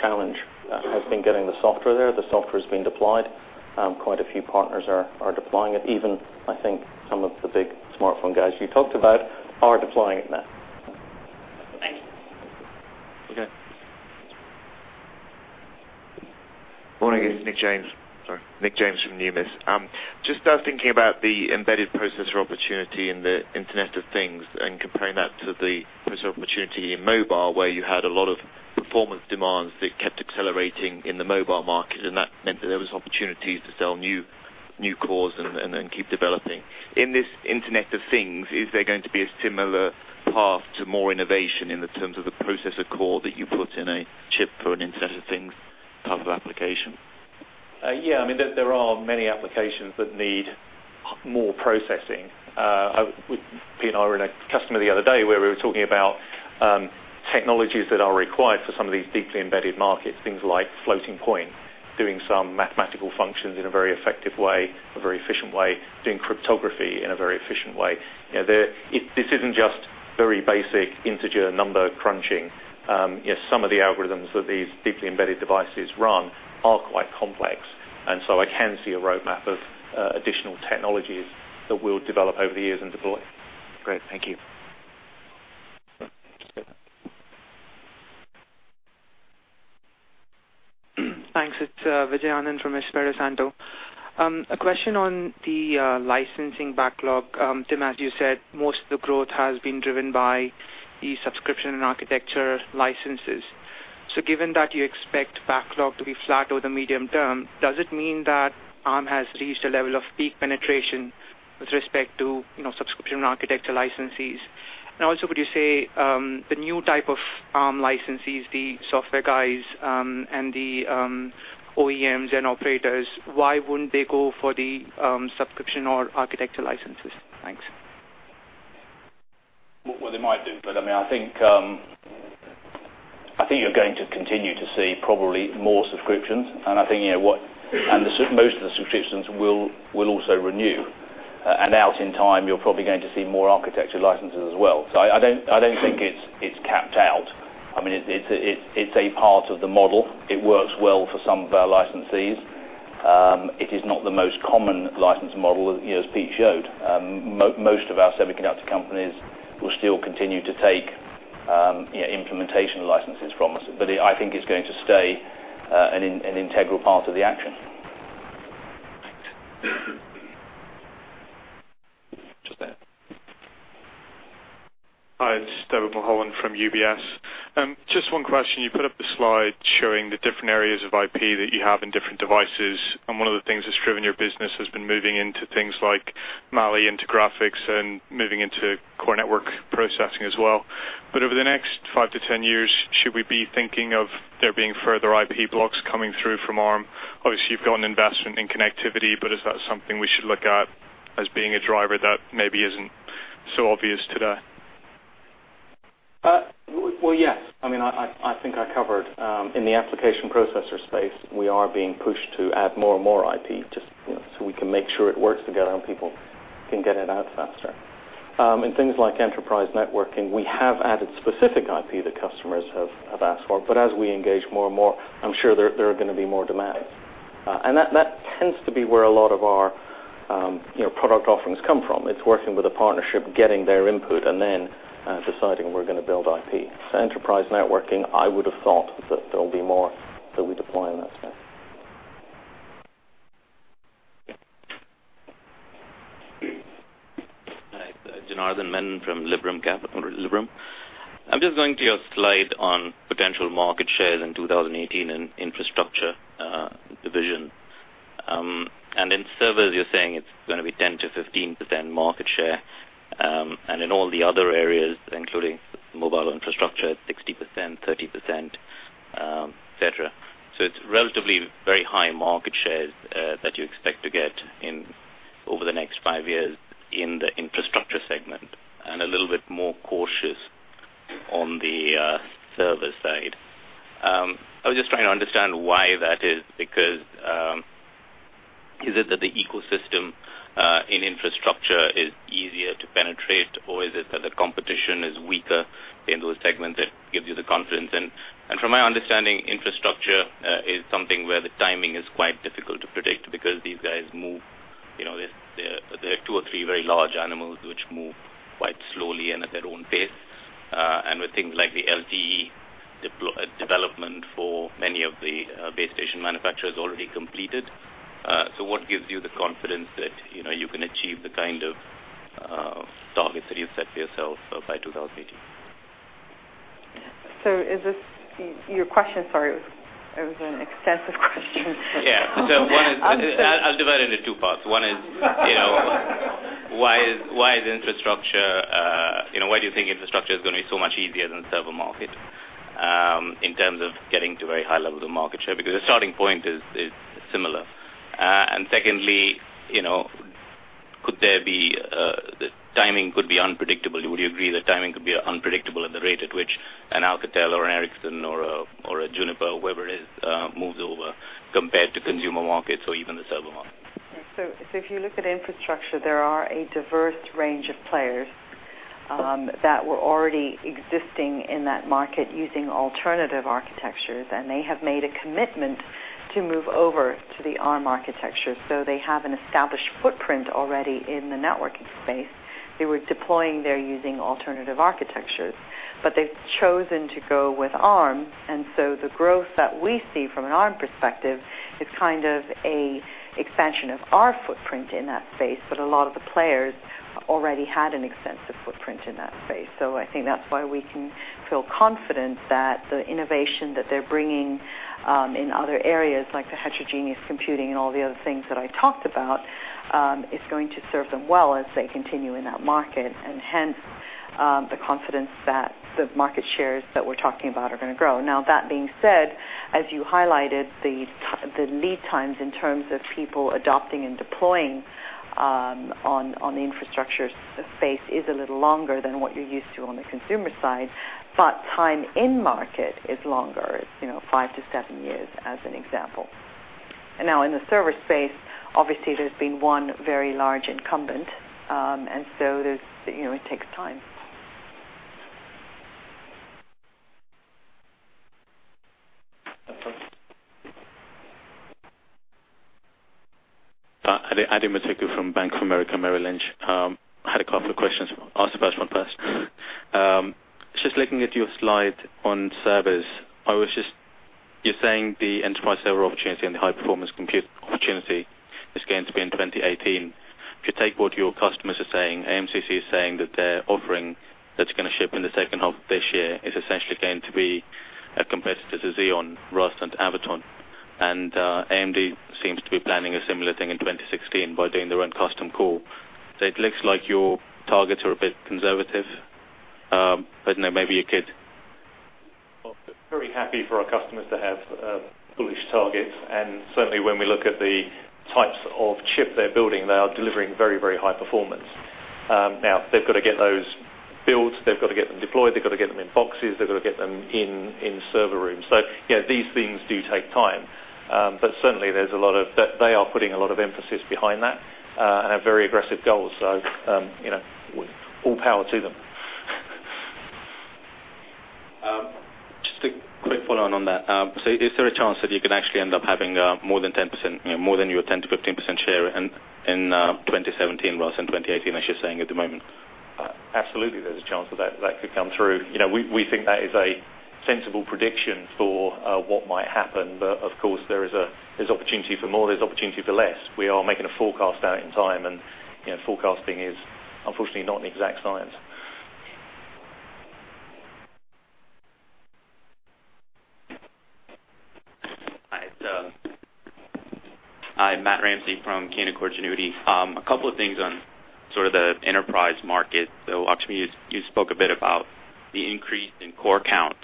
challenge has been getting the software there. The software has been deployed. Quite a few partners are deploying it. Even I think some of the big smartphone guys you talked about are deploying it now. Thank you. Okay. Morning, it's Nick James from Numis. Just thinking about the embedded processor opportunity and the Internet of Things and comparing that to the processor opportunity in mobile, where you had a lot of performance demands that kept accelerating in the mobile market, and that meant that there was opportunities to sell new cores and then keep developing. In this Internet of Things, is there going to be a similar path to more innovation in the terms of the processor core that you put in a chip for an Internet of Things type of application? Yeah. There are many applications that need more processing. Pete and I were in a customer the other day where we were talking about technologies that are required for some of these deeply embedded markets, things like floating point, doing some mathematical functions in a very effective way, a very efficient way, doing cryptography in a very efficient way. This isn't just very basic integer number crunching. Some of the algorithms that these deeply embedded devices run are quite complex, and so I can see a roadmap of additional technologies that we'll develop over the years and deploy. Great. Thank you. Just there. Thanks. It's Vijay Anand from Espírito Santo. A question on the licensing backlog. Tim, as you said, most of the growth has been driven by the subscription and architecture licenses. Given that you expect backlog to be flat over the medium term, does it mean that Arm has reached a level of peak penetration with respect to subscription architecture licenses? Would you say the new type of Arm licensees, the software guys and the OEMs and operators, why wouldn't they go for the subscription or architecture licenses? Thanks. Well, they might do. I think you're going to continue to see probably more subscriptions, and most of the subscriptions will also renew. Out in time, you're probably going to see more architecture licenses as well. I don't think it's capped out. It's a part of the model. It works well for some of our licensees. It is not the most common license model, as Pete showed. Most of our semiconductor companies will still continue to take implementation licenses from us. I think it's going to stay an integral part of the action. Thanks. Just there. Hi, it's David Mulholland from UBS. Just one question. You put up the slide showing the different areas of IP that you have in different devices, and one of the things that's driven your business has been moving into things like Mali, into graphics, and moving into core network processing as well. Over the next 5 to 10 years, should we be thinking of there being further IP blocks coming through from Arm? Obviously, you've got an investment in connectivity, is that something we should look at as being a driver that maybe isn't so obvious today? Well, yes. I think I covered in the application processor space, we are being pushed to add more and more IP, just so we can make sure it works together and people can get it out faster. In things like enterprise networking, we have added specific IP that customers have asked for. As we engage more and more, I'm sure there are going to be more demands. That tends to be where a lot of our product offerings come from. It's working with a partnership, getting their input, and then deciding we're going to build IP. Enterprise networking, I would have thought that there'll be more that we deploy in that space. Hi. Janardan Menon from Liberum Capital, Liberum. I'm just going to your slide on potential market shares in 2018 in infrastructure division. In servers, you're saying it's going to be 10%-15% market share. In all the other areas, including mobile infrastructure, 60%, 30%, et cetera. It's relatively very high market shares that you expect to get over the next 5 years in the infrastructure segment, and a little bit more cautious on the server side. I was just trying to understand why that is, because is it that the ecosystem in infrastructure is easier to penetrate, or is it that the competition is weaker in those segments that gives you the confidence? From my understanding, infrastructure is something where the timing is quite difficult to predict because these guys move. There are 2 or 3 very large animals which move quite slowly and at their own pace. With things like the LTE development for many of the base station manufacturers already completed. What gives you the confidence that you can achieve the kind of targets that you've set for yourself by 2018? Is this your question? Sorry, it was an extensive question. Yeah. One is. I'm not sure. I'll divide it into two parts. One is. Why do you think infrastructure is going to be so much easier than server market, in terms of getting to very high levels of market share? Because the starting point is similar. Secondly, the timing could be unpredictable. Would you agree that timing could be unpredictable at the rate at which an Alcatel or an Ericsson or a Juniper, whoever it is, moves over compared to consumer markets or even the server market? Yeah. If you look at infrastructure, there are a diverse range of players that were already existing in that market using alternative architectures, and they have made a commitment to move over to the Arm architecture. They have an established footprint already in the networking space. They were deploying there using alternative architectures. They've chosen to go with Arm, and so the growth that we see from an Arm perspective is kind of an expansion of our footprint in that space. A lot of the players already had an extensive footprint in that space. I think that's why we can feel confident that the innovation that they're bringing in other areas like the heterogeneous computing and all the other things that I talked about, is going to serve them well as they continue in that market. Hence, the confidence that the market shares that we're talking about are going to grow. That being said, as you highlighted, the lead times in terms of people adopting and deploying on the infrastructure space is a little longer than what you're used to on the consumer side, but time in market is longer, 5-7 years, as an example. Now in the server space, obviously, there's been one very large incumbent, it takes time. Adi Metuku from Bank of America Merrill Lynch. Had a couple of questions. I'll ask the first one first. Just looking at your slide on servers. You're saying the enterprise server opportunity and the high-performance compute opportunity is going to be in 2018. If you take what your customers are saying, AMCC is saying that their offering that's going to ship in the second half of this year is essentially going to be a competitor to Xeon, [Rosslyn] Avoton. AMD seems to be planning a similar thing in 2016 by doing their own custom core. It looks like your targets are a bit conservative. Maybe you could. Very happy for our customers to have bullish targets, certainly when we look at the types of chip they're building, they are delivering very high performance. They've got to get those built, they've got to get them deployed, they've got to get them in boxes, they've got to get them in server rooms. These things do take time. Certainly they are putting a lot of emphasis behind that, have very aggressive goals. All power to them. Just a quick follow-on on that. Is there a chance that you can actually end up having more than your 10%-15% share in 2017 rather than 2018, as you're saying at the moment? Absolutely, there's a chance that that could come through. We think that is a sensible prediction for what might happen. Of course, there's opportunity for more, there's opportunity for less. We are making a forecast out in time, forecasting is unfortunately not an exact science. Hi, Matt Ramsay from Canaccord Genuity. A couple of things on the enterprise market, though, Lakshmi, you spoke a bit about the increase in core counts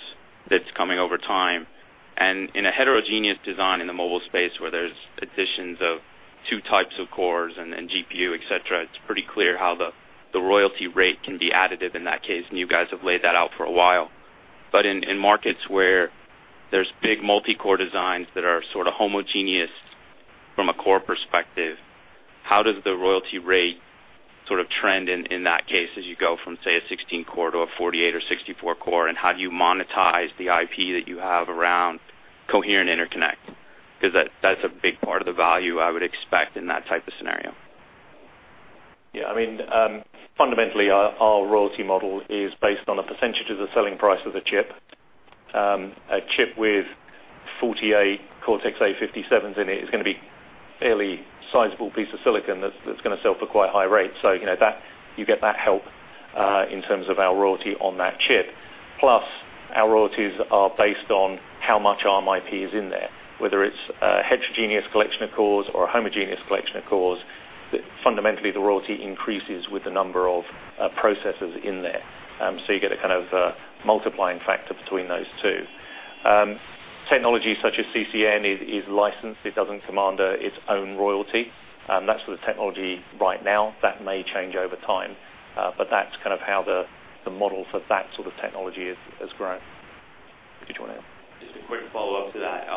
that's coming over time. In a heterogeneous design in the mobile space, where there's additions of two types of cores, GPU, et cetera, it's pretty clear how the royalty rate can be additive in that case, you guys have laid that out for a while. In markets where there's big multi-core designs that are homogeneous from a core perspective, how does the royalty rate trend in that case, as you go from, say, a 16 core to a 48 or 64 core? How do you monetize the IP that you have around coherent interconnect? That's a big part of the value I would expect in that type of scenario. Yeah. Fundamentally, our royalty model is based on a percentage of the selling price of the chip. A chip with 48 Cortex-A57s in it is going to be a fairly sizable piece of silicon that's going to sell for quite a high rate. You get that help in terms of our royalty on that chip. Plus, our royalties are based on how much Arm IP is in there, whether it's a heterogeneous collection of cores or a homogeneous collection of cores. Fundamentally, the royalty increases with the number of processors in there. You get a multiplying factor between those two. Technology such as CCN is licensed. It doesn't command its own royalty. That's the technology right now. That may change over time. That's how the model for that sort of technology has grown. Did you want to add? Just a quick follow-up to that.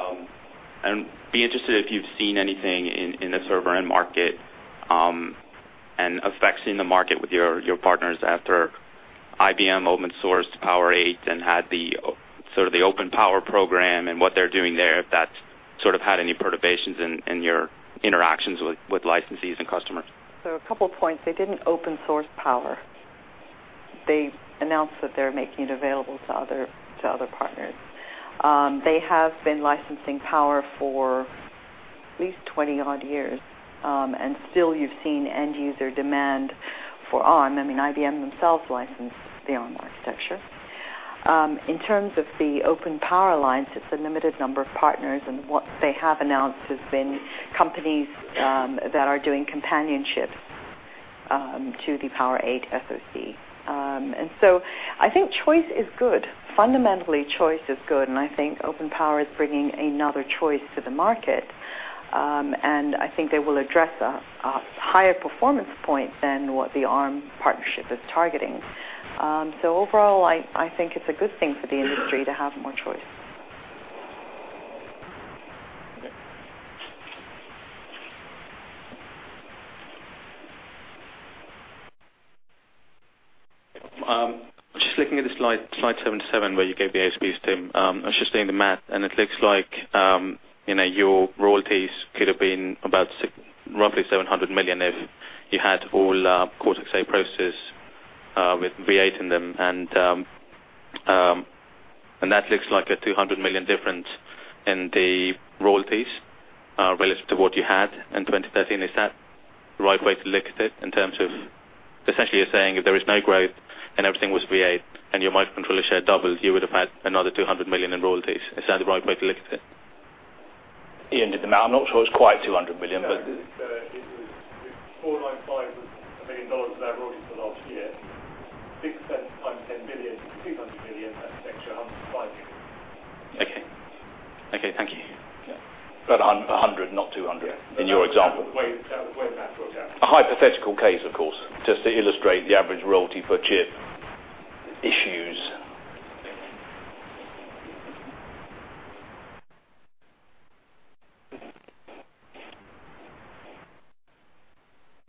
I'd be interested if you've seen anything in the server end market, effects in the market with your partners after IBM open sourced POWER8 and had the OpenPOWER program and what they're doing there, if that's had any perturbations in your interactions with licensees and customers. A couple points. They didn't open source Power. They announced that they're making it available to other partners. They have been licensing Power for at least 20-odd years, and still you've seen end user demand for Arm. IBM themselves license the Arm architecture. In terms of the OpenPOWER alliance, it's a limited number of partners, and what they have announced has been companies that are doing companionships to the POWER8 SoC. I think choice is good. Fundamentally, choice is good, and I think OpenPOWER is bringing another choice to the market. I think they will address a higher performance point than what the Arm partnership is targeting. Overall, I think it's a good thing for the industry to have more choice. Okay. Just looking at the slide 77 where you gave the ASPs, Tim. I was just doing the math, and it looks like your royalties could have been about roughly 700 million if you had all Cortex-A processors with v8 in them, and that looks like a 200 million difference in the royalties relative to what you had in 2013. Is that the right way to look at it, essentially you're saying if there is no growth and everything was v8 and your microcontroller share doubles, you would have had another 200 million in royalties. Is that the right way to look at it? Ian did the math. I'm not sure it's quite 200 million. No. If 495 was $1 million of our royalties for last year, 6% times GBP 10 billion is GBP 200 million. That's an extra GBP 105 million. Okay. Thank you. 100, not 200 in your example. Yeah. That was the way the math worked out. A hypothetical case, of course, just to illustrate the average royalty per chip issues.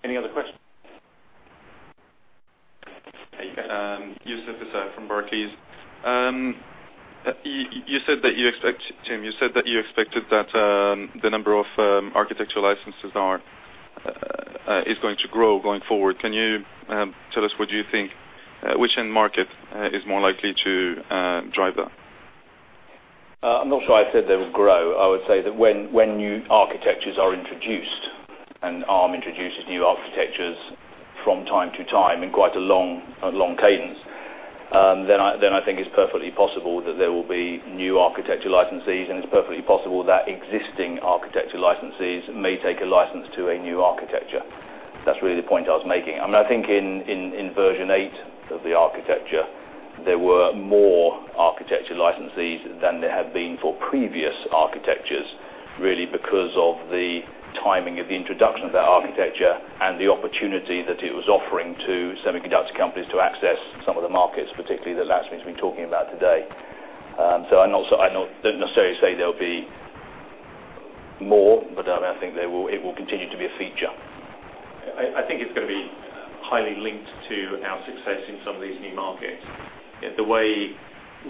Any other questions? Hey, guys. Youssef Essaegh from Barclays. Tim, you said that you expected that the number of architecture licenses is going to grow going forward. Can you tell us what you think, which end market is more likely to drive that? I'm not sure I said they would grow. I would say that when new architectures are introduced, and Arm introduces new architectures from time to time in quite a long cadence, then I think it's perfectly possible that there will be new architecture licensees, and it's perfectly possible that existing architecture licensees may take a license to a new architecture. That's really the point I was making. I think in version eight of the architecture, there were more architecture licensees than there had been for previous architectures, really because of the timing of the introduction of that architecture and the opportunity that it was offering to semiconductor companies to access some of the markets, particularly that Lakshmi's been talking about today. I don't necessarily say there'll be more, but I think it will continue to be a feature. I think it's going to be highly linked to our success in some of these new markets. The way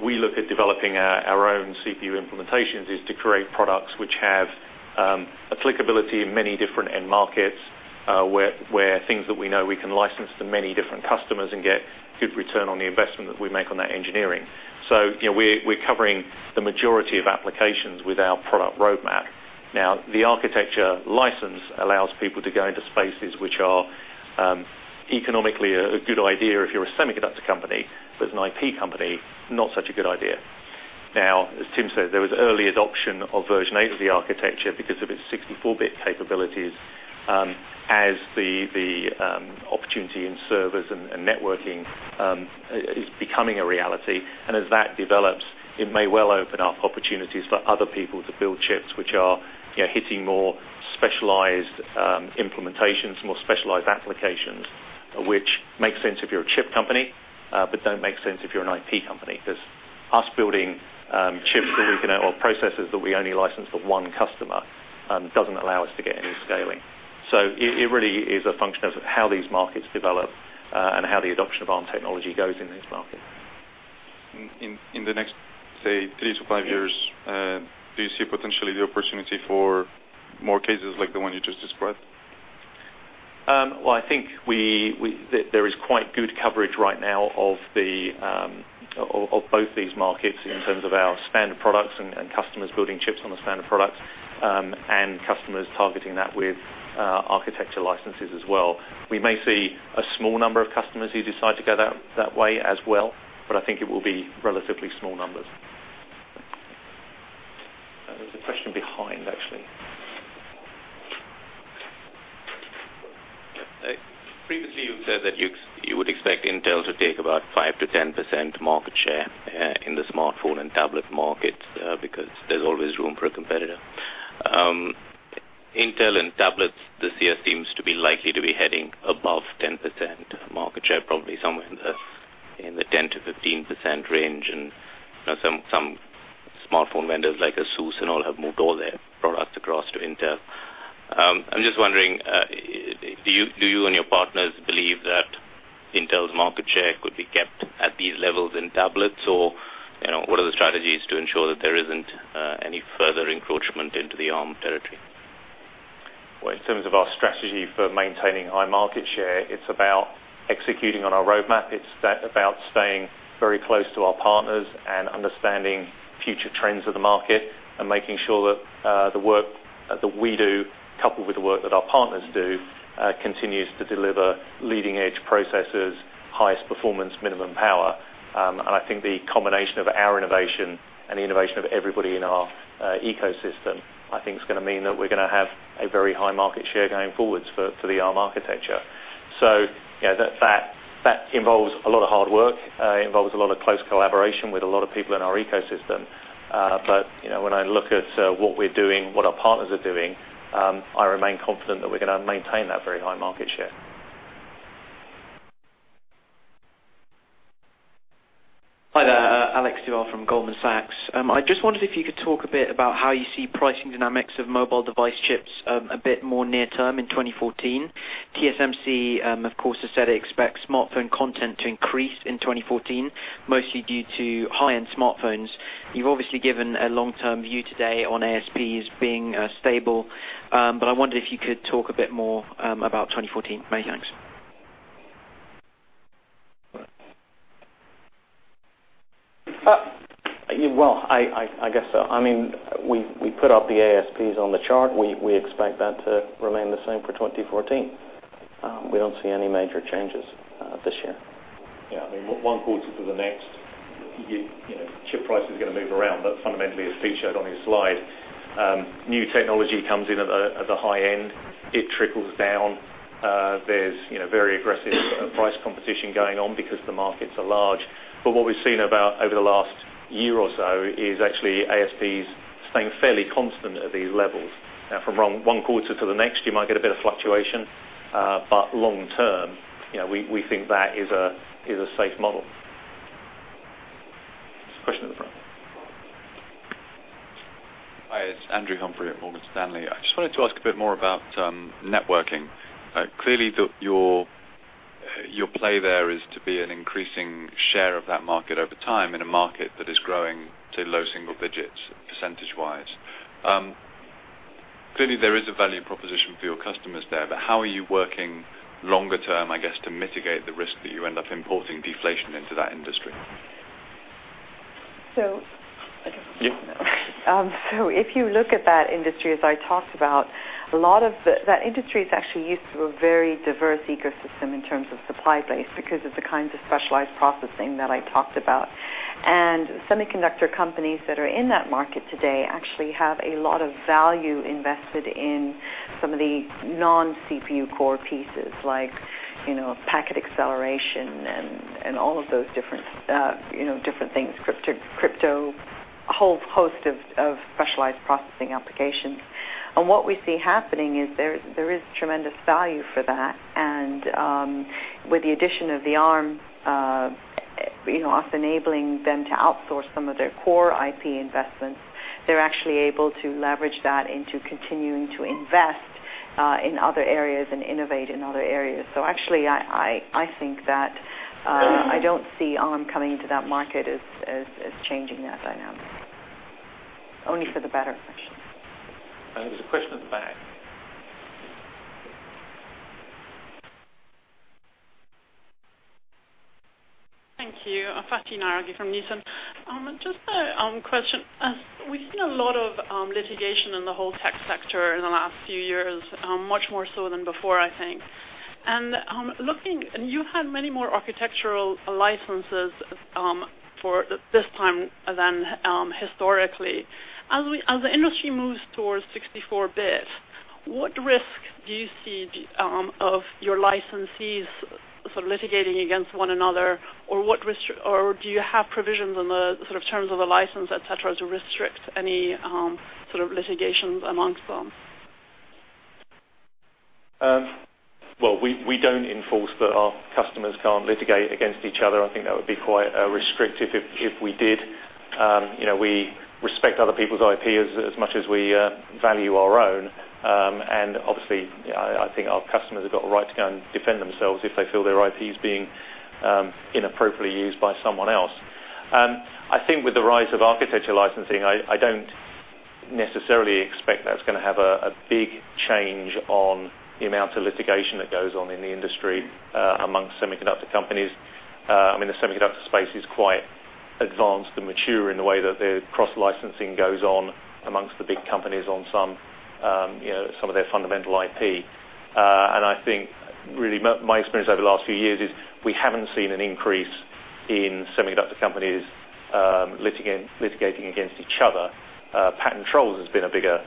we look at developing our own CPU implementations is to create products which have applicability in many different end markets, where things that we know we can license to many different customers and get good return on the investment that we make on that engineering. We're covering the majority of applications with our product roadmap. The architecture license allows people to go into spaces which are economically a good idea if you're a semiconductor company, but as an IP company, not such a good idea. As Tim said, there was early adoption of version eight of the architecture because of its 64-bit capabilities as the opportunity in servers and networking is becoming a reality. As that develops, it may well open up opportunities for other people to build chips which are hitting more specialized implementations, more specialized applications, which make sense if you're a chip company, but don't make sense if you're an IP company. Us building chips or processors that we only license for one customer doesn't allow us to get any scaling. It really is a function of how these markets develop and how the adoption of Arm technology goes in these markets. In the next, say, three to five years, do you see potentially the opportunity for more cases like the one you just described? I think there is quite good coverage right now of both these markets in terms of our standard products and customers building chips on the standard products, and customers targeting that with architecture licenses as well. We may see a small number of customers who decide to go that way as well, but I think it will be relatively small numbers. There's a question behind, actually. Previously, you said that you would expect Intel to take about 5%-10% market share in the smartphone and tablet market because there's always room for a competitor. Intel and tablets this year seems to be likely to be heading above 10% market share, probably somewhere in the 10%-15% range. Some smartphone vendors like Asus and all have moved all their products across to Intel. I'm just wondering, do you and your partners believe that Intel's market share could be kept at these levels in tablets? What are the strategies to ensure that there isn't any further encroachment into the Arm territory? Well, in terms of our strategy for maintaining high market share, it's about executing on our roadmap. It's about staying very close to our partners and understanding future trends of the market and making sure that the work that we do, coupled with the work that our partners do, continues to deliver leading-edge processors, highest performance, minimum power. I think the combination of our innovation and the innovation of everybody in our ecosystem, I think, is going to mean that we're going to have a very high market share going forwards for the Arm architecture. That involves a lot of hard work. It involves a lot of close collaboration with a lot of people in our ecosystem. When I look at what we're doing, what our partners are doing, I remain confident that we're going to maintain that very high market share. Hi there. Alexander Duval from Goldman Sachs. I just wondered if you could talk a bit about how you see pricing dynamics of mobile device chips a bit more near term in 2014. TSMC, of course, has said it expects smartphone content to increase in 2014, mostly due to high-end smartphones. You've obviously given a long-term view today on ASPs being stable, but I wondered if you could talk a bit more about 2014. Many thanks. Well, I guess so. We put up the ASPs on the chart. We expect that to remain the same for 2014. We don't see any major changes this year. One quarter to the next, chip prices are going to move around. Fundamentally, as featured on your slide, new technology comes in at the high end. It trickles down. There is very aggressive price competition going on because the markets are large. What we have seen over the last year or so is actually ASPs staying fairly constant at these levels. From one quarter to the next, you might get a bit of fluctuation. Long term, we think that is a safe model. There is a question at the front. Hi. It is Andrew Humphrey at Morgan Stanley. I just wanted to ask a bit more about networking. Clearly, your play there is to be an increasing share of that market over time in a market that is growing to low single digits percentage-wise. Clearly, there is a value proposition for your customers there, how are you working longer term, I guess, to mitigate the risk that you end up importing deflation into that industry? If you look at that industry, as I talked about, that industry is actually used to a very diverse ecosystem in terms of supply base because of the kinds of specialized processing that I talked about. Semiconductor companies that are in that market today actually have a lot of value invested in some of the non-CPU core pieces like packet acceleration and all of those different things, crypto, a whole host of specialized processing applications. What we see happening is there is tremendous value for that. With the addition of Arm, us enabling them to outsource some of their core IP investments, they are actually able to leverage that into continuing to invest in other areas and innovate in other areas. Actually, I think that I do not see Arm coming into that market as changing that dynamic. Only for the better, actually. There is a question at the back. Thank you. Fati Naraghi from Newton. Just a question. We've seen a lot of litigation in the whole tech sector in the last few years, much more so than before, I think. Looking, you've had many more architectural licenses for this time than historically. As the industry moves towards 64-bit, what risk do you see of your licensees sort of litigating against one another? Do you have provisions in the terms of the license, et cetera, to restrict any sort of litigations amongst them? Well, we don't enforce that our customers can't litigate against each other. I think that would be quite restrictive if we did. We respect other people's IP as much as we value our own. Obviously, I think our customers have got a right to go and defend themselves if they feel their IP is being inappropriately used by someone else. I think with the rise of architecture licensing, I don't necessarily expect that's going to have a big change on the amount of litigation that goes on in the industry amongst semiconductor companies. The semiconductor space is quite advanced and mature in the way that the cross-licensing goes on amongst the big companies on some of their fundamental IP. I think really my experience over the last few years is we haven't seen an increase in semiconductor companies litigating against each other. Patent trolls has been a bigger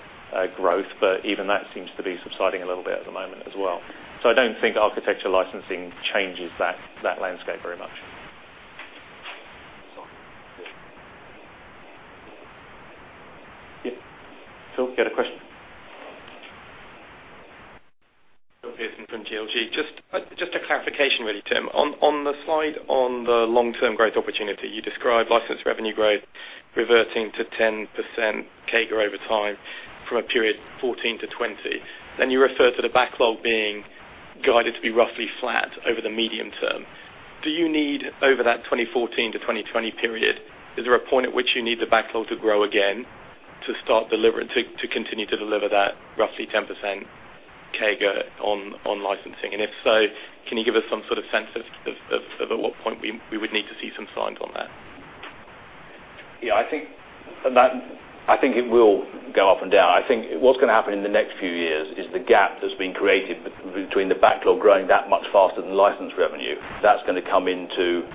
growth, even that seems to be subsiding a little bit at the moment as well. I don't think architecture licensing changes that landscape very much. Yes. Phil, you had a question? Phil Pearson from GLG. Just a clarification really, Tim. On the slide on the long-term growth opportunity, you describe license revenue growth reverting to 10% CAGR over time from a period 2014 to 2020. You refer to the backlog being guided to be roughly flat over the medium term. Do you need over that 2014 to 2020 period, is there a point at which you need the backlog to grow again, to continue to deliver that roughly 10% CAGR on licensing? If so, can you give us some sort of sense of at what point we would need to see some signs on that? I think it will go up and down. I think what's going to happen in the next few years is the gap that's been created between the backlog growing that much faster than license revenue. That's going to come into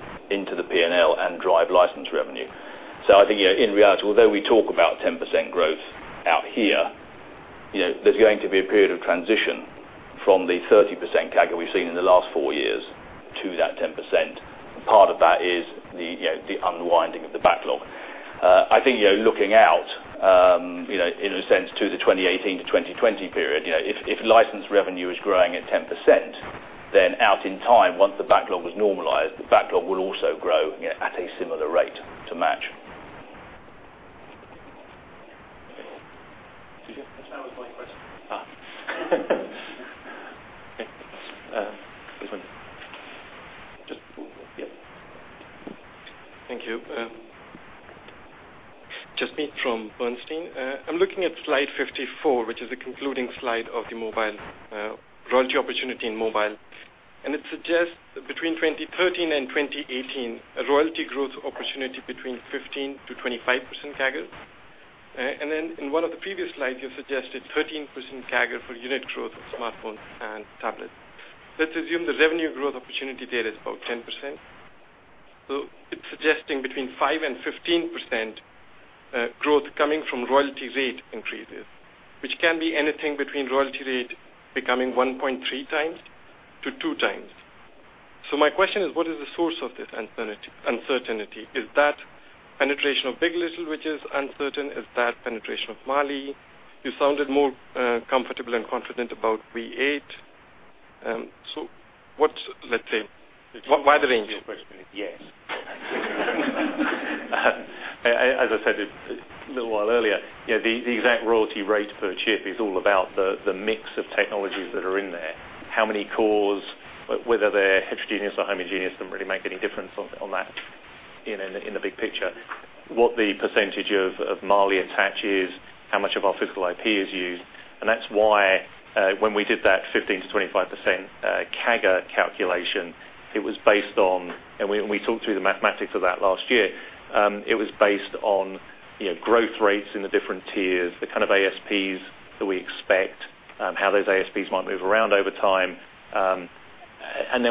the P&L and drive license revenue. I think, yeah, in reality, although we talk about 10% growth out here, there's going to be a period of transition from the 30% CAGR we've seen in the last four years to that 10%. Part of that is the unwinding of the backlog. I think, looking out, in a sense, to the 2018 to 2020 period, if license revenue is growing at 10%, then out in time, once the backlog was normalized, the backlog would also grow at a similar rate to match. That was my question. Okay. This one. Thank you. Jasmeet from Bernstein. I'm looking at slide 54, which is the concluding slide of the royalty opportunity in mobile. It suggests that between 2013 and 2018, a royalty growth opportunity between 15%-25% CAGRs. Then in one of the previous slides, you suggested 13% CAGR for unit growth of smartphones and tablets. Let's assume the revenue growth opportunity there is about 10%. It's suggesting between 5%-15% growth coming from royalty rate increases, which can be anything between royalty rate becoming 1.3 times-two times. My question is, what is the source of this uncertainty? Is that penetration of big. LITTLE, which is uncertain? Is that penetration of Mali? You sounded more comfortable and confident about v8. What's, let's say, why the range? The short answer to your question is yes. As I said a little while earlier, the exact royalty rate per chip is all about the mix of technologies that are in there. How many cores, whether they are heterogeneous or homogeneous, does not really make any difference on that in the big picture. What the percentage of Mali attach is, how much of our physical IP is used, and that is why when we did that 15%-25% CAGR calculation, it was based on. We talked through the mathematics of that last year. It was based on growth rates in the different tiers, the kind of ASPs that we expect, how those ASPs might move around over time.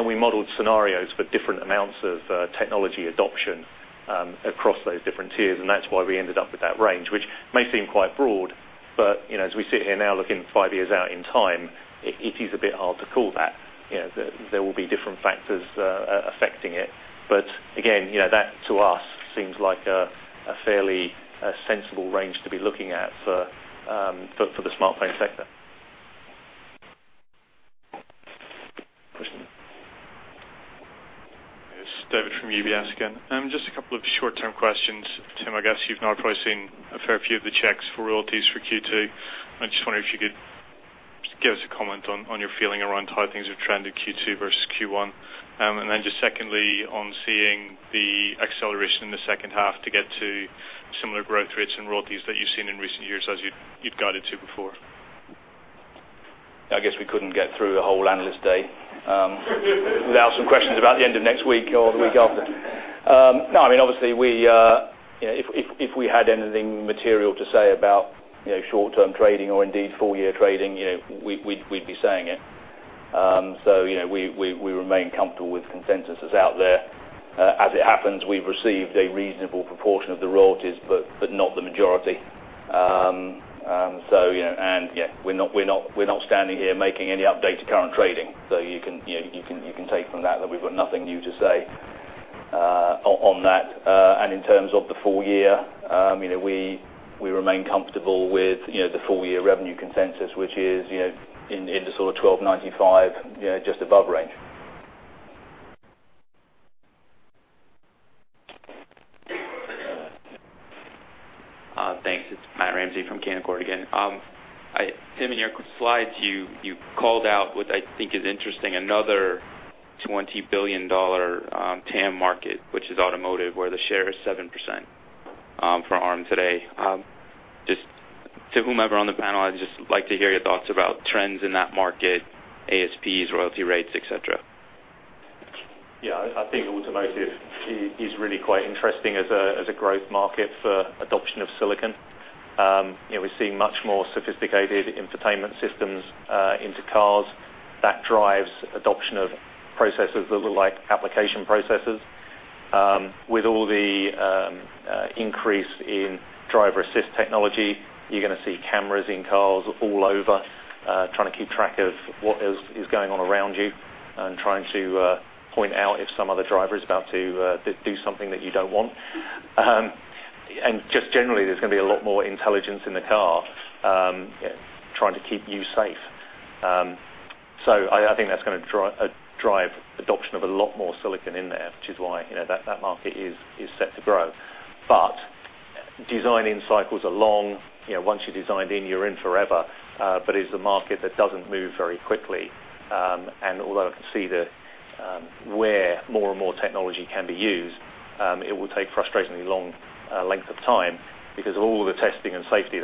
We modeled scenarios for different amounts of technology adoption across those different tiers, and that is why we ended up with that range, which may seem quite broad, but as we sit here now looking 5 years out in time, it is a bit hard to call that. There will be different factors affecting it. But again, that to us seems like a fairly sensible range to be looking at for the smartphone sector. Question. Yes. David from UBS again. Just a couple of short-term questions. Tim, I guess you have now probably seen a fair few of the checks for royalties for Q2. I just wonder if you could give us a comment on your feeling around how things have trended Q2 versus Q1. Then just secondly, on seeing the acceleration in the second half to get to similar growth rates and royalties that you have seen in recent years as you had guided to before. I guess we could not get through a whole analyst day without some questions about the end of next week or the week after. No, obviously, we are. If we had anything material to say about short-term trading or indeed full-year trading, we would be saying it. So we remain comfortable with consensus out there. As it happens, we have received a reasonable proportion of the royalties, but not the majority. We are not standing here making any update to current trading. So you can take from that we have got nothing new to say on that. In terms of the full-year, we remain comfortable with the full-year revenue consensus, which is in the sort of $12.95, just above range. Thanks. It's Matt Ramsay from Canaccord again. Tim, in your slides, you called out what I think is interesting, another $20 billion TAM market, which is automotive, where the share is 7% for Arm today. Just to whomever on the panel, I'd just like to hear your thoughts about trends in that market, ASPs, royalty rates, et cetera. I think automotive is really quite interesting as a growth market for adoption of silicon. We're seeing much more sophisticated entertainment systems into cars. That drives adoption of processors that look like application processors. With all the increase in driver-assist technology, you're going to see cameras in cars all over, trying to keep track of what is going on around you and trying to point out if some other driver is about to do something that you don't want. Just generally, there's going to be a lot more intelligence in the car trying to keep you safe. I think that's going to drive adoption of a lot more silicon in there, which is why that market is set to grow. Design-in cycles are long. Once you're designed in, you're in forever. It is a market that doesn't move very quickly. Although I can see where more and more technology can be used, it will take a frustratingly long length of time because of all the testing and safety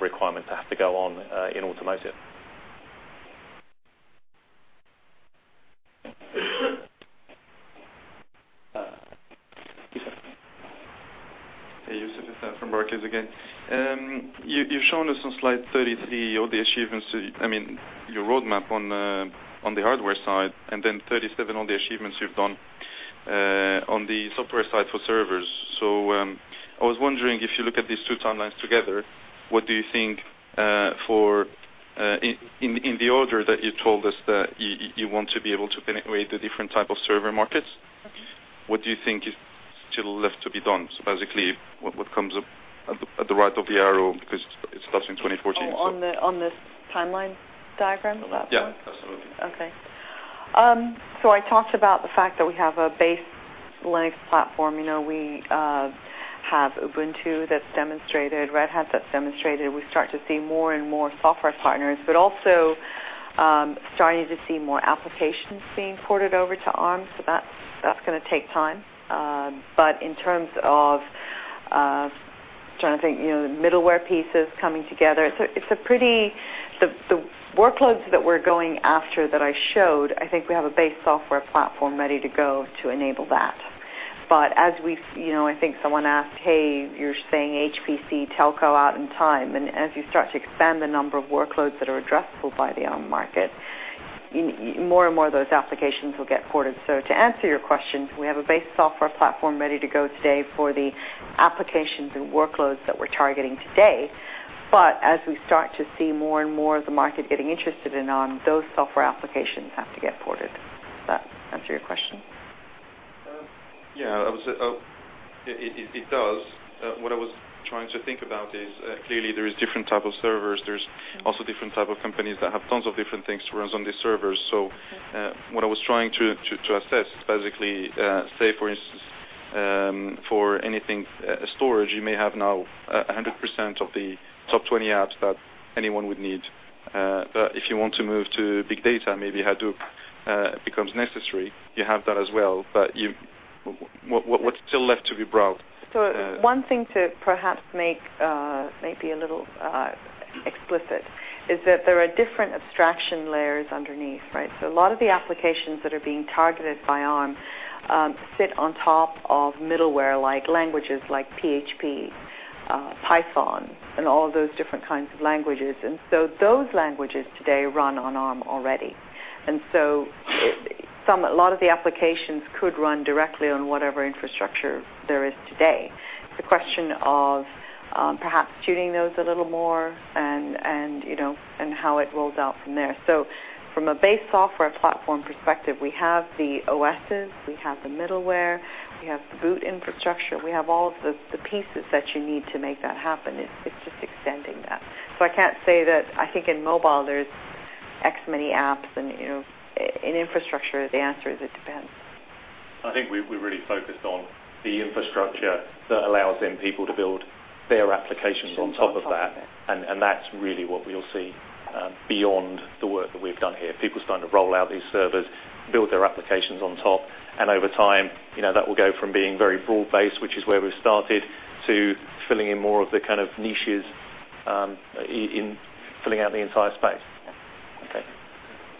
requirements that have to go on in automotive. Youssef Nassar from Barclays again. You've shown us on slide 33 your roadmap on the hardware side, and then 37 on the achievements you've done on the software side for servers. I was wondering if you look at these two timelines together, what do you think for in the order that you told us that you want to be able to penetrate the different type of server markets, what do you think is still left to be done? Basically, what comes up at the right of the arrow because it stops in 2014. Oh, on this timeline diagram? Yeah, absolutely. Okay. I talked about the fact that we have a base Linux platform. We have Ubuntu that's demonstrated, Red Hat that's demonstrated. We start to see more and more software partners, but also starting to see more applications being ported over to Arm. That's going to take time. In terms of trying to think, the middleware pieces coming together. The workloads that we're going after that I showed, I think we have a base software platform ready to go to enable that. I think someone asked, "Hey, you're saying HPC telco out in time." As you start to expand the number of workloads that are addressable by the Arm market, more and more of those applications will get ported. To answer your question, we have a base software platform ready to go today for the applications and workloads that we're targeting today. As we start to see more and more of the market getting interested in Arm, those software applications have to get ported. Does that answer your question? Yeah, it does. What I was trying to think about is, clearly there is different type of servers. There's also different type of companies that have tons of different things to run on these servers. What I was trying to assess is basically, say for instance for anything storage, you may have now 100% of the top 20 apps that anyone would need. If you want to move to big data, maybe Hadoop becomes necessary. You have that as well. What's still left to be brought? One thing to perhaps make maybe a little explicit is that there are different abstraction layers underneath, right? A lot of the applications that are being targeted by Arm sit on top of middleware like languages like PHP, Python, and all of those different kinds of languages. Those languages today run on Arm already. A lot of the applications could run directly on whatever infrastructure there is today. It's a question of perhaps tuning those a little more and how it rolls out from there. From a base software platform perspective, we have the OSs, we have the middleware, we have the boot infrastructure, we have all of the pieces that you need to make that happen. It's just extending that. I can't say that I think in mobile there's X many apps, and in infrastructure, the answer is it depends. I think we really focused on the infrastructure that allows then people to build their applications on top of that. That's really what we will see beyond the work that we've done here. People starting to roll out these servers, build their applications on top, and over time, that will go from being very broad-based, which is where we've started, to filling in more of the kind of niches in filling out the entire space. Okay.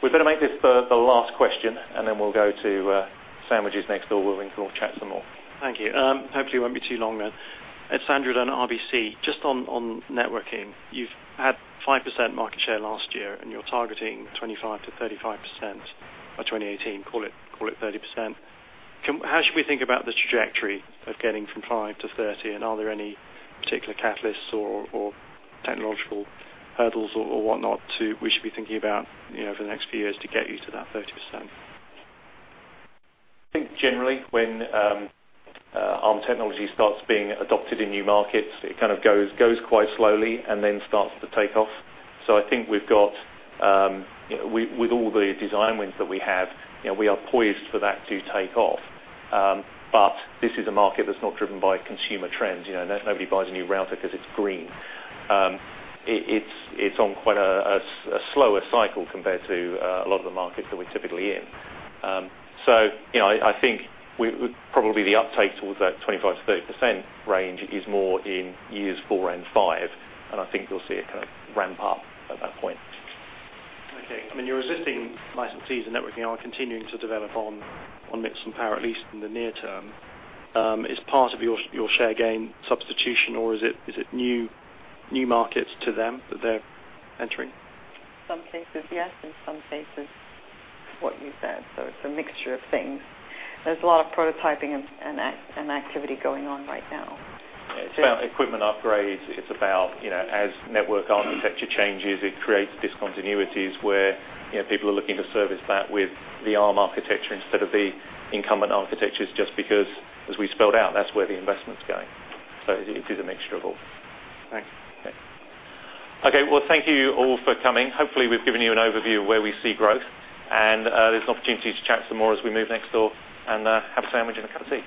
We better make this the last question, and then we'll go to sandwiches next door where we can all chat some more. Thank you. Hopefully it won't be too long then. It's Andrew Dunn, RBC. Just on networking. You've had 5% market share last year, and you're targeting 25%-35% by 2018. Call it 30%. How should we think about the trajectory of getting from 5 to 30? Are there any particular catalysts or technological hurdles or whatnot we should be thinking about for the next few years to get you to that 30%? I think generally when Arm technology starts being adopted in new markets, it goes quite slowly and then starts to take off. I think with all the design wins that we have, we are poised for that to take off. This is a market that's not driven by consumer trends. Nobody buys a new router because it's green. It's on quite a slower cycle compared to a lot of the markets that we're typically in. I think probably the uptake towards that 25%-30% range is more in years four and five, and I think you'll see it ramp up at that point. Okay. Your existing licensees and networking are continuing to develop on MIPS and power, at least in the near term. Is part of your share gain substitution or is it new markets to them that they're entering? Some cases, yes. In some cases, what you said. It's a mixture of things. There's a lot of prototyping and activity going on right now. It's about equipment upgrades. It's about as network architecture changes, it creates discontinuities where people are looking to service that with the Arm architecture instead of the incumbent architectures, just because, as we spelled out, that's where the investment's going. It is a mixture of all. Thanks. Okay. Well, thank you all for coming. Hopefully, we've given you an overview of where we see growth, and there's an opportunity to chat some more as we move next door and have a sandwich and a cup of tea.